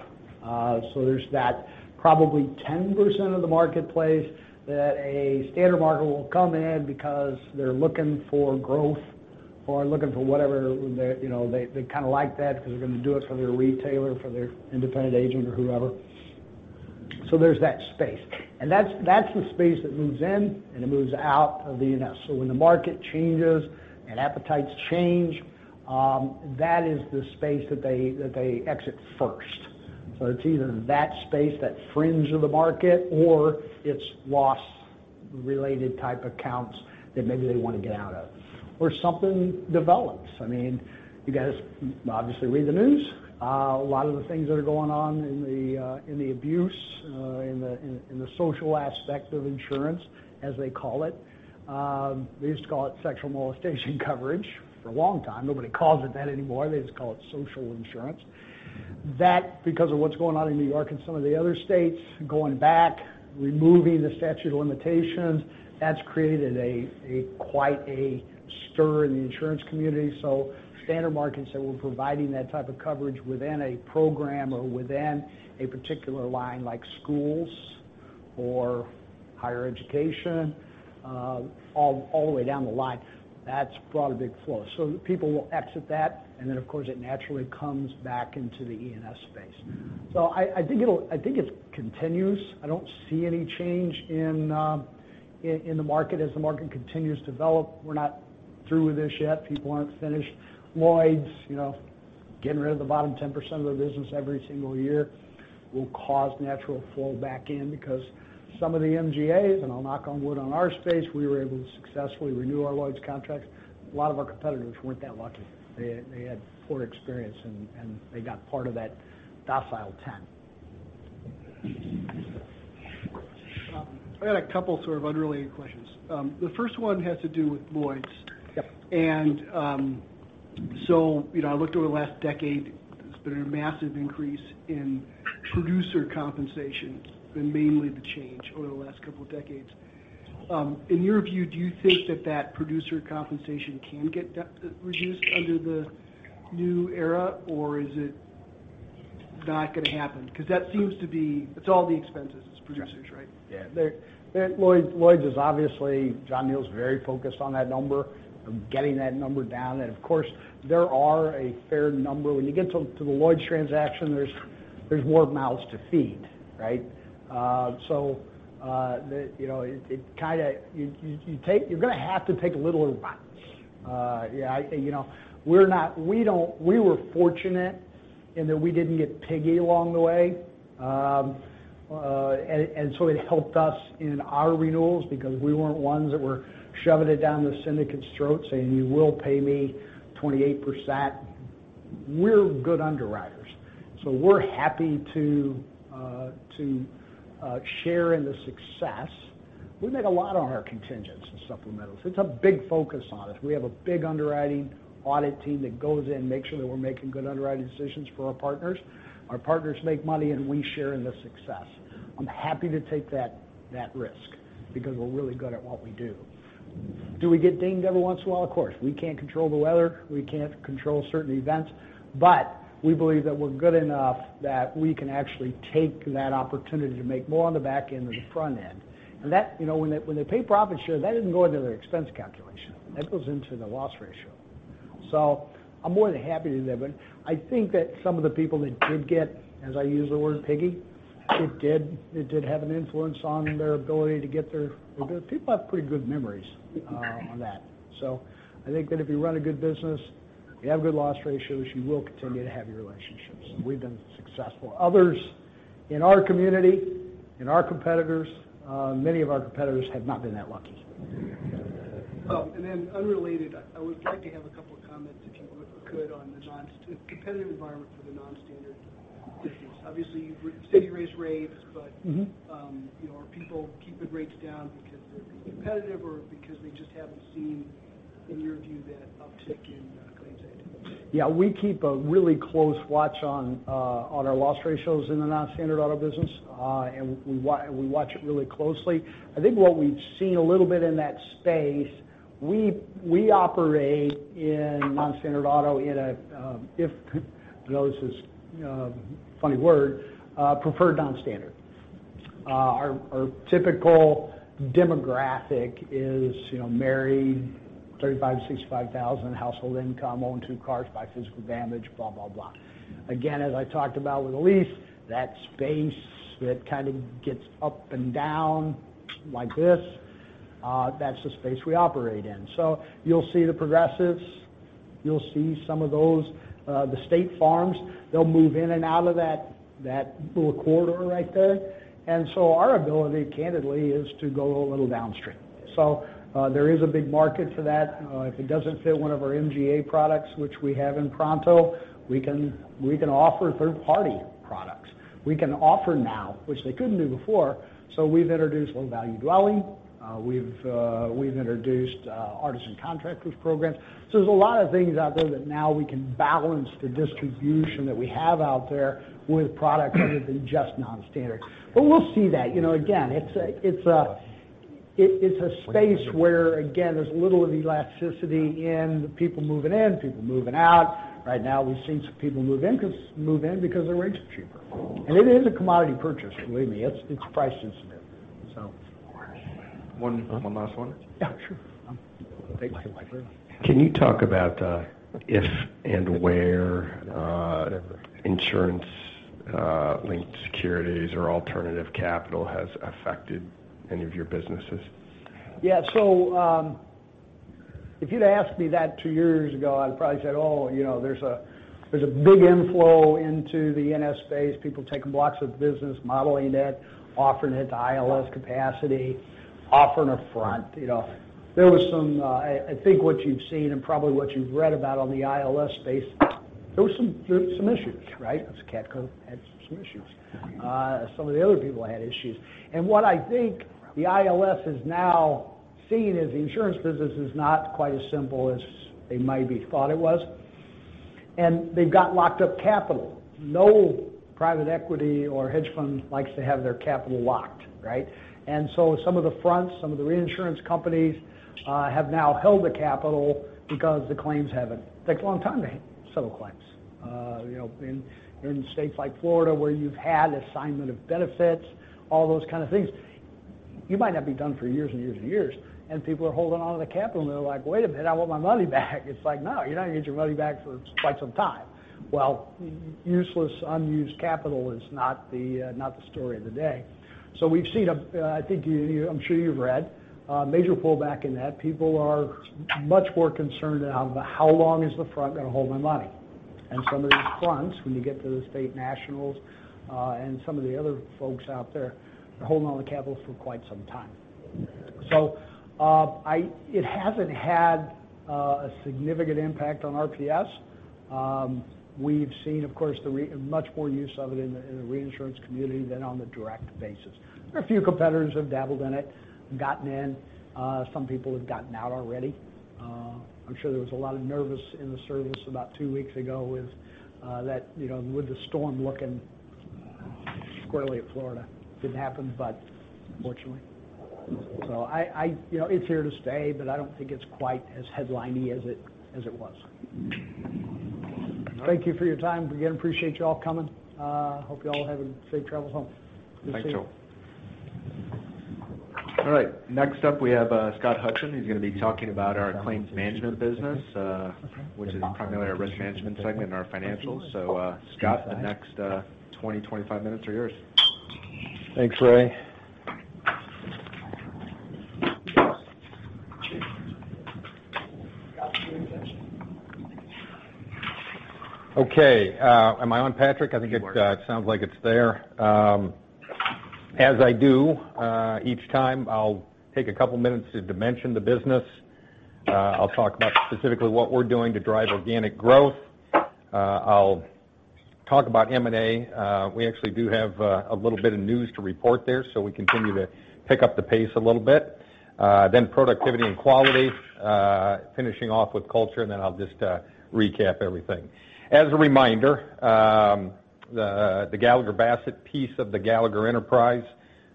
There's that probably 10% of the marketplace that a standard market will come in because they're looking for growth or looking for whatever they like that because they're going to do it for their retailer, for their independent agent or whoever. There's that space, and that's the space that moves in, and it moves out of the E&S. When the market changes and appetites change, that is the space that they exit first. It's either that space, that fringe of the market, or it's loss related type accounts that maybe they want to get out of. Something develops. You guys obviously read the news. A lot of the things that are going on in the abuse, in the social aspect of insurance, as they call it. They used to call it sexual molestation coverage for a long time. Nobody calls it that anymore. They just call it social insurance. That, because of what's going on in New York and some of the other states, going back, removing the statute of limitations, that's created quite a stir in the insurance community. Standard markets that were providing that type of coverage within a program or within a particular line, like schools or higher education, all the way down the line, that's brought a big flow. People will exit that, and then, of course, it naturally comes back into the E&S space. I think it continues. I don't see any change in the market as the market continues to develop. We're not through with this yet. People aren't finished. Lloyd's, getting rid of the bottom 10% of their business every single year will cause natural flow back in because some of the MGAs, and I'll knock on wood on our space, we were able to successfully renew our Lloyd's contracts. A lot of our competitors weren't that lucky. They had poor experience, and they got part of that decile 10. I got a couple of unrelated questions. The first one has to do with Lloyd's. Yep. I looked over the last decade, there's been a massive increase in producer compensation. Been mainly the change over the last couple of decades. In your view, do you think that that producer compensation can get reduced under the new era, or is it not going to happen? Because that seems to be it's all the expenses, it's producers, right? Yeah. Lloyd's is obviously, John Neal's very focused on that number, of getting that number down. Of course, there are a fair number. When you get to the Lloyd's transaction, there's more mouths to feed, right? You're going to have to take a little of both. We were fortunate in that we didn't get piggy along the way. It helped us in our renewals because we weren't ones that were shoving it down the syndicate's throat saying, "You will pay me 28%." We're good underwriters, we're happy to share in the success. We make a lot on our contingents and supplementals. It's a big focus on us. We have a big underwriting audit team that goes in, makes sure that we're making good underwriting decisions for our partners. Our partners make money, and we share in the success. I'm happy to take that risk because we're really good at what we do. Do we get dinged every once in a while? Of course. We can't control the weather. We can't control certain events. We believe that we're good enough that we can actually take that opportunity to make more on the back end than the front end. That, when they pay profit share, that doesn't go into their expense calculation. That goes into the loss ratio. I'm more than happy to do that. I think that some of the people that did get, as I use the word, piggy, it did have an influence on their ability. People have pretty good memories on that. I think that if you run a good business, you have good loss ratios, you will continue to have your relationships, and we've been successful. Others in our community, in our competitors, many of our competitors have not been that lucky. Unrelated, I would like to have a couple of comments if you could on the competitive environment for the non-standard business. Obviously, you say you've raised rates. Are people keeping rates down because they're being competitive or because they just haven't seen, in your view, that uptick in claims yet? We keep a really close watch on our loss ratios in the non-standard auto business. We watch it really closely. I think what we've seen a little bit in that space, we operate in non-standard auto in a, if, I know this is a funny word, preferred non-standard. Our typical demographic is married, $35,000-$65,000 household income, own two cars by physical damage, blah, blah. Again, as I talked about with the lease, that space that kind of gets up and down like this, that's the space we operate in. You'll see the Progressive, you'll see some of those. The State Farm, they'll move in and out of that little corridor right there. Our ability, candidly, is to go a little downstream. There is a big market for that. If it doesn't fit one of our MGA products, which we have in Pronto, we can offer third-party products. We can offer now, which they couldn't do before, we've introduced low-value dwelling, we've introduced artisan contractors programs. There's a lot of things out there that now we can balance the distribution that we have out there with products other than just non-standard. We'll see that. Again, it's a space where, again, there's a little of elasticity in people moving in, people moving out. Right now, we've seen some people move in because their rates are cheaper. It is a commodity purchase, believe me. It's a price incentive. One last one. Yeah, sure. Thanks. Can you talk about, if and where insurance-linked securities or alternative capital has affected any of your businesses? Yeah. If you'd asked me that two years ago, I'd have probably said, "Oh, there's a big inflow into the ILS space." People taking blocks of business, modeling it, offering it to ILS capacity, offering a front. There was some, I think what you've seen, and probably what you've read about on the ILS space, there were some issues, right? CatCo had some issues. Some of the other people had issues. What I think the ILS is now seeing is the insurance business is not quite as simple as they maybe thought it was. They've got locked up capital. No private equity or hedge fund likes to have their capital locked, right? Some of the fronts, some of the reinsurance companies, have now held the capital because the claims haven't. Takes a long time to settle claims. In states like Florida, where you've had assignment of benefits, all those kind of things, you might not be done for years and years and years. People are holding onto the capital, and they're like, "Wait a minute, I want my money back." It's like, "No, you're not going to get your money back for quite some time." Useless, unused capital is not the story of the day. We've seen a, I'm sure you've read, a major pullback in that. People are much more concerned now about how long is the front going to hold my money. Some of these fronts, when you get to the State Nationals, and some of the other folks out there, they're holding onto capital for quite some time. It hasn't had a significant impact on RPS. We've seen, of course, much more use of it in the reinsurance community than on the direct basis. There are a few competitors who have dabbled in it and gotten in. Some people have gotten out already. I'm sure there was a lot of nervous in the service about two weeks ago with the storm looking squarely at Florida. It didn't happen, fortunately. It's here to stay, but I don't think it's quite as headliney as it was. Thank you for your time. Again, appreciate you all coming. Hope you all have a safe travel home. Thanks, Joel. All right. Next up, we have Scott Hudson. He's going to be talking about our claims management business, which is primarily our risk management segment and our financials. Scott, the next 20, 25 minutes are yours. Thanks, Ray. Okay. Am I on, Patrick? You are. I think it sounds like it's there. As I do each time, I'll take a couple of minutes to dimension the business. I'll talk about specifically what we're doing to drive organic growth. I'll talk about M&A. We actually do have a little bit of news to report there. We continue to pick up the pace a little bit. Productivity and quality. Finishing off with culture. I'll just recap everything. As a reminder, the Gallagher Bassett piece of the Gallagher enterprise,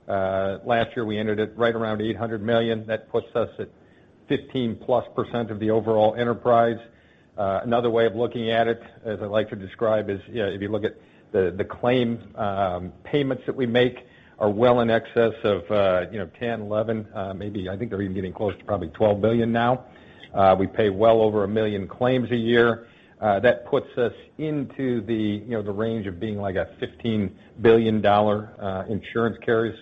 last year we ended at right around $800 million. That puts us at 15%+ of the overall enterprise. Another way of looking at it, as I like to describe, is if you look at the claim payments that we make are well in excess of $10 billion, $11 billion, maybe I think they're even getting close to probably $12 billion now. We pay well over 1 million claims a year. That puts us into the range of being like a $15 billion insurance carrier.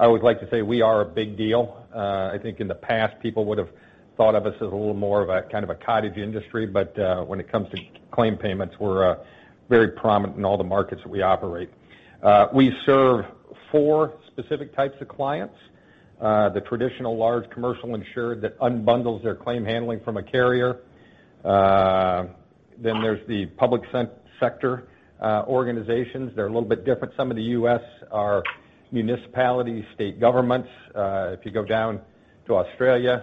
I always like to say we are a big deal. I think in the past, people would've thought of us as a little more of a kind of a cottage industry. When it comes to claim payments, we're very prominent in all the markets that we operate. We serve four specific types of clients. The traditional large commercial insurer that unbundles their claim handling from a carrier. There's the public sector organizations. They're a little bit different. Some of the U.S. are municipalities, state governments. If you go down to Australia,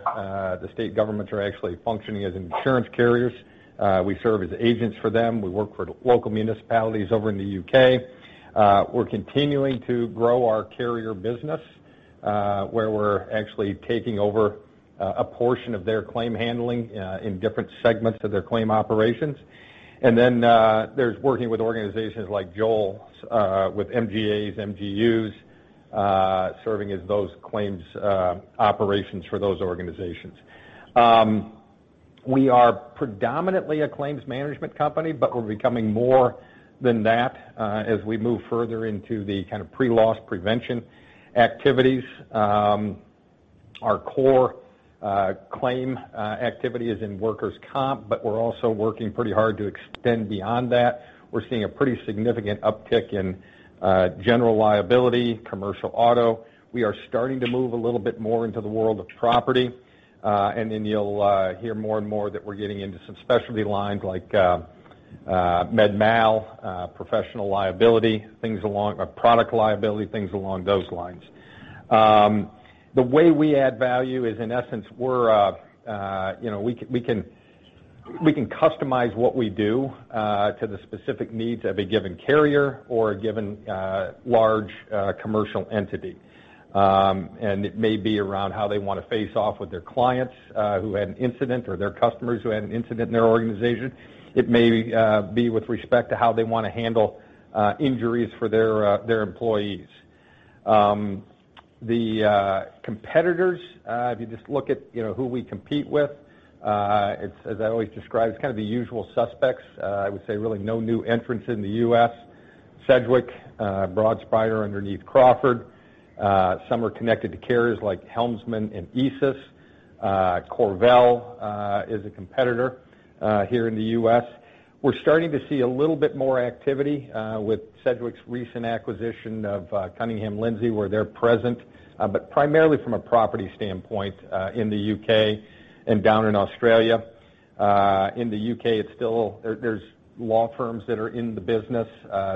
the state governments are actually functioning as insurance carriers. We serve as agents for them. We work for local municipalities over in the U.K. We're continuing to grow our carrier business where we're actually taking over a portion of their claim handling in different segments of their claim operations. There's working with organizations like Joel's, with MGAs, MGUs, serving as those claims operations for those organizations. We are predominantly a claims management company. We're becoming more than that as we move further into the kind of pre-loss prevention activities. Our core claim activity is in workers' comp. We're also working pretty hard to extend beyond that. We're seeing a pretty significant uptick in general liability, commercial auto. We are starting to move a little bit more into the world of property. You'll hear more and more that we're getting into some specialty lines like med mal, professional liability, product liability, things along those lines. The way we add value is, in essence, we can customize what we do to the specific needs of a given carrier or a given large commercial entity. It may be around how they want to face off with their clients who had an incident, or their customers who had an incident in their organization. It may be with respect to how they want to handle injuries for their employees. The competitors, if you just look at who we compete with, as I always describe, it's kind of the usual suspects. I would say really no new entrants in the U.S. Sedgwick, Broadspire underneath Crawford. Some are connected to carriers like Helmsman and ESIS. CorVel is a competitor here in the U.S. We're starting to see a little bit more activity with Sedgwick's recent acquisition of Cunningham Lindsey, where they're present, but primarily from a property standpoint in the U.K. and down in Australia. In the U.K., there's law firms that are in the business.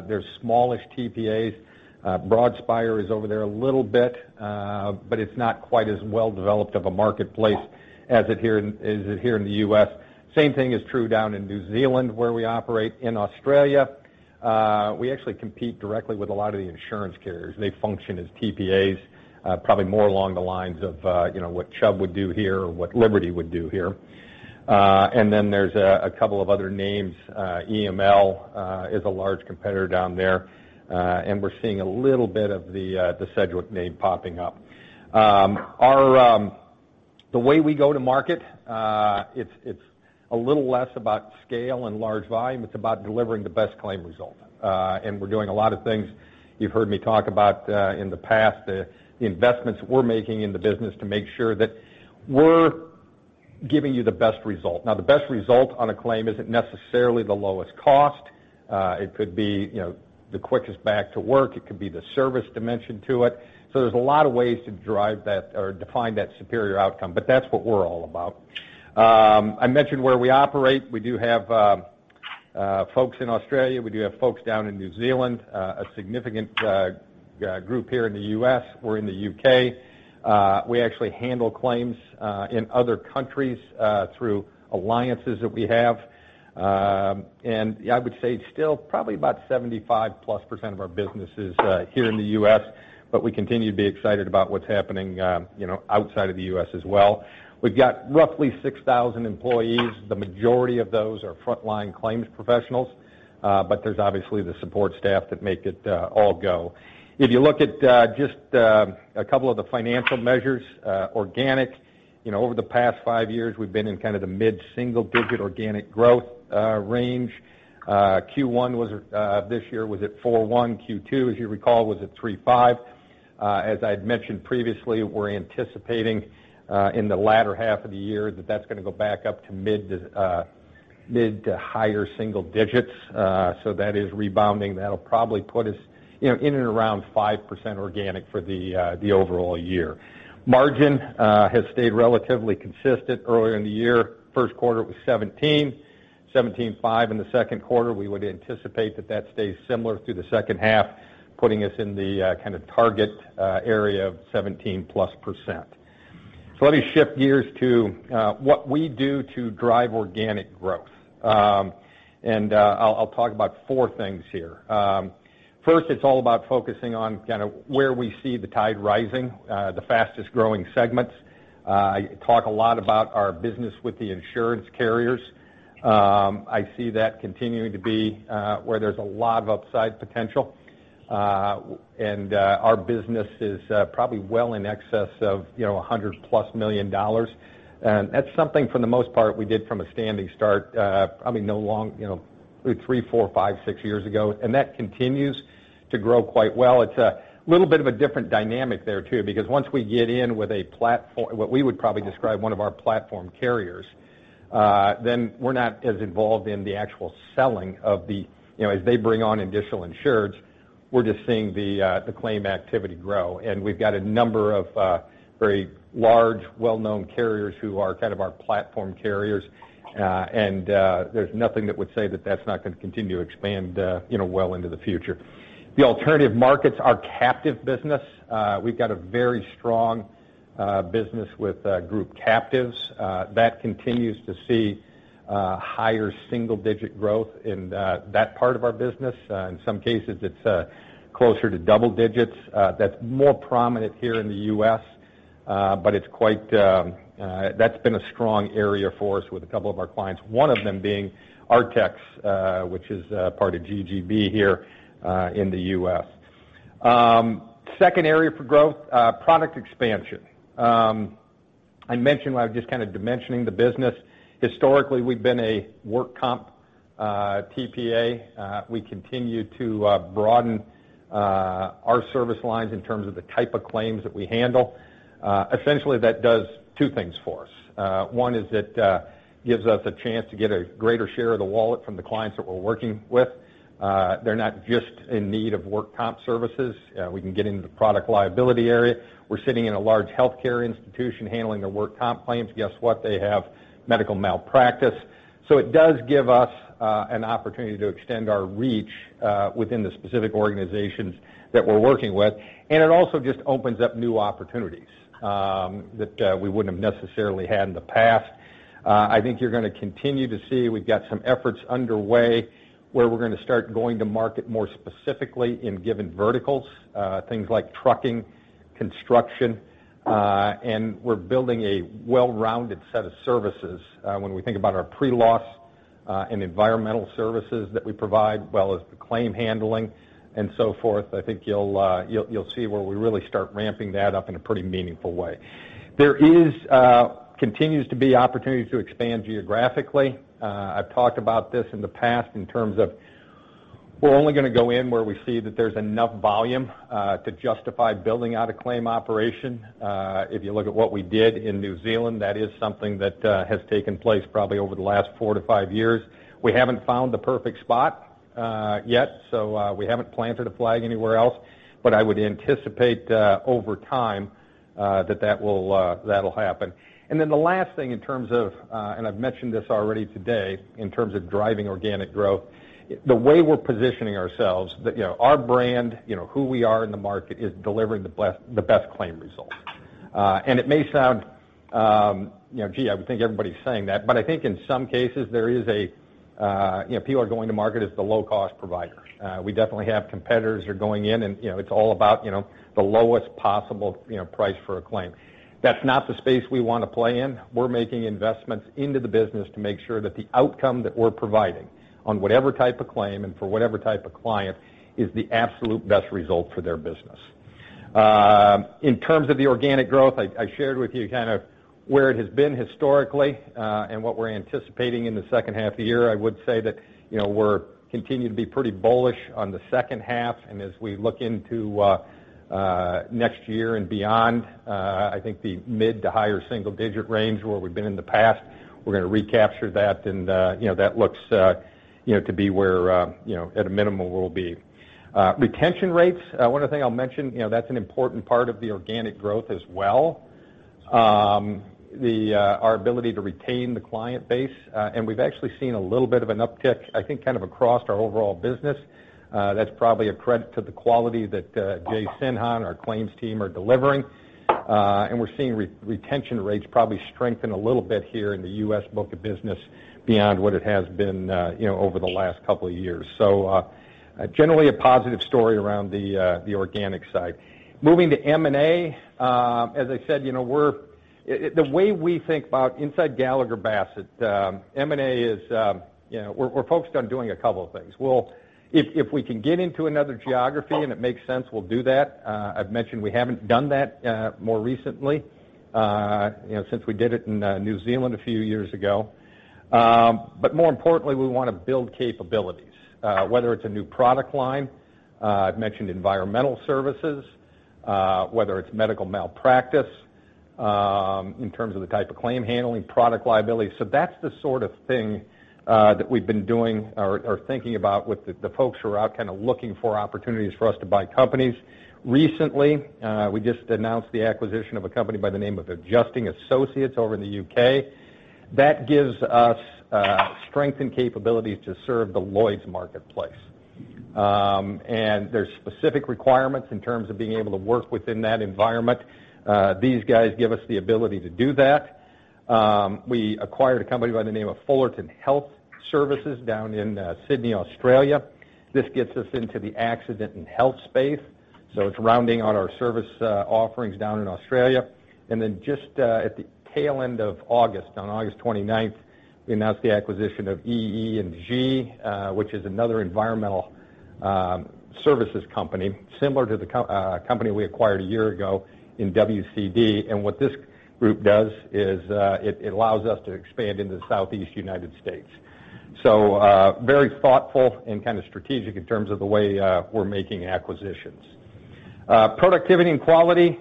There's smallish TPAs. Broadspire is over there a little bit, but it's not quite as well developed of a marketplace as it is here in the U.S. Same thing is true down in New Zealand, where we operate. In Australia, we actually compete directly with a lot of the insurance carriers. They function as TPAs, probably more along the lines of what Chubb would do here or what Liberty would do here. Then there's a couple of other names. EML is a large competitor down there. We're seeing a little bit of the Sedgwick name popping up. The way we go to market, it's a little less about scale and large volume. It's about delivering the best claim result. We're doing a lot of things you've heard me talk about in the past, the investments we're making in the business to make sure that we're giving you the best result. The best result on a claim isn't necessarily the lowest cost. It could be the quickest back to work, it could be the service dimension to it. There's a lot of ways to define that superior outcome. That's what we're all about. I mentioned where we operate. We do have folks in Australia. We do have folks down in New Zealand, a significant group here in the U.S. We're in the U.K. We actually handle claims in other countries through alliances that we have. I would say still probably about 75%+ of our business is here in the U.S., but we continue to be excited about what's happening outside of the U.S. as well. We've got roughly 6,000 employees. The majority of those are frontline claims professionals. There's obviously the support staff that make it all go. If you look at just a couple of the financial measures, organic, over the past five years, we've been in kind of the mid-single-digit organic growth range. Q1 this year was at 4.1. Q2, as you recall, was at 3.5. As I'd mentioned previously, we're anticipating in the latter half of the year that that's going to go back up to mid-to-higher single digits. That is rebounding. That'll probably put us in and around 5% organic for the overall year. Margin has stayed relatively consistent earlier in the year. First quarter, it was 17.5 in the second quarter. We would anticipate that that stays similar through the second half, putting us in the kind of target area of 17%+. Let me shift gears to what we do to drive organic growth. I'll talk about four things here. First, it's all about focusing on kind of where we see the tide rising, the fastest growing segments. I talk a lot about our business with the insurance carriers. I see that continuing to be where there's a lot of upside potential. Our business is probably well in excess of $100+ million. That's something, for the most part, we did from a standing start, probably three, four, five, six years ago. That continues to grow quite well. It's a little bit of a different dynamic there too, because once we get in with what we would probably describe one of our platform carriers, then we're not as involved in the actual selling of the. As they bring on additional insureds, we're just seeing the claim activity grow. We've got a number of very large, well-known carriers who are kind of our platform carriers. There's nothing that would say that that's not going to continue to expand well into the future. The alternative markets, our captive business, we've got a very strong business with group captives. That continues to see higher single-digit growth in that part of our business. In some cases, it's closer to double digits. That's more prominent here in the U.S., but that's been a strong area for us with a couple of our clients. One of them being Artex, which is part of GGB here in the U.S. Second area for growth, product expansion. I mentioned when I was just kind of dimensioning the business, historically, we've been a work comp TPA. We continue to broaden our service lines in terms of the type of claims that we handle. Essentially, that does two things for us. One is that gives us a chance to get a greater share of the wallet from the clients that we're working with. They're not just in need of work comp services. We can get into the product liability area. We're sitting in a large healthcare institution handling their work comp claims. Guess what? They have medical malpractice. It does give us an opportunity to extend our reach within the specific organizations that we're working with. It also just opens up new opportunities that we wouldn't have necessarily had in the past. I think you're going to continue to see, we've got some efforts underway where we're going to start going to market more specifically in given verticals, things like trucking, construction, and we're building a well-rounded set of services. When we think about our pre-loss and environmental services that we provide, as well as the claim handling and so forth, I think you'll see where we really start ramping that up in a pretty meaningful way. There continues to be opportunities to expand geographically. I've talked about this in the past in terms of we're only going to go in where we see that there's enough volume to justify building out a claim operation. If you look at what we did in New Zealand, that is something that has taken place probably over the last four to five years. We haven't found the perfect spot yet, so we haven't planted a flag anywhere else. I would anticipate over time that that'll happen. The last thing in terms of, and I've mentioned this already today, in terms of driving organic growth, the way we're positioning ourselves, our brand, who we are in the market is delivering the best claim results. It may sound, gee, I would think everybody's saying that, but I think in some cases, people are going to market as the low cost provider. We definitely have competitors who are going in, and it's all about the lowest possible price for a claim. That's not the space we want to play in. We're making investments into the business to make sure that the outcome that we're providing on whatever type of claim and for whatever type of client is the absolute best result for their business. In terms of the organic growth, I shared with you kind of where it has been historically, and what we're anticipating in the second half of the year. I would say that we're continuing to be pretty bullish on the second half, and as we look into next year and beyond, I think the mid to higher single digit range where we've been in the past, we're going to recapture that and that looks to be where, at a minimum, we'll be. Retention rates, one other thing I'll mention, that's an important part of the organic growth as well, our ability to retain the client base. We've actually seen a little bit of an uptick, I think, kind of across our overall business. That's probably a credit to the quality that Jay Sinha and our claims team are delivering. We're seeing retention rates probably strengthen a little bit here in the U.S. book of business beyond what it has been over the last couple of years. Generally a positive story around the organic side. Moving to M&A. As I said, the way we think about inside Gallagher Bassett, M&A is we're focused on doing a couple of things. If we can get into another geography and it makes sense, we'll do that. I've mentioned we haven't done that more recently, since we did it in New Zealand a few years ago. More importantly, we want to build capabilities, whether it's a new product line, I've mentioned environmental services, whether it's medical malpractice, in terms of the type of claim handling, product liability. That's the sort of thing that we've been doing or thinking about with the folks who are out kind of looking for opportunities for us to buy companies. Recently, we just announced the acquisition of a company by the name of Adjusting Associates over in the U.K. That gives us strength and capabilities to serve the Lloyd's marketplace. There's specific requirements in terms of being able to work within that environment. These guys give us the ability to do that. We acquired a company by the name of Fullerton Health Services down in Sydney, Australia. This gets us into the accident and health space. It's rounding out our service offerings down in Australia. Just at the tail end of August, on August 29th, we announced the acquisition of EE&G, which is another environmental services company similar to the company we acquired a year ago in WCD. What this group does is it allows us to expand into the Southeast U.S. Very thoughtful and kind of strategic in terms of the way we're making acquisitions. Productivity and quality,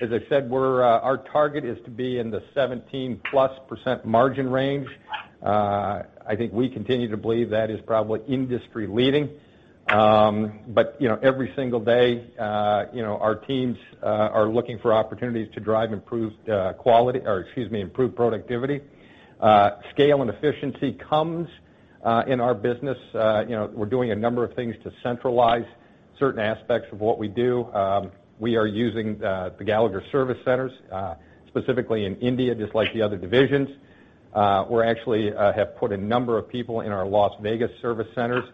as I said, our target is to be in the 17+% margin range. I think we continue to believe that is probably industry-leading. Every single day, our teams are looking for opportunities to drive improved productivity. Scale and efficiency comes in our business. We're doing a number of things to centralize certain aspects of what we do. We are using the Gallagher Service Centers, specifically in India, just like the other divisions. We actually have put a number of people in our Las Vegas service centers.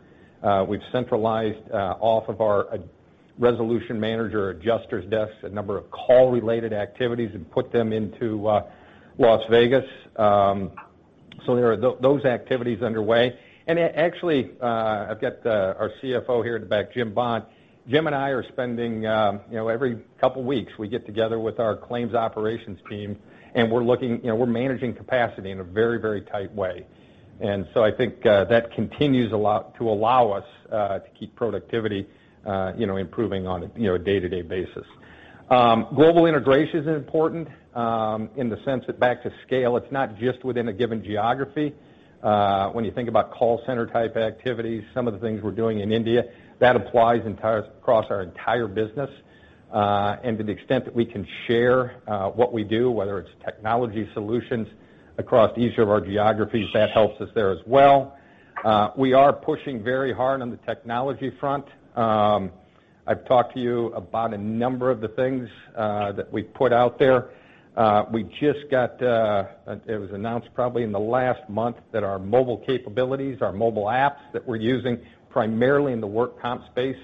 We've centralized off of our resolution manager adjusters desks, a number of call-related activities, and put them into Las Vegas. There are those activities underway. I've got our CFO here at the back, Jim Bond. Jim and I are every couple of weeks, we get together with our claims operations team, and we're managing capacity in a very, very tight way. I think that continues to allow us to keep productivity improving on a day-to-day basis. Global integration is important in the sense that back to scale, it's not just within a given geography. When you think about call center type activities, some of the things we're doing in India, that applies across our entire business. To the extent that we can share what we do, whether it's technology solutions across each of our geographies, that helps us there as well. We are pushing very hard on the technology front. I've talked to you about a number of the things that we've put out there. It was announced probably in the last month that our mobile capabilities, our mobile apps that we're using primarily in the work comp space,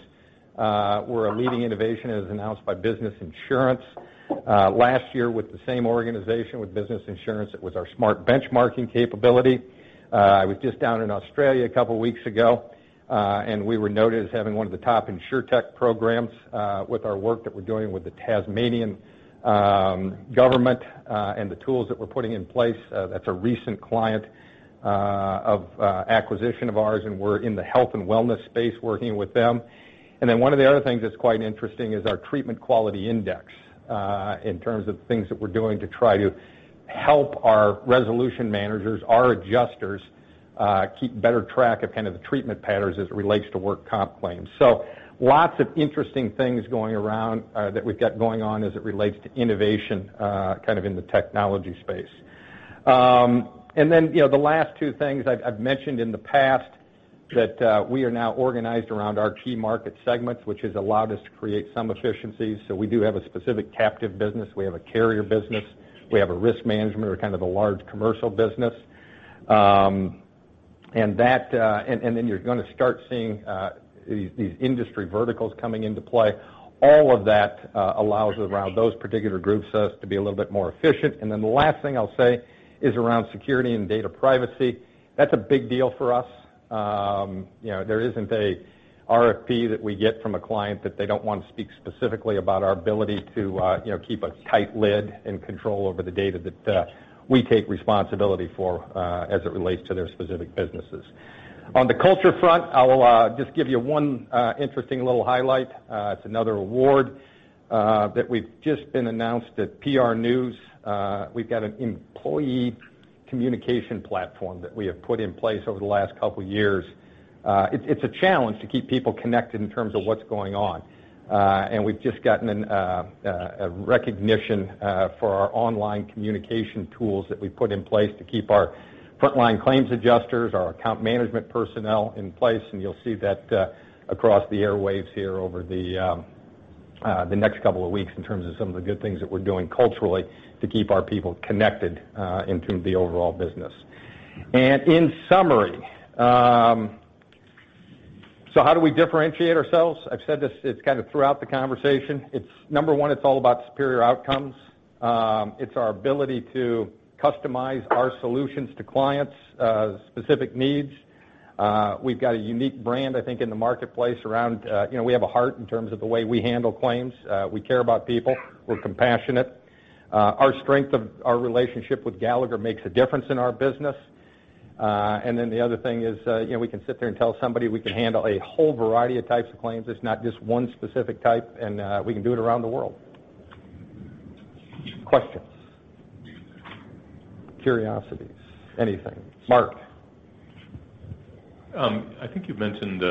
were a leading innovation as announced by Business Insurance. Last year with the same organization with Business Insurance, it was our smart benchmarking capability. I was just down in Australia a couple of weeks ago, and we were noted as having one of the top InsurTech programs, with our work that we're doing with the Tasmanian government, and the tools that we're putting in place. That's a recent client acquisition of ours, and we're in the health and wellness space working with them. One of the other things that's quite interesting is our Treatment Quality Index, in terms of the things that we're doing to try to help our resolution managers, our adjusters, keep better track of kind of the treatment patterns as it relates to work comp claims. Lots of interesting things going around that we've got going on as it relates to innovation, kind of in the technology space. The last two things I've mentioned in the past, that we are now organized around our key market segments, which has allowed us to create some efficiencies. We do have a specific captive business. We have a carrier business. We have a risk management or kind of a large commercial business. You're going to start seeing these industry verticals coming into play. All of that allows around those particular groups, us to be a little bit more efficient. The last thing I'll say is around security and data privacy. That's a big deal for us. There isn't a RFP that we get from a client that they don't want to speak specifically about our ability to keep a tight lid and control over the data that we take responsibility for as it relates to their specific businesses. On the culture front, I will just give you one interesting little highlight. It's another award that we've just been announced at PR News. We've got an employee communication platform that we have put in place over the last couple of years. It's a challenge to keep people connected in terms of what's going on. We've just gotten a recognition for our online communication tools that we've put in place to keep our frontline claims adjusters, our account management personnel in place, and you'll see that across the airwaves here over the next couple of weeks in terms of some of the good things that we're doing culturally to keep our people connected in terms of the overall business. In summary, how do we differentiate ourselves? I've said this, it's kind of throughout the conversation. Number one, it's all about superior outcomes. It's our ability to customize our solutions to clients' specific needs. We've got a unique brand, I think, in the marketplace around we have a heart in terms of the way we handle claims. We care about people. We're compassionate. Our strength of our relationship with Gallagher makes a difference in our business. The other thing is we can sit there and tell somebody we can handle a whole variety of types of claims. It's not just one specific type, and we can do it around the world. Questions, curiosities, anything. Mark. I think you've mentioned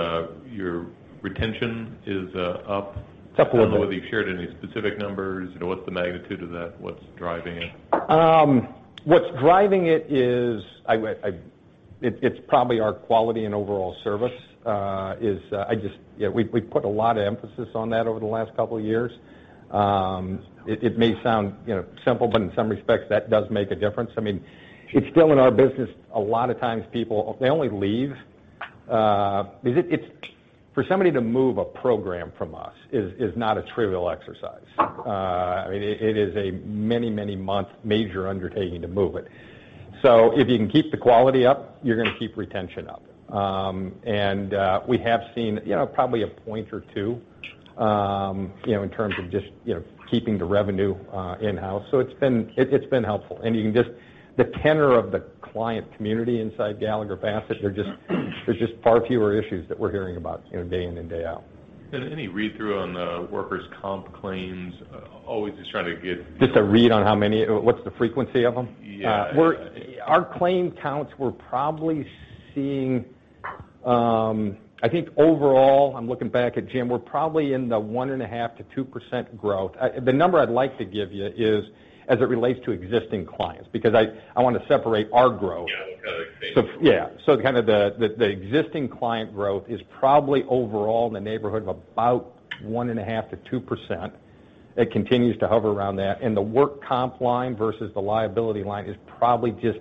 your retention is up. It's up a little bit. I don't know whether you've shared any specific numbers or what's the magnitude of that? What's driving it? What's driving it is, it's probably our quality and overall service. We've put a lot of emphasis on that over the last couple of years. It may sound simple, but in some respects, that does make a difference. I mean, it's still in our business, a lot of times people, they only leave. For somebody to move a program from us is not a trivial exercise. It is a many, many month major undertaking to move it. If you can keep the quality up, you're going to keep retention up. We have seen probably a point or two, in terms of just keeping the revenue in-house. It's been helpful. The tenor of the client community inside Gallagher Bassett, there's just far fewer issues that we're hearing about day in and day out. Any read-through on the workers' comp claims? Just a read on how many, what's the frequency of them? Yeah. Our claim counts, we're probably seeing, I think overall, I'm looking back at Jim, we're probably in the 1.5%-2% growth. The number I'd like to give you is as it relates to existing clients, because I want to separate our growth. Yeah. I was kind of thinking. Yeah. The existing client growth is probably overall in the neighborhood of about 1.5%-2%. It continues to hover around that. The work comp line versus the liability line is probably just,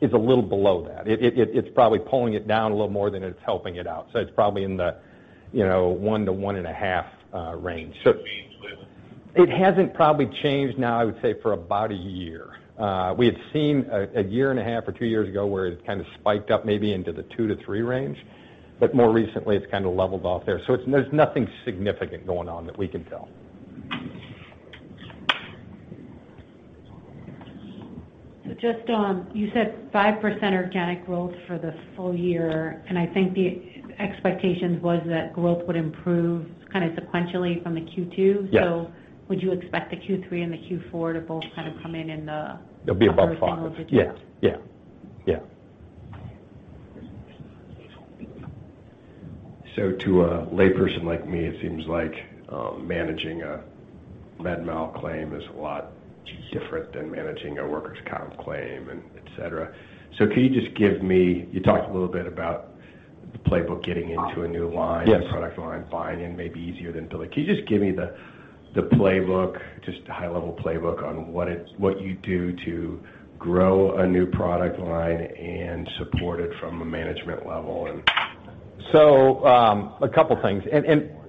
is a little below that. It's probably pulling it down a little more than it's helping it out. It's probably in the 1%-1.5% range. It's being fluid. It hasn't probably changed now, I would say for about a year. We had seen a year and a half or two years ago where it kind of spiked up maybe into the 2%-3% range. More recently, it's kind of leveled off there. There's nothing significant going on that we can tell. Just on, you said 5% organic growth for the full year, and I think the expectation was that growth would improve kind of sequentially from the Q2. Yeah. Would you expect the Q3 and the Q4 to both kind of come in in the They'll be above 5%. Yeah. To a layperson like me, it seems like managing a med mal claim is a lot different than managing a workers' comp claim, and et cetera. Can you just give me, you talked a little bit about the playbook getting into a new line- Yes a product line, buying in may be easier than building. Can you just give me the playbook, just a high level playbook on what you do to grow a new product line and support it from a management level and- A couple things.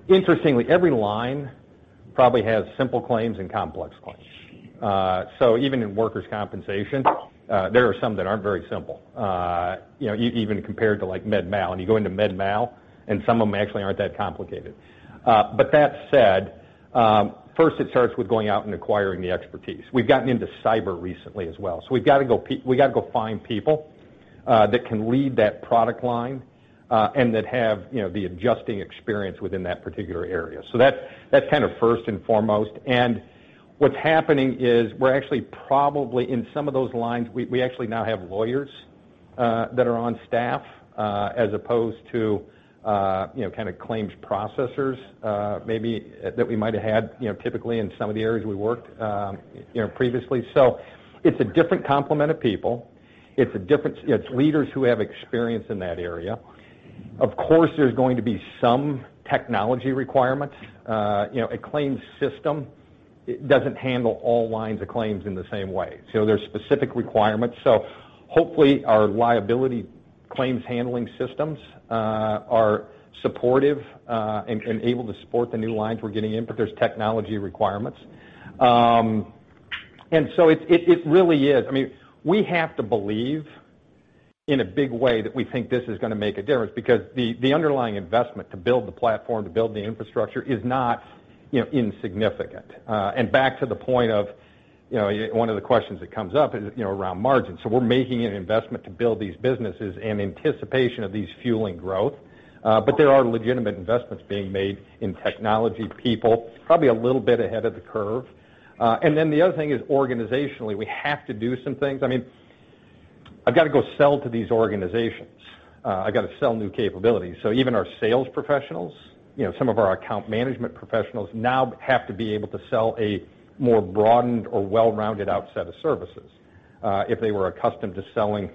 Interestingly, every line probably has simple claims and complex claims. Even in workers' compensation, there are some that aren't very simple. Even compared to med mal, and you go into med mal, and some of them actually aren't that complicated. That said, first it starts with going out and acquiring the expertise. We've gotten into cyber recently as well. We've got to go find people that can lead that product line, and that have the adjusting experience within that particular area. That's kind of first and foremost. What's happening is we're actually probably in some of those lines, we actually now have lawyers that are on staff, as opposed to claims processors, maybe that we might have had typically in some of the areas we worked previously. It's a different complement of people. It's leaders who have experience in that area. Of course, there's going to be some technology requirements. A claims system doesn't handle all lines of claims in the same way. There's specific requirements. Hopefully, our liability claims handling systems are supportive, and able to support the new lines we're getting in, but there's technology requirements. It really is. We have to believe in a big way that we think this is going to make a difference because the underlying investment to build the platform, to build the infrastructure is not insignificant. Back to the point of one of the questions that comes up is around margins. We're making an investment to build these businesses in anticipation of these fueling growth. There are legitimate investments being made in technology, people, probably a little bit ahead of the curve. The other thing is organizationally, we have to do some things. I've got to go sell to these organizations. I've got to sell new capabilities. Even our sales professionals, some of our account management professionals now have to be able to sell a more broadened or well-rounded out set of services. If they were accustomed to selling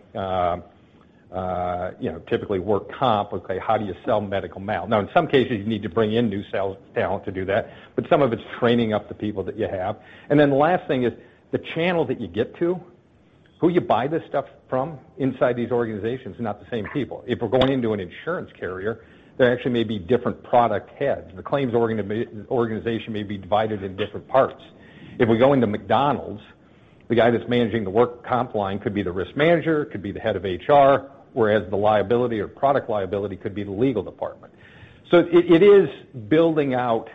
typically work comp, okay, how do you sell medical mal? Now, in some cases, you need to bring in new sales talent to do that, but some of it's training up the people that you have. The last thing is the channel that you get to, who you buy this stuff from inside these organizations are not the same people. If we're going into an insurance carrier, there actually may be different product heads. The claims organization may be divided in different parts. If we go into McDonald's, the guy that's managing the work comp line could be the risk manager, could be the head of HR, whereas the liability or product liability could be the legal department. It is building out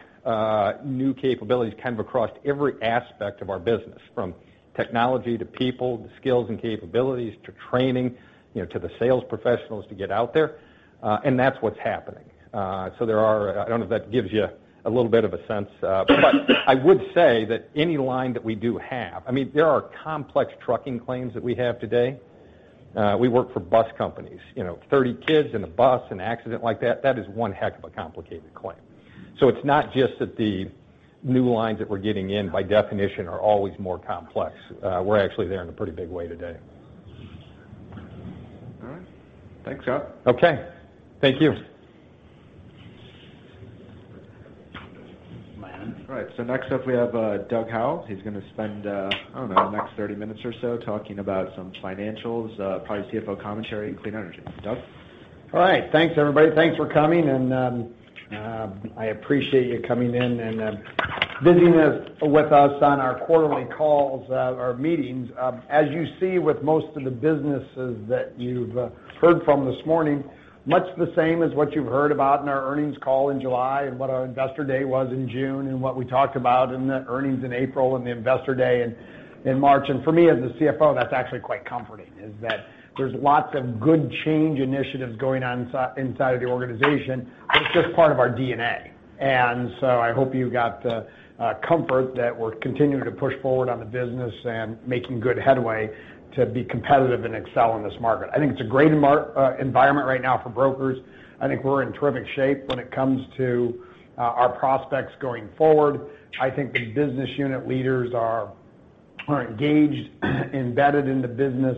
new capabilities kind of across every aspect of our business, from technology to people, to skills and capabilities, to training, to the sales professionals to get out there. That's what's happening. I don't know if that gives you a little bit of a sense. I would say that any line that we do have, there are complex trucking claims that we have today. We work for bus companies 30 kids in a bus, an accident like that is one heck of a complicated claim. It's not just that the new lines that we're getting in by definition are always more complex. We're actually there in a pretty big way today. All right. Thanks, Scott. Okay. Thank you. All right. Next up we have Doug Howell. He's going to spend, I don't know, the next 30 minutes or so talking about some financials, probably CFO commentary and clean energy. Doug? All right. Thanks everybody. Thanks for coming and I appreciate you coming in and visiting with us on our quarterly calls, our meetings. As you see with most of the businesses that you've heard from this morning, much the same as what you've heard about in our earnings call in July and what our investor day was in June and what we talked about in the earnings in April and the investor day in March. For me as the CFO, that's actually quite comforting, is that there's lots of good change initiatives going on inside of the organization, and it's just part of our DNA. I hope you got the comfort that we're continuing to push forward on the business and making good headway to be competitive and excel in this market. I think it's a great environment right now for brokers. I think we're in terrific shape when it comes to our prospects going forward. I think the business unit leaders are engaged, embedded in the business.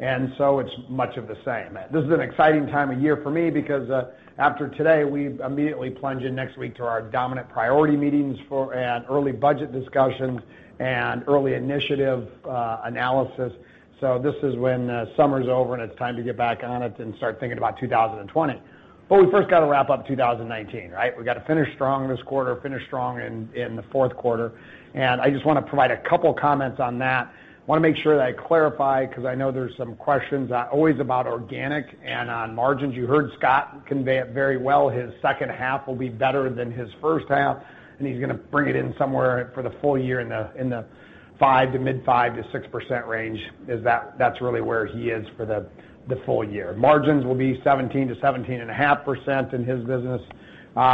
It's much of the same. This is an exciting time of year for me because after today, we immediately plunge in next week to our dominant priority meetings for early budget discussions and early initiative analysis. This is when the summer's over and it's time to get back on it and start thinking about 2020. We first got to wrap up 2019, right? We got to finish strong this quarter, finish strong in the fourth quarter, and I just want to provide a couple comments on that. I want to make sure that I clarify, because I know there's some questions always about organic and on margins. You heard Scott convey it very well. His second half will be better than his first half, and he's going to bring it in somewhere for the full year in the 5% to mid 5% to 6% range. That's really where he is for the full year. Margins will be 17% to 17.5% in his business.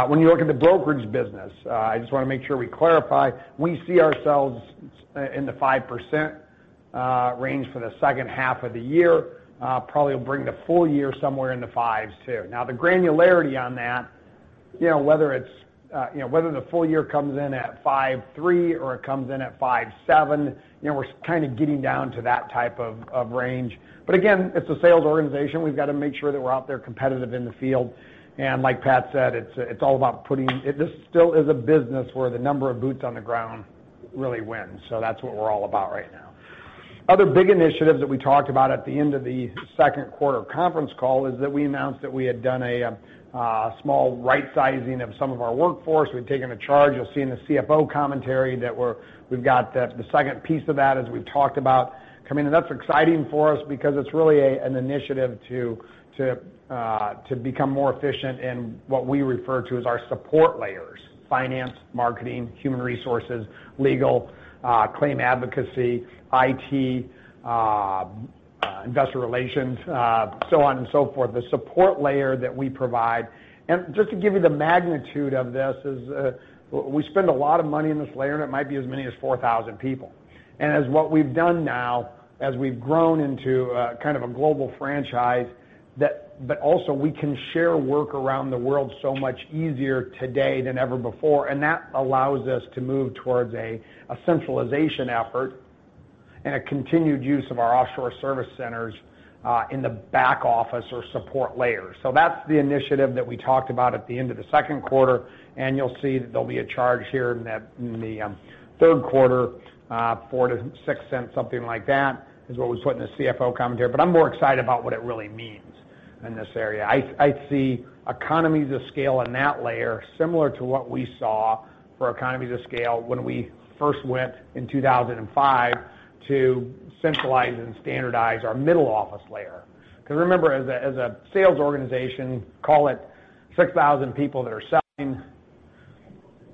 When you look at the brokerage business, I just want to make sure we clarify. We see ourselves in the 5% range for the second half of the year. Probably will bring the full year somewhere in the 5s too. Now the granularity on that, whether the full year comes in at 5.3 or it comes in at 5.7, we're kind of getting down to that type of range. Again, it's a sales organization. We've got to make sure that we're out there competitive in the field. Like Pat said, this still is a business where the number of boots on the ground really wins. That's what we're all about right now. Other big initiatives that we talked about at the end of the second quarter conference call is that we announced that we had done a small right-sizing of some of our workforce. We've taken a charge. You'll see in the CFO commentary that we've got the second piece of that as we've talked about coming in. That's exciting for us because it's really an initiative to become more efficient in what we refer to as our support layers: finance, marketing, Human Resources, legal, claim advocacy, IT, Investor Relations so on and so forth. The support layer that we provide. Just to give you the magnitude of this is we spend a lot of money in this layer, and it might be as many as 4,000 people. As what we've done now, as we've grown into kind of a global franchise, but also we can share work around the world so much easier today than ever before. That allows us to move towards a centralization effort and a continued use of our offshore service centers in the back office or support layers. That's the initiative that we talked about at the end of the second quarter. You'll see that there'll be a charge here in the third quarter, $0.04 to $0.06, something like that, is what was put in the CFO commentary. I'm more excited about what it really means in this area. I see economies of scale in that layer similar to what we saw for economies of scale when we first went in 2005 to centralize and standardize our middle office layer. Remember, as a sales organization, call it 6,000 people that are selling,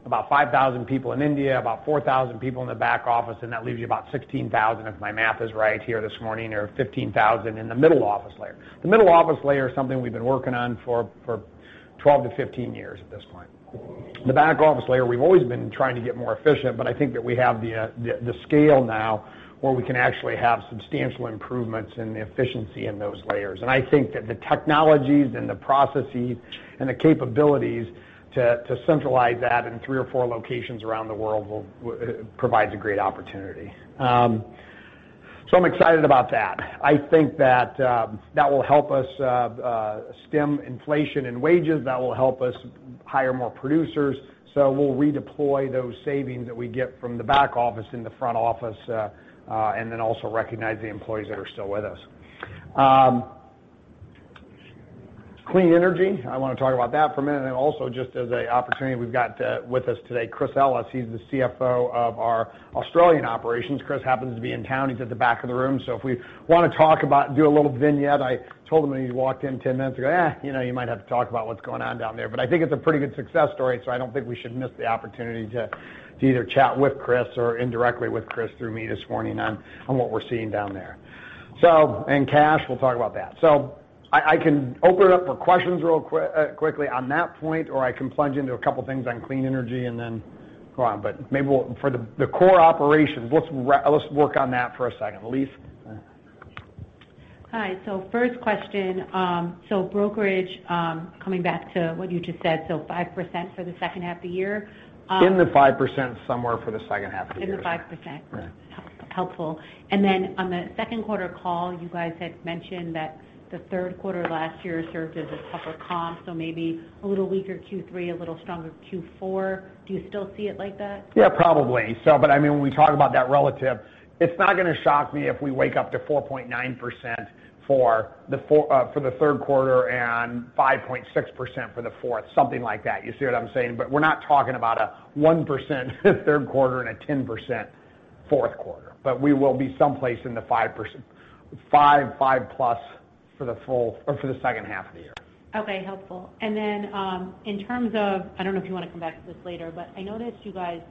about 5,000 people in India, about 4,000 people in the back office, and that leaves you about 16,000, if my math is right here this morning, or 15,000 in the middle office layer. The middle office layer is something we've been working on for 12 to 15 years at this point. The back office layer, we've always been trying to get more efficient, I think that we have the scale now where we can actually have substantial improvements in the efficiency in those layers. I think that the technologies and the processes and the capabilities to centralize that in three or four locations around the world provides a great opportunity. I'm excited about that. I think that that will help us stem inflation and wages. That will help us hire more producers. We'll redeploy those savings that we get from the back office in the front office, also recognize the employees that are still with us. Clean energy, I want to talk about that for a minute. Also just as an opportunity, we've got with us today Chris Ellis, he's the CFO of our Australian operations. Chris happens to be in town. He's at the back of the room. If we want to talk about, do a little vignette. I told him when he walked in 10 minutes ago, you might have to talk about what's going on down there. I think it's a pretty good success story, I don't think we should miss the opportunity to either chat with Chris or indirectly with Chris through me this morning on what we're seeing down there. Cash, we'll talk about that. I can open it up for questions real quickly on that point, or I can plunge into a couple things on clean energy and go on. Maybe for the core operations, let's work on that for a second. Elyse? Hi. First question. Brokerage, coming back to what you just said, 5% for the second half of the year? In the 5% somewhere for the second half of the year. In the 5%? Yeah. Helpful. On the second quarter call, you guys had mentioned that the third quarter of last year served as a tougher comp, so maybe a little weaker Q3, a little stronger Q4. Do you still see it like that? Probably. When we talk about that relative, it's not going to shock me if we wake up to 4.9% for the third quarter and 5.6% for the fourth, something like that. You see what I'm saying? We're not talking about a 1% third quarter and a 10% fourth quarter. We will be someplace in the five plus for the full or for the second half of the year. Okay. Helpful. In terms of, I don't know if you want to come back to this later, but I noticed you guys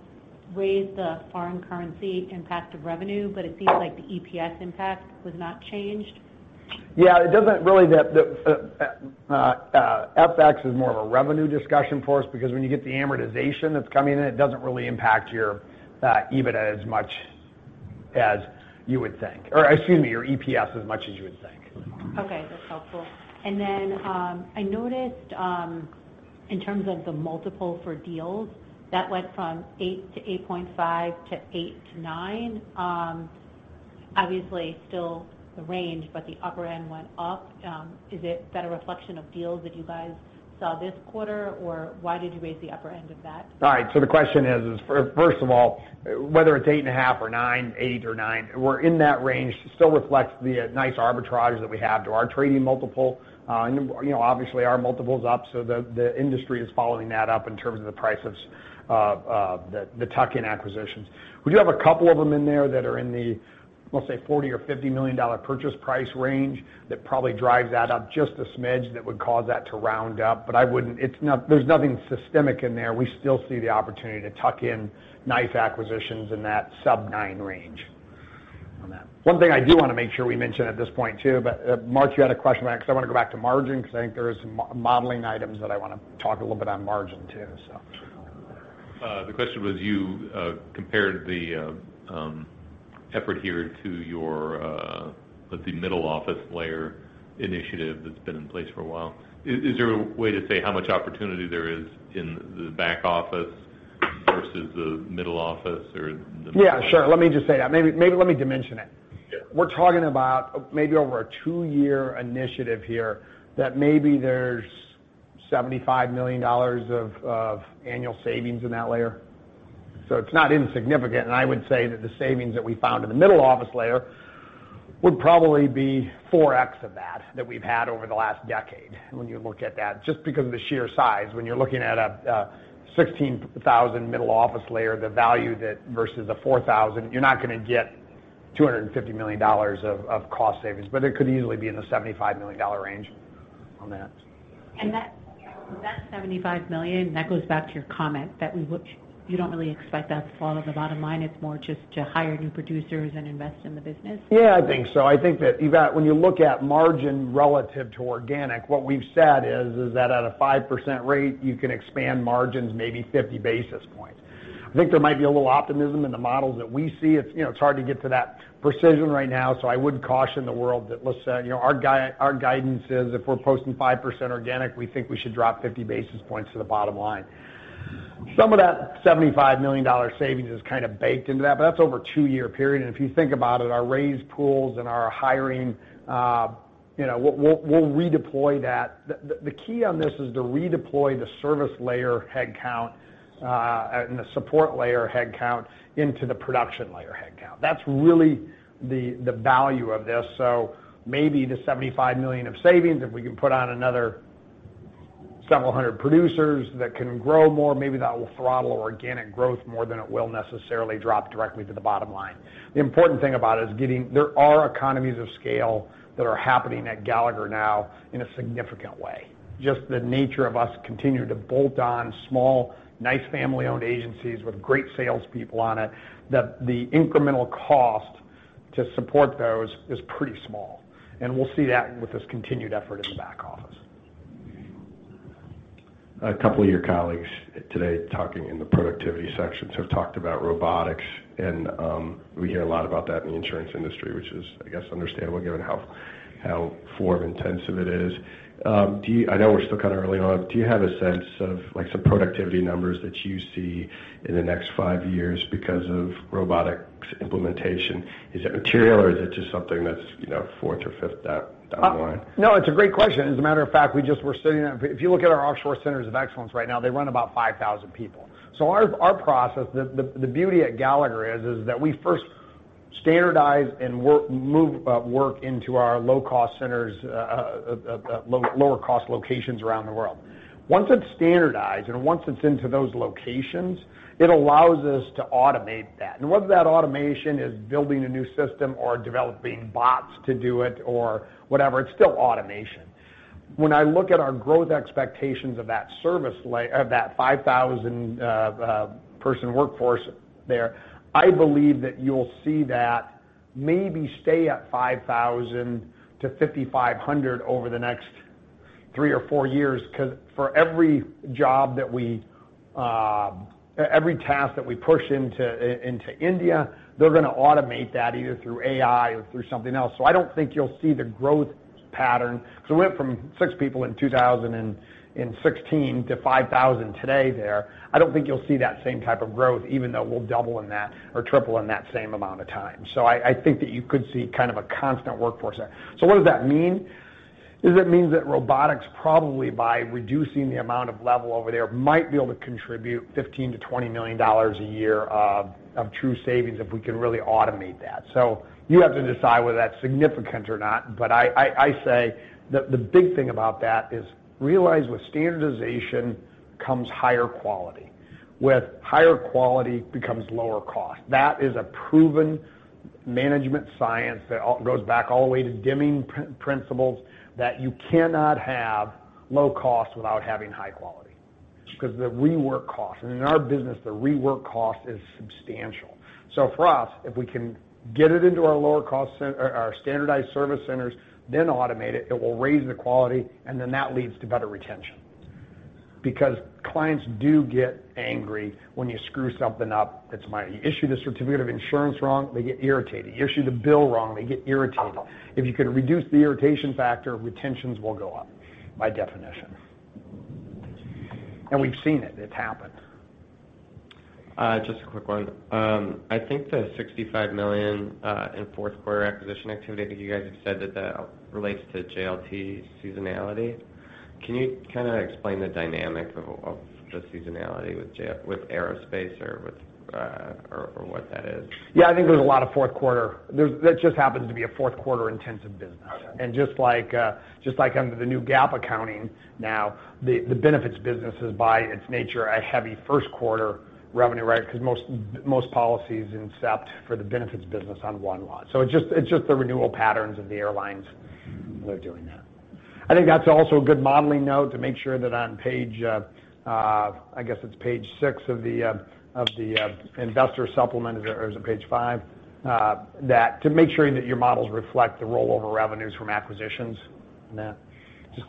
raised the foreign currency impact of revenue, but it seems like the EPS impact was not changed. Yeah, the FX is more of a revenue discussion for us because when you get the amortization that's coming in, it doesn't really impact your EBITDA as much as you would think, or excuse me, your EPS as much as you would think. Okay. That's helpful. I noticed in terms of the multiple for deals, that went from 8-8.5 to 8-9. Obviously still the range, but the upper end went up. Is that a reflection of deals that you guys saw this quarter, or why did you raise the upper end of that? All right, the question is, first of all, whether it's 8.5 or 9, 8 or 9, we're in that range. Still reflects the nice arbitrage that we have to our trading multiple. Obviously, our multiple's up, the industry is following that up in terms of the price of the tuck-in acquisitions. We do have a couple of them in there that are in the, we'll say $40 million or $50 million purchase price range. That probably drives that up just a smidge that would cause that to round up. There's nothing systemic in there. We still see the opportunity to tuck in nice acquisitions in that sub 9 range on that. One thing I do want to make sure we mention at this point too. Mark, you had a question about it, because I want to go back to margin because I think there is some modeling items that I want to talk a little bit on margin too. The question was you compared the effort here to your let's see, middle office layer initiative that's been in place for a while. Is there a way to say how much opportunity there is in the back office versus the middle office? Yeah, sure. Let me just say that. Maybe let me dimension it. Yeah. We're talking about maybe over a two-year initiative here that maybe there's $75 million of annual savings in that layer. It's not insignificant, and I would say that the savings that we found in the middle office layer would probably be 4x of that we've had over the last decade when you look at that, just because of the sheer size. When you're looking at a 16,000 middle office layer, the value versus the 4,000, you're not going to get $250 million of cost savings. It could easily be in the $75 million range on that. That $75 million, that goes back to your comment that you don't really expect that to fall on the bottom line. It's more just to hire new producers and invest in the business? I think so. I think that when you look at margin relative to organic, what we've said is that at a 5% rate, you can expand margins maybe 50 basis points. I think there might be a little optimism in the models that we see. It's hard to get to that precision right now, I would caution the world that let's say, our guidance is if we're posting 5% organic, we think we should drop 50 basis points to the bottom line. Some of that $75 million savings is kind of baked into that, but that's over a 2-year period, if you think about it, our raised pools and our hiring, we'll redeploy that. The key on this is to redeploy the service layer headcount and the support layer headcount into the production layer headcount. That's really the value of this. Maybe the $75 million of savings, if we can put on another several hundred producers that can grow more, maybe that will throttle organic growth more than it will necessarily drop directly to the bottom line. The important thing about it is there are economies of scale that are happening at Gallagher now in a significant way. Just the nature of us continuing to bolt on small, nice family-owned agencies with great salespeople on it, that the incremental cost to support those is pretty small, and we'll see that with this continued effort in the back office. A couple of your colleagues today talking in the productivity sections have talked about robotics and we hear a lot about that in the insurance industry, which is I guess understandable given how form intensive it is. I know we're still kind of early on, do you have a sense of some productivity numbers that you see in the next 5 years because of robotics implementation? Is it material or is it just something that's fourth or fifth down the line? No, it's a great question. As a matter of fact, we just. If you look at our offshore Centers of Excellence right now, they run about 5,000 people. Our process, the beauty at Gallagher is that we first standardize and move work into our low-cost centers, lower cost locations around the world. Once it's standardized and once it's into those locations, it allows us to automate that. Whether that automation is building a new system or developing bots to do it or whatever, it's still automation. When I look at our growth expectations of that 5,000 person workforce there, I believe that you'll see that maybe stay at 5,000 to 5,500 over the next three or four years. Because for every task that we push into India, they're going to automate that either through AI or through something else. I don't think you'll see the growth pattern. We went from six people in 2016 to 5,000 today there. I don't think you'll see that same type of growth, even though we'll double or triple in that same amount of time. I think that you could see a constant workforce there. What does that mean? It means that robotics, probably by reducing the amount of level over there, might be able to contribute $15 million-$20 million a year of true savings if we can really automate that. You have to decide whether that's significant or not, but I say the big thing about that is realize with standardization comes higher quality. With higher quality becomes lower cost. That is a proven management science that goes back all the way to Deming principles, that you cannot have low cost without having high quality, because the rework cost. In our business, the rework cost is substantial. For us, if we can get it into our standardized service centers, then automate it will raise the quality, and then that leads to better retention. Because clients do get angry when you screw something up that's minor. You issue the certificate of insurance wrong, they get irritated. You issue the bill wrong, they get irritated. If you can reduce the irritation factor, retentions will go up, by definition. We've seen it. It's happened. Just a quick one. I think the $65 million in fourth quarter acquisition activity, I think you guys have said that that relates to JLT seasonality. Can you explain the dynamic of the seasonality with Aerospace or what that is? I think there's a lot of fourth quarter. That just happens to be a fourth quarter-intensive business. Okay. Just like under the new GAAP accounting now, the benefits business is by its nature a heavy first quarter revenue, right? Because most policies incept for the benefits business on 1/1. It's just the renewal patterns of the all lines that are doing that. I think that's also a good modeling note to make sure that on page, I guess it's page six of the investor supplement, or is it page five? To make sure that your models reflect the rollover revenues from acquisitions. Yeah. Just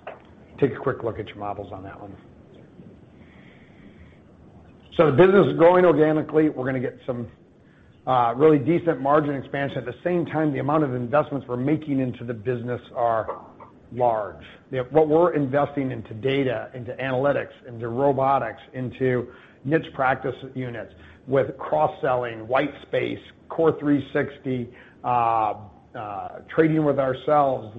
take a quick look at your models on that one. The business is growing organically. We're going to get some really decent margin expansion. At the same time, the amount of investments we're making into the business are large. What we're investing into data, into analytics, into robotics, into niche practice units with cross-selling, white space, CORE360, trading with ourselves,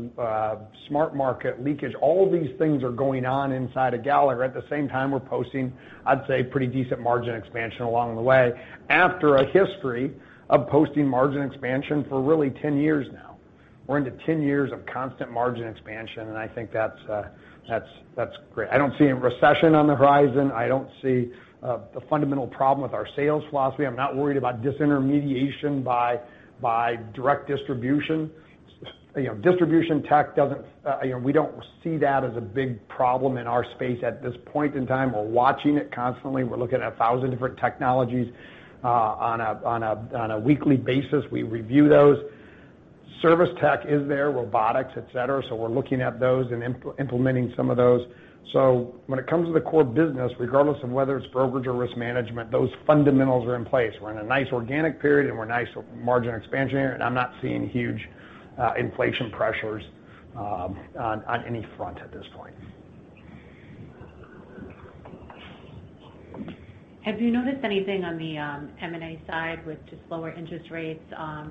Smart Market leakage. All of these things are going on inside of Gallagher. At the same time, we're posting, I'd say, pretty decent margin expansion along the way, after a history of posting margin expansion for really 10 years now. We're into 10 years of constant margin expansion, and I think that's great. I don't see a recession on the horizon. I don't see a fundamental problem with our sales philosophy. I'm not worried about disintermediation by direct distribution. Distribution tech, we don't see that as a big problem in our space at this point in time. We're watching it constantly. We're looking at 1,000 different technologies on a weekly basis. We review those. Service tech is there, robotics, et cetera. We're looking at those and implementing some of those. When it comes to the core business, regardless of whether it's brokerage or risk management, those fundamentals are in place. We're in a nice organic period, and we're in a nice margin expansion here. I'm not seeing huge inflation pressures on any front at this point. Have you noticed anything on the M&A side with just lower interest rates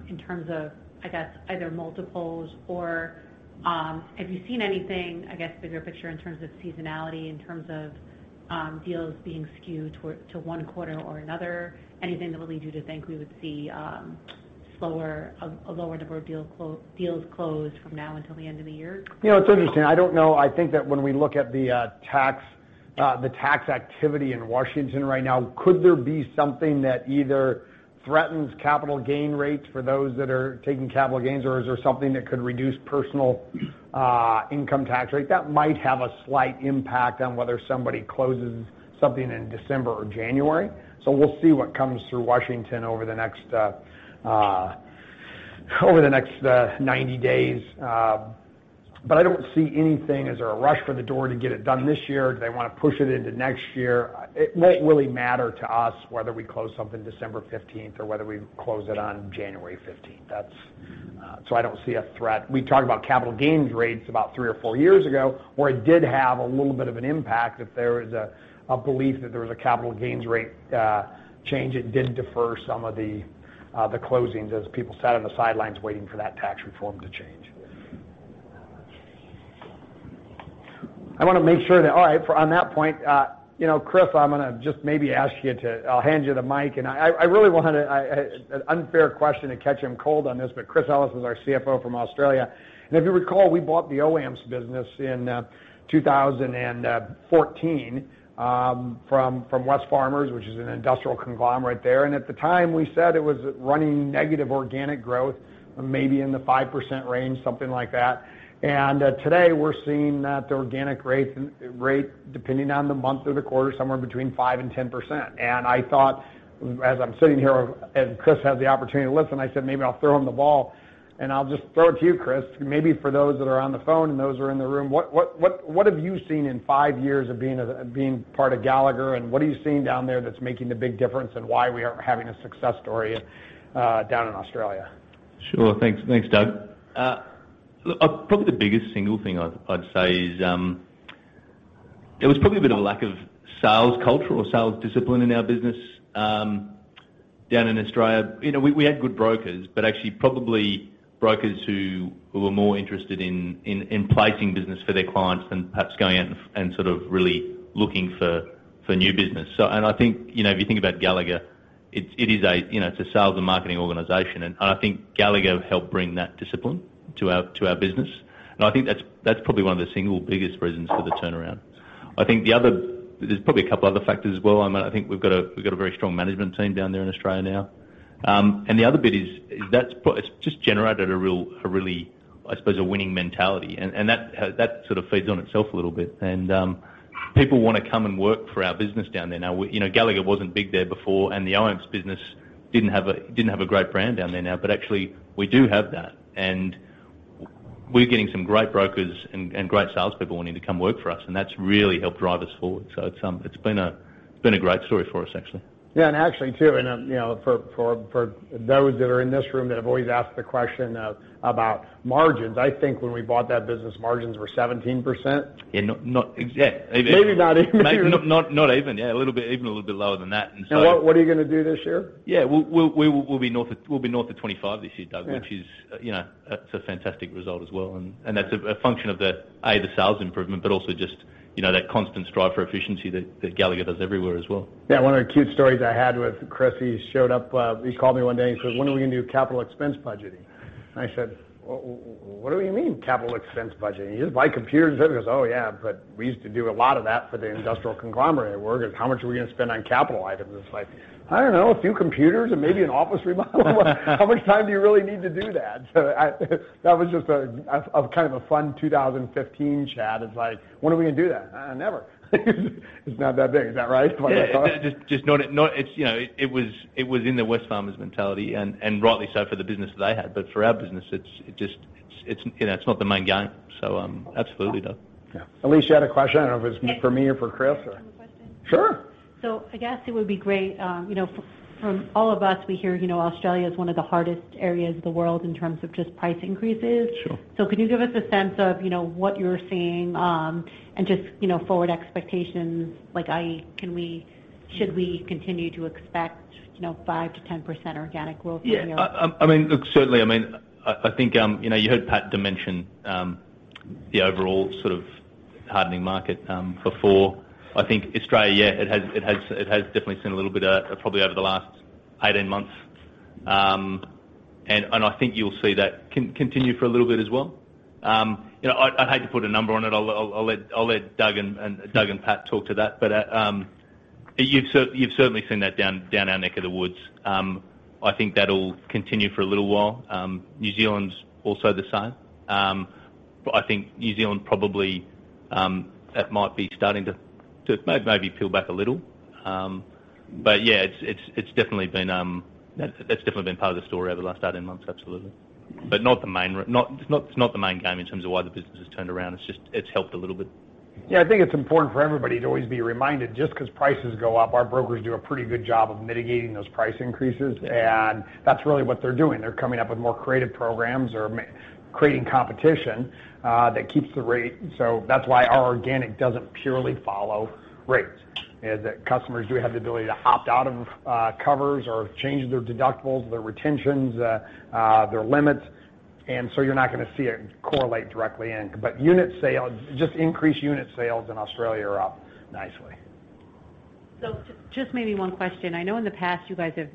in terms of, I guess, either multiples or have you seen anything, I guess, bigger picture in terms of seasonality, in terms of deals being skewed to one quarter or another? Anything that would lead you to think we would see a lower number of deals closed from now until the end of the year? It's interesting. I don't know. I think that when we look at the tax activity in Washington right now, could there be something that either threatens capital gain rates for those that are taking capital gains, or is there something that could reduce personal income tax rate? That might have a slight impact on whether somebody closes something in December or January. We'll see what comes through Washington over the next 90 days. I don't see anything as a rush for the door to get it done this year. Do they want to push it into next year? It won't really matter to us whether we close something December 15th or whether we close it on January 15th. I don't see a threat. We talked about capital gains rates about three or four years ago, where it did have a little bit of an impact if there was a belief that there was a capital gains rate change. It did defer some of the closings as people sat on the sidelines waiting for that tax reform to change. I want to make sure that All right. On that point, Chris, I'm going to just maybe ask you to. I'll hand you the mic, and I really want an unfair question to catch him cold on this, but Chris Ellis is our CFO from Australia. If you recall, we bought the OAMPS business in 2014 from Wesfarmers, which is an industrial conglomerate there. At the time, we said it was running negative organic growth, maybe in the 5% range, something like that. Today we're seeing that the organic rate, depending on the month or the quarter, somewhere between 5% and 10%. I thought as I'm sitting here, and Chris has the opportunity to listen, I said, "Maybe I'll throw him the ball." I'll just throw it to you, Chris. Maybe for those that are on the phone and those who are in the room, what have you seen in five years of being part of Gallagher, and what are you seeing down there that's making the big difference in why we are having a success story down in Australia? Sure. Thanks, Doug. Probably the biggest single thing I'd say is it was probably a bit of a lack of sales culture or sales discipline in our business down in Australia. We had good brokers, but actually probably brokers who were more interested in placing business for their clients than perhaps going out and really looking for new business. I think, if you think about Gallagher, it's a sales and marketing organization. I think Gallagher helped bring that discipline to our business. I think that's probably one of the single biggest reasons for the turnaround. I think there's probably a couple other factors as well. I think we've got a very strong management team down there in Australia now. The other bit is, it's just generated a really, I suppose, a winning mentality. That sort of feeds on itself a little bit. People want to come and work for our business down there now. Gallagher wasn't big there before. The OAMPS business didn't have a great brand down there now, but actually we do have that. We're getting some great brokers and great salespeople wanting to come work for us, and that's really helped drive us forward. It's been a great story for us, actually. Yeah. For those that are in this room that have always asked the question about margins, I think when we bought that business, margins were 17%. Yeah. Yeah. Maybe not even Not even, yeah. Even a little bit lower than that. What are you going to do this year? Yeah. We'll be north of 25 this year, Doug. Yeah which is a fantastic result as well. That's a function of the sales improvement, but also just that constant strive for efficiency that Gallagher does everywhere as well. Yeah. One of the cute stories I had with Chris, he showed up, he called me one day and he says, "When are we going to do capital expense budgeting?" I said, "What do you mean capital expense budgeting? You just buy computers, don't you?" We used to do a lot of that for the industrial conglomerate we're in. "How much are we going to spend on capital items?" It's like, "I don't know, a few computers and maybe an office remodel." How much time do you really need to do that? That was just a kind of a fun 2015 chat. It's like, "When are we going to do that?" "Never." It's not that big. Is that right? Yeah. It was in the Wesfarmers mentality, and rightly so for the business that they had. For our business, it's not the main game. Absolutely, Doug. Yeah. Elyse, you had a question? I don't know if it was for me or for Chris, or? I had a question. Sure. I guess it would be great, from all of us, we hear Australia is one of the hardest areas of the world in terms of just price increases. Sure. Can you give us a sense of what you're seeing, and just forward expectations, like should we continue to expect 5%-10% organic growth from you? Yeah. Look, certainly. I think you heard Pat mention the overall sort of hardening market before. I think Australia, yeah, it has definitely seen a little bit of, probably over the last 18 months. I think you'll see that continue for a little bit as well. I'd hate to put a number on it. I'll let Doug and Pat talk to that. You've certainly seen that down our neck of the woods. I think that'll continue for a little while. New Zealand's also the same. I think New Zealand probably, that might be starting to maybe peel back a little. Yeah, that's definitely been part of the story over the last 18 months, absolutely. It's not the main game in terms of why the business has turned around. It's just, it's helped a little bit. I think it's important for everybody to always be reminded, just because prices go up, our brokers do a pretty good job of mitigating those price increases. That's really what they're doing. They're coming up with more creative programs or creating competition that keeps the rate. That's why our organic doesn't purely follow rates. Is that customers do have the ability to opt out of covers or change their deductibles, their retentions, their limits. You're not going to see it correlate directly in. Unit sales, just increased unit sales in Australia are up nicely. Just maybe one question. I know in the past you guys have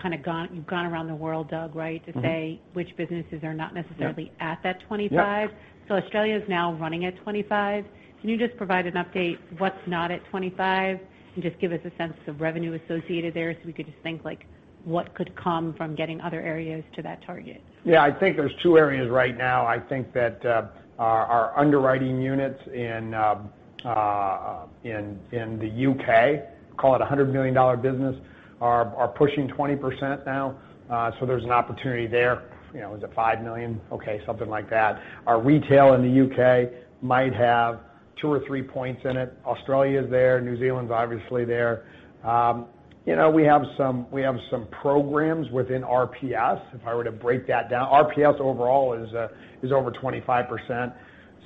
kind of gone around the world, Doug, right? To say which businesses are not necessarily at that 25. Yeah. Australia's now running at 25. Can you just provide an update, what's not at 25? Just give us a sense of revenue associated there so we could just think like what could come from getting other areas to that target. I think there's two areas right now. I think that our underwriting units in the U.K., call it a $100 million business, are pushing 20% now. There's an opportunity there. Is it $5 million? Okay, something like that. Our retail in the U.K. might have two or three points in it. Australia's there, New Zealand's obviously there. We have some programs within RPS. If I were to break that down, RPS overall is over 25%.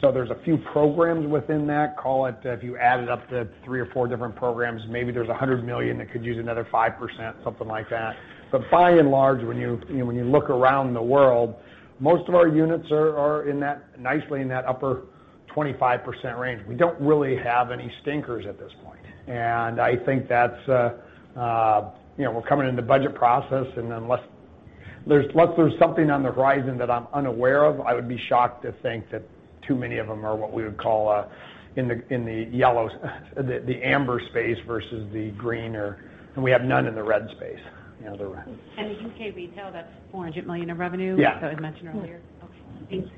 There's a few programs within that, call it, if you added up the three or four different programs, maybe there's $100 million that could use another 5%, something like that. By and large, when you look around the world, most of our units are nicely in that upper 25% range. We don't really have any stinkers at this point. I think that's, we're coming into budget process, unless there's something on the horizon that I'm unaware of, I would be shocked to think that too many of them are what we would call in the amber space versus the green. We have none in the red space. The U.K. retail, that's $400 million of revenue. Yeah That was mentioned earlier? Okay, thanks.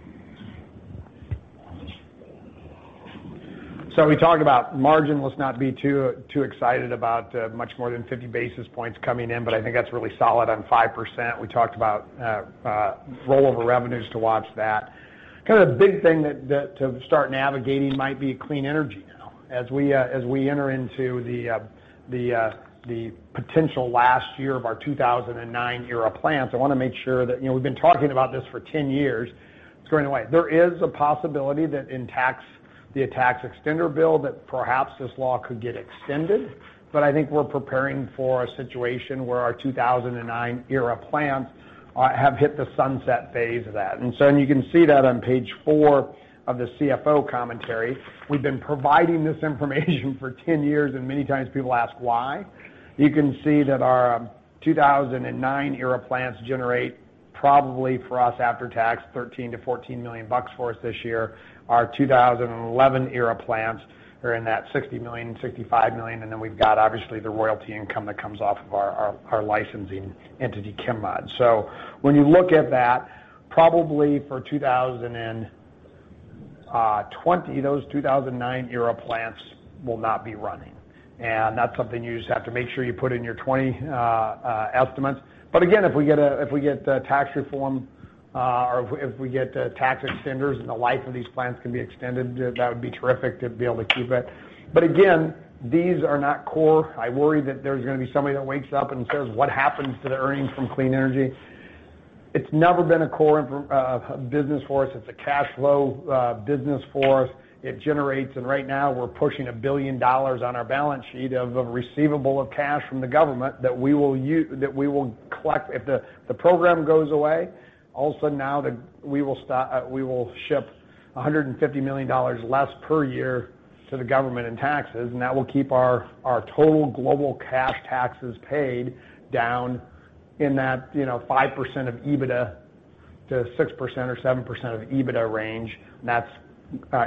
We talked about margin. Let's not be too excited about much more than 50 basis points coming in, but I think that's really solid on 5%. We talked about rollover revenues to watch that. As we enter into the potential last year of our 2009 era plants, we've been talking about this for 10 years. It's going away. There is a possibility that in the tax extender bill, that perhaps this law could get extended. I think we're preparing for a situation where our 2009 era plants have hit the sunset phase of that. You can see that on page four of the CFO commentary. We've been providing this information for 10 years, and many times people ask why. You can see that our 2009 era plants generate, probably for us after tax, $13 million-$14 million for us this year. Our 2011 era plants are in that $60 million-$65 million, then we've got obviously the royalty income that comes off of our licensing entity, ChemMod. When you look at that, probably for 2020, those 2009 era plants will not be running. That's something you just have to make sure you put in your 2020 estimates. Again, if we get tax reform, or if we get tax extenders and the life of these plants can be extended, that would be terrific to be able to keep it. Again, these are not core. I worry that there's going to be somebody that wakes up and says, "What happened to the earnings from clean energy?" It's never been a core business for us. It's a cash flow business for us. It generates, right now we're pushing $1 billion on our balance sheet of receivable of cash from the government that we will collect. If the program goes away, all of a sudden now, we will ship $150 million less per year to the government in taxes. That will keep our total global cash taxes paid down in that 5% of EBITDA to 6% or 7% of EBITDA range. That's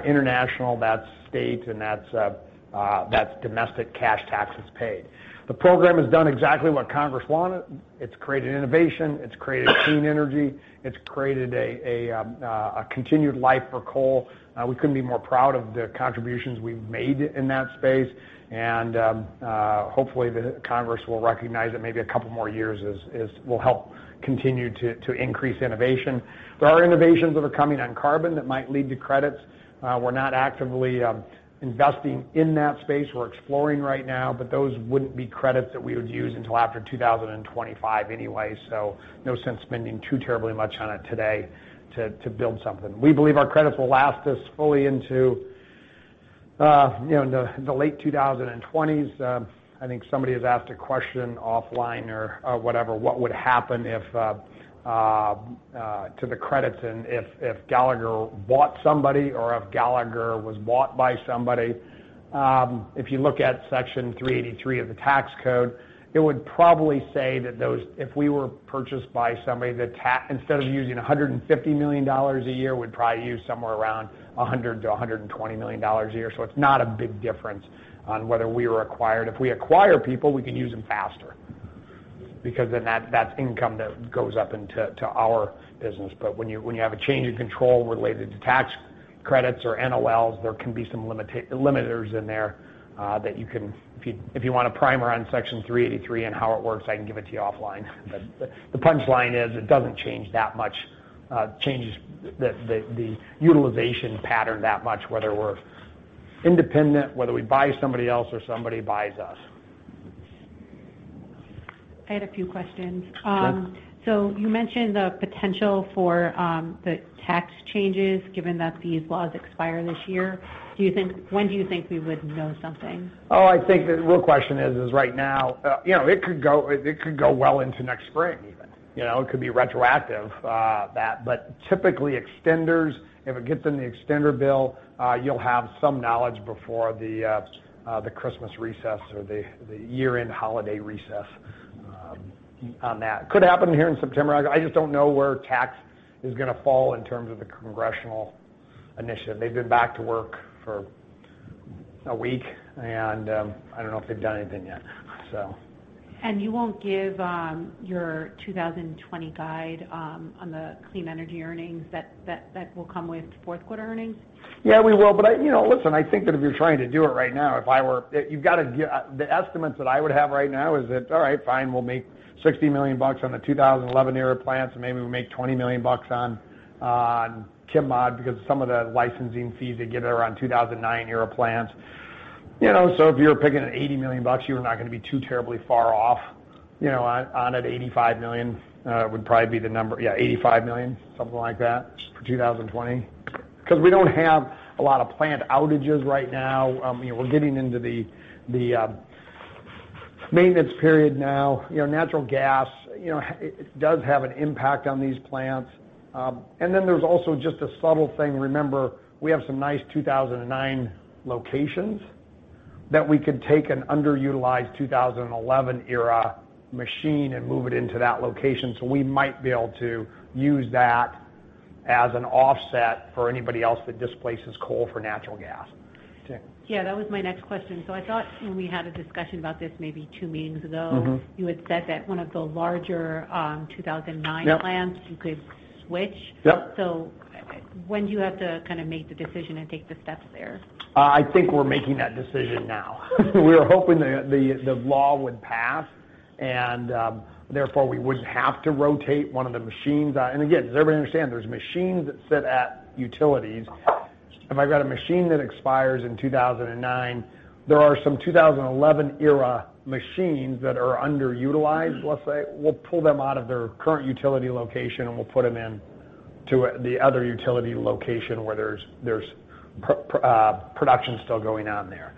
international, that's state, and that's domestic cash taxes paid. The program has done exactly what Congress wanted. It's created innovation. It's created clean energy. It's created a continued life for coal. We couldn't be more proud of the contributions we've made in that space, hopefully the Congress will recognize that maybe a couple more years will help continue to increase innovation. There are innovations that are coming on carbon that might lead to credits. We're not actively investing in that space. We're exploring right now, those wouldn't be credits that we would use until after 2025 anyway, no sense spending too terribly much on it today to build something. We believe our credits will last us fully into the late 2020s. I think somebody has asked a question offline or whatever, what would happen to the credits and if Gallagher bought somebody, or if Gallagher was bought by somebody? If you look at Section 383 of the tax code, it would probably say that if we were purchased by somebody, instead of using $150 million a year, we'd probably use somewhere around $100 million-$120 million a year. It's not a big difference on whether we were acquired. If we acquire people, we can use them faster. That's income that goes up into our business. When you have a change in control related to tax credits or NOLs, there can be some limiters in there that you can. If you want a primer on Section 383 and how it works, I can give it to you offline. The punchline is, it doesn't change the utilization pattern that much, whether we're independent, whether we buy somebody else, or somebody buys us. I had a few questions. Sure. You mentioned the potential for the tax changes, given that these laws expire this year. When do you think we would know something? I think the real question is, it could go well into next spring, even. It could be retroactive. Typically extenders, if it gets in the extender bill, you'll have some knowledge before the Christmas recess or the year-end holiday recess on that. Could happen here in September. I just don't know where tax is going to fall in terms of the congressional initiative. They've been back to work for a week, and I don't know if they've done anything yet. You won't give your 2020 guide on the clean energy earnings, that will come with fourth quarter earnings? Yeah, we will. Listen, I think that if you're trying to do it right now, the estimates that I would have right now is that, all right, fine, we'll make $60 million on the 2011 era plants, and maybe we make $20 million on Chem-Mod because some of the licensing fees they give are on 2009 era plants. If you were picking at $80 million, you are not going to be too terribly far off on it. $85 million would probably be the number. Yeah, $85 million, something like that for 2020. We don't have a lot of plant outages right now. We're getting into the maintenance period now. Natural gas does have an impact on these plants. There's also just a subtle thing. Remember, we have some nice 2009 locations that we could take an underutilized 2011 era machine and move it into that location. We might be able to use that as an offset for anybody else that displaces coal for natural gas. Yeah, that was my next question. I thought when we had a discussion about this maybe two meetings ago. you had said that one of the larger 2009 Yep you could switch. Yep. When do you have to make the decision and take the steps there? I think we're making that decision now. We were hoping the law would pass, therefore, we wouldn't have to rotate one of the machines out. Again, does everybody understand? There's machines that sit at utilities. If I've got a machine that expires in 2009, there are some 2011 era machines that are underutilized, let's say. We'll pull them out of their current utility location, and we'll put them in to the other utility location where there's production still going on there.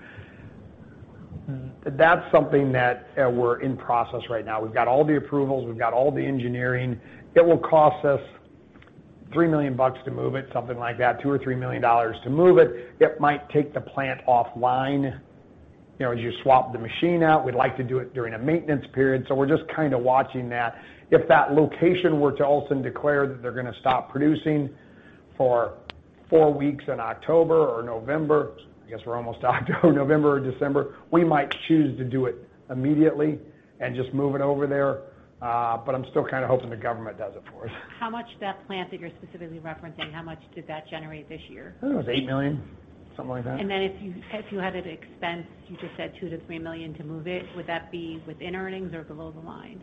That's something that we're in process right now. We've got all the approvals. We've got all the engineering. It will cost us $3 million to move it, something like that, $2 million or $3 million to move it. It might take the plant offline as you swap the machine out. We'd like to do it during a maintenance period. We're just kind of watching that. If that location were to also declare that they're going to stop producing for four weeks in October or November, I guess we're almost to October, November or December, we might choose to do it immediately and just move it over there. I'm still kind of hoping the government does it for us. How much, that plant that you're specifically referencing, how much did that generate this year? I think it was $8 million. Something like that. If you had to expense, you just said $2 million-$3 million to move it, would that be within earnings or below the line?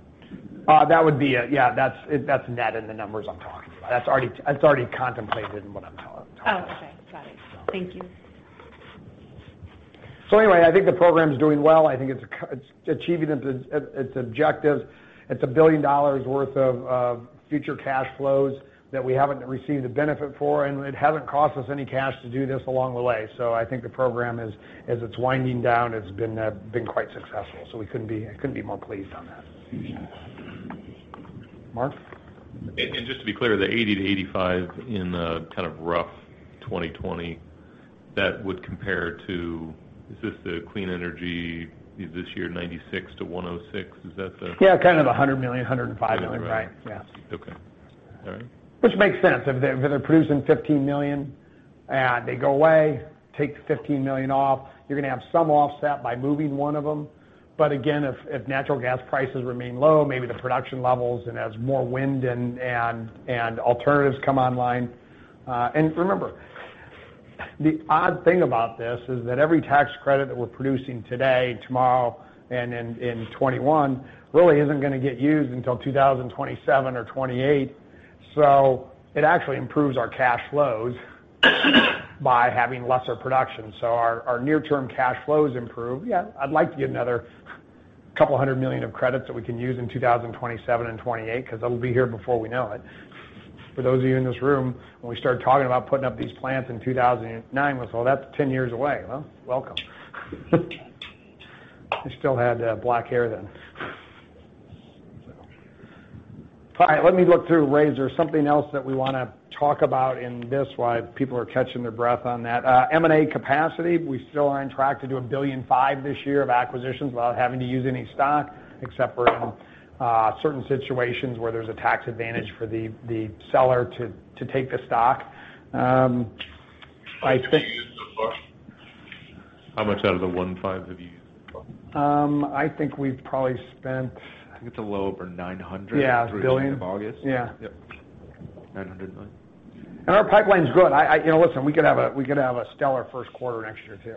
That's net in the numbers I'm talking about. That's already contemplated in what I'm talking about. Oh, okay. Got it. So- Thank you. Anyway, I think the program's doing well. I think it's achieving its objectives. It's $1 billion worth of future cash flows that we haven't received a benefit for, and it hasn't cost us any cash to do this along the way. I think the program, as it's winding down, has been quite successful, so I couldn't be more pleased on that. Mark? Just to be clear, the $80-$85 in the kind of rough 2020, that would compare to, is this the clean energy? Is this year $96-$106? Yeah, kind of $100 million, $105 million. There, right. Yeah. Okay. All right. Which makes sense. If they're producing $15 million, they go away, take the $15 million off. You're going to have some offset by moving one of them. Again, if natural gas prices remain low, maybe the production levels, as more wind and alternatives come online. Remember, the odd thing about this is that every tax credit that we're producing today, tomorrow, and in 2021, really isn't going to get used until 2027 or 2028. It actually improves our cash flows by having lesser production. Our near-term cash flows improve. Yeah. I'd like to get another $200 million of credits that we can use in 2027 and 2028, because that'll be here before we know it. For those of you in this room, when we started talking about putting up these plants in 2009, we said, "Well, that's 10 years away." Welcome. I still had black hair then. All right. Let me look through. Ray, is there something else that we want to talk about in this while people are catching their breath on that? M&A capacity, we still are on track to do $1.5 billion this year of acquisitions without having to use any stock, except for in certain situations where there's a tax advantage for the seller to take the stock. I think. How much have you used so far? How much out of the $1.5 billion have you used so far? I think we've probably spent. I think it's a little over $900 through the end of August. Yeah, $1 billion. Yeah. Yep. $900 million. Our pipeline's good. Listen, we could have a stellar first quarter next year, too.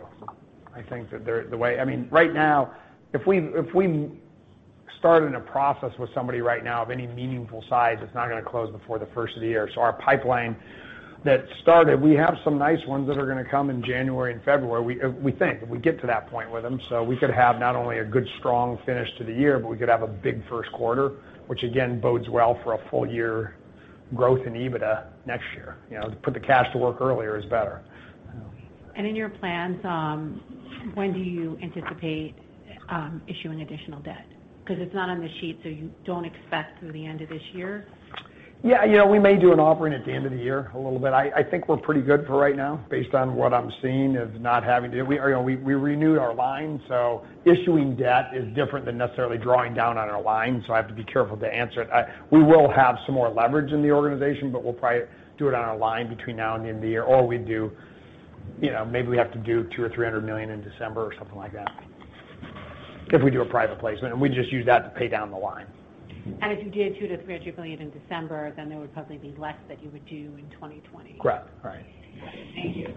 I think that right now, if we started in a process with somebody right now of any meaningful size, it's not going to close before the first of the year. Our pipeline that started, we have some nice ones that are going to come in January and February, we think. If we get to that point with them. We could have not only a good, strong finish to the year, but we could have a big first quarter, which again, bodes well for a full-year growth in EBITDA next year. To put the cash to work earlier is better. In your plans, when do you anticipate issuing additional debt? It's not on the sheet, you don't expect through the end of this year? Yeah. We may do an offering at the end of the year, a little bit. I think we're pretty good for right now, based on what I'm seeing of not having to. We renewed our line. Issuing debt is different than necessarily drawing down on our line. I have to be careful to answer it. We will have some more leverage in the organization, but we'll probably do it on our line between now and the end of the year. Maybe we have to do $200 or $300 million in December or something like that. If we do a private placement, we'd just use that to pay down the line. If you did $200 million-$300 million in December, there would probably be less that you would do in 2020. Correct. Right. Thank you.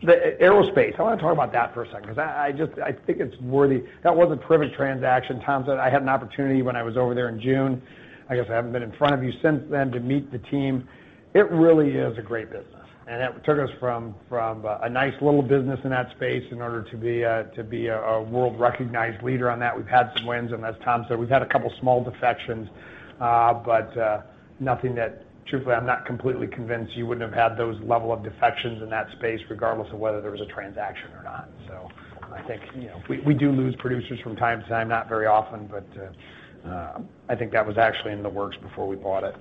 The aerospace. I want to talk about that for a second, because I think it's worthy. That was a perfect transaction. Tom said I had an opportunity when I was over there in June. I guess I haven't been in front of you since then to meet the team. It really is a great business, and it took us from a nice little business in that space in order to be a world-recognized leader on that. We've had some wins, and as Tom said, we've had a couple small defections. Nothing that, truthfully, I'm not completely convinced you wouldn't have had those level of defections in that space regardless of whether there was a transaction or not. I think we do lose producers from time to time, not very often, but I think that was actually in the works before we bought it.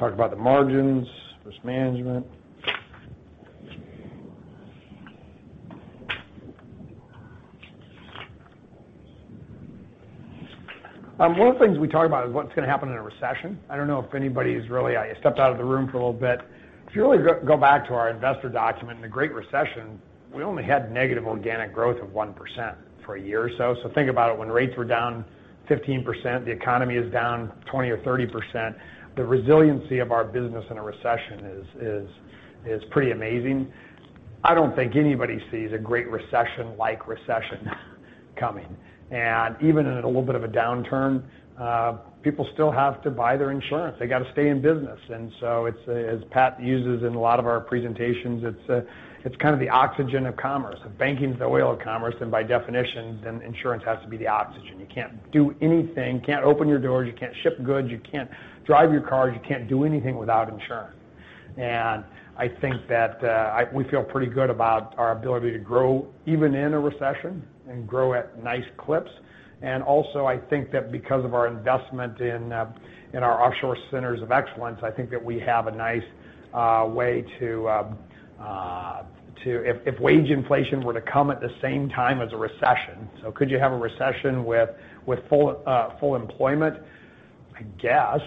Let's talk about the margins, risk management. One of the things we talk about is what's going to happen in a recession. I don't know if anybody's really I stepped out of the room for a little bit. If you really go back to our investor document, in the Great Recession, we only had negative organic growth of 1% for a year or so. Think about it. When rates were down 15%, the economy is down 20% or 30%, the resiliency of our business in a recession is pretty amazing. I don't think anybody sees a Great Recession-like recession coming. Even in a little bit of a downturn, people still have to buy their insurance. They got to stay in business. As Pat uses in a lot of our presentations, it's kind of the oxygen of commerce. If banking's the oil of commerce, then by definition, insurance has to be the oxygen. You can't do anything, you can't open your doors, you can't ship goods, you can't drive your car, you can't do anything without insurance. I think that we feel pretty good about our ability to grow, even in a recession, and grow at nice clips. Also, I think that because of our investment in our offshore Gallagher Centers of Excellence, I think that we have a nice way to If wage inflation were to come at the same time as a recession, could you have a recession with full employment? I guess,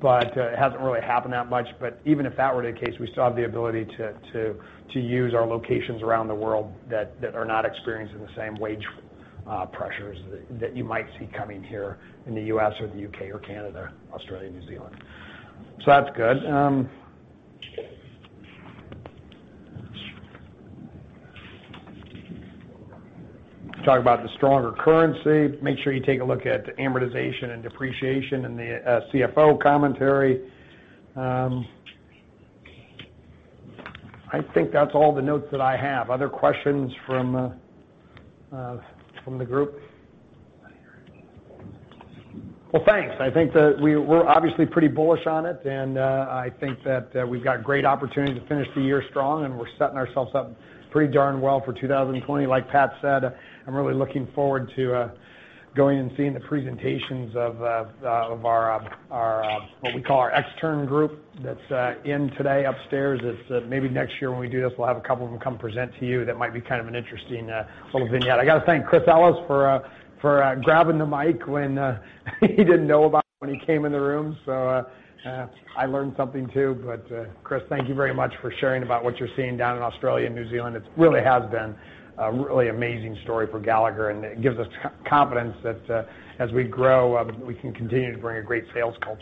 but it hasn't really happened that much. Even if that were the case, we still have the ability to use our locations around the world that are not experiencing the same wage pressures that you might see coming here in the U.S. or the U.K. or Canada, Australia, New Zealand. That's good. Talk about the stronger currency. Make sure you take a look at the amortization and depreciation in the CFO commentary. I think that's all the notes that I have. Other questions from the group? Thanks. I think that we're obviously pretty bullish on it, and I think that we've got great opportunity to finish the year strong, and we're setting ourselves up pretty darn well for 2020. Like Pat said, I'm really looking forward to going and seeing the presentations of what we call our extern group that's in today upstairs. Maybe next year when we do this, we'll have a couple of them come present to you. That might be kind of an interesting little vignette. I got to thank Chris Ellis for grabbing the mic when he didn't know about it when he came in the room. I learned something, too. Chris, thank you very much for sharing about what you're seeing down in Australia and New Zealand. It really has been a really amazing story for Gallagher, and it gives us confidence that as we grow, we can continue to bring a great sales culture.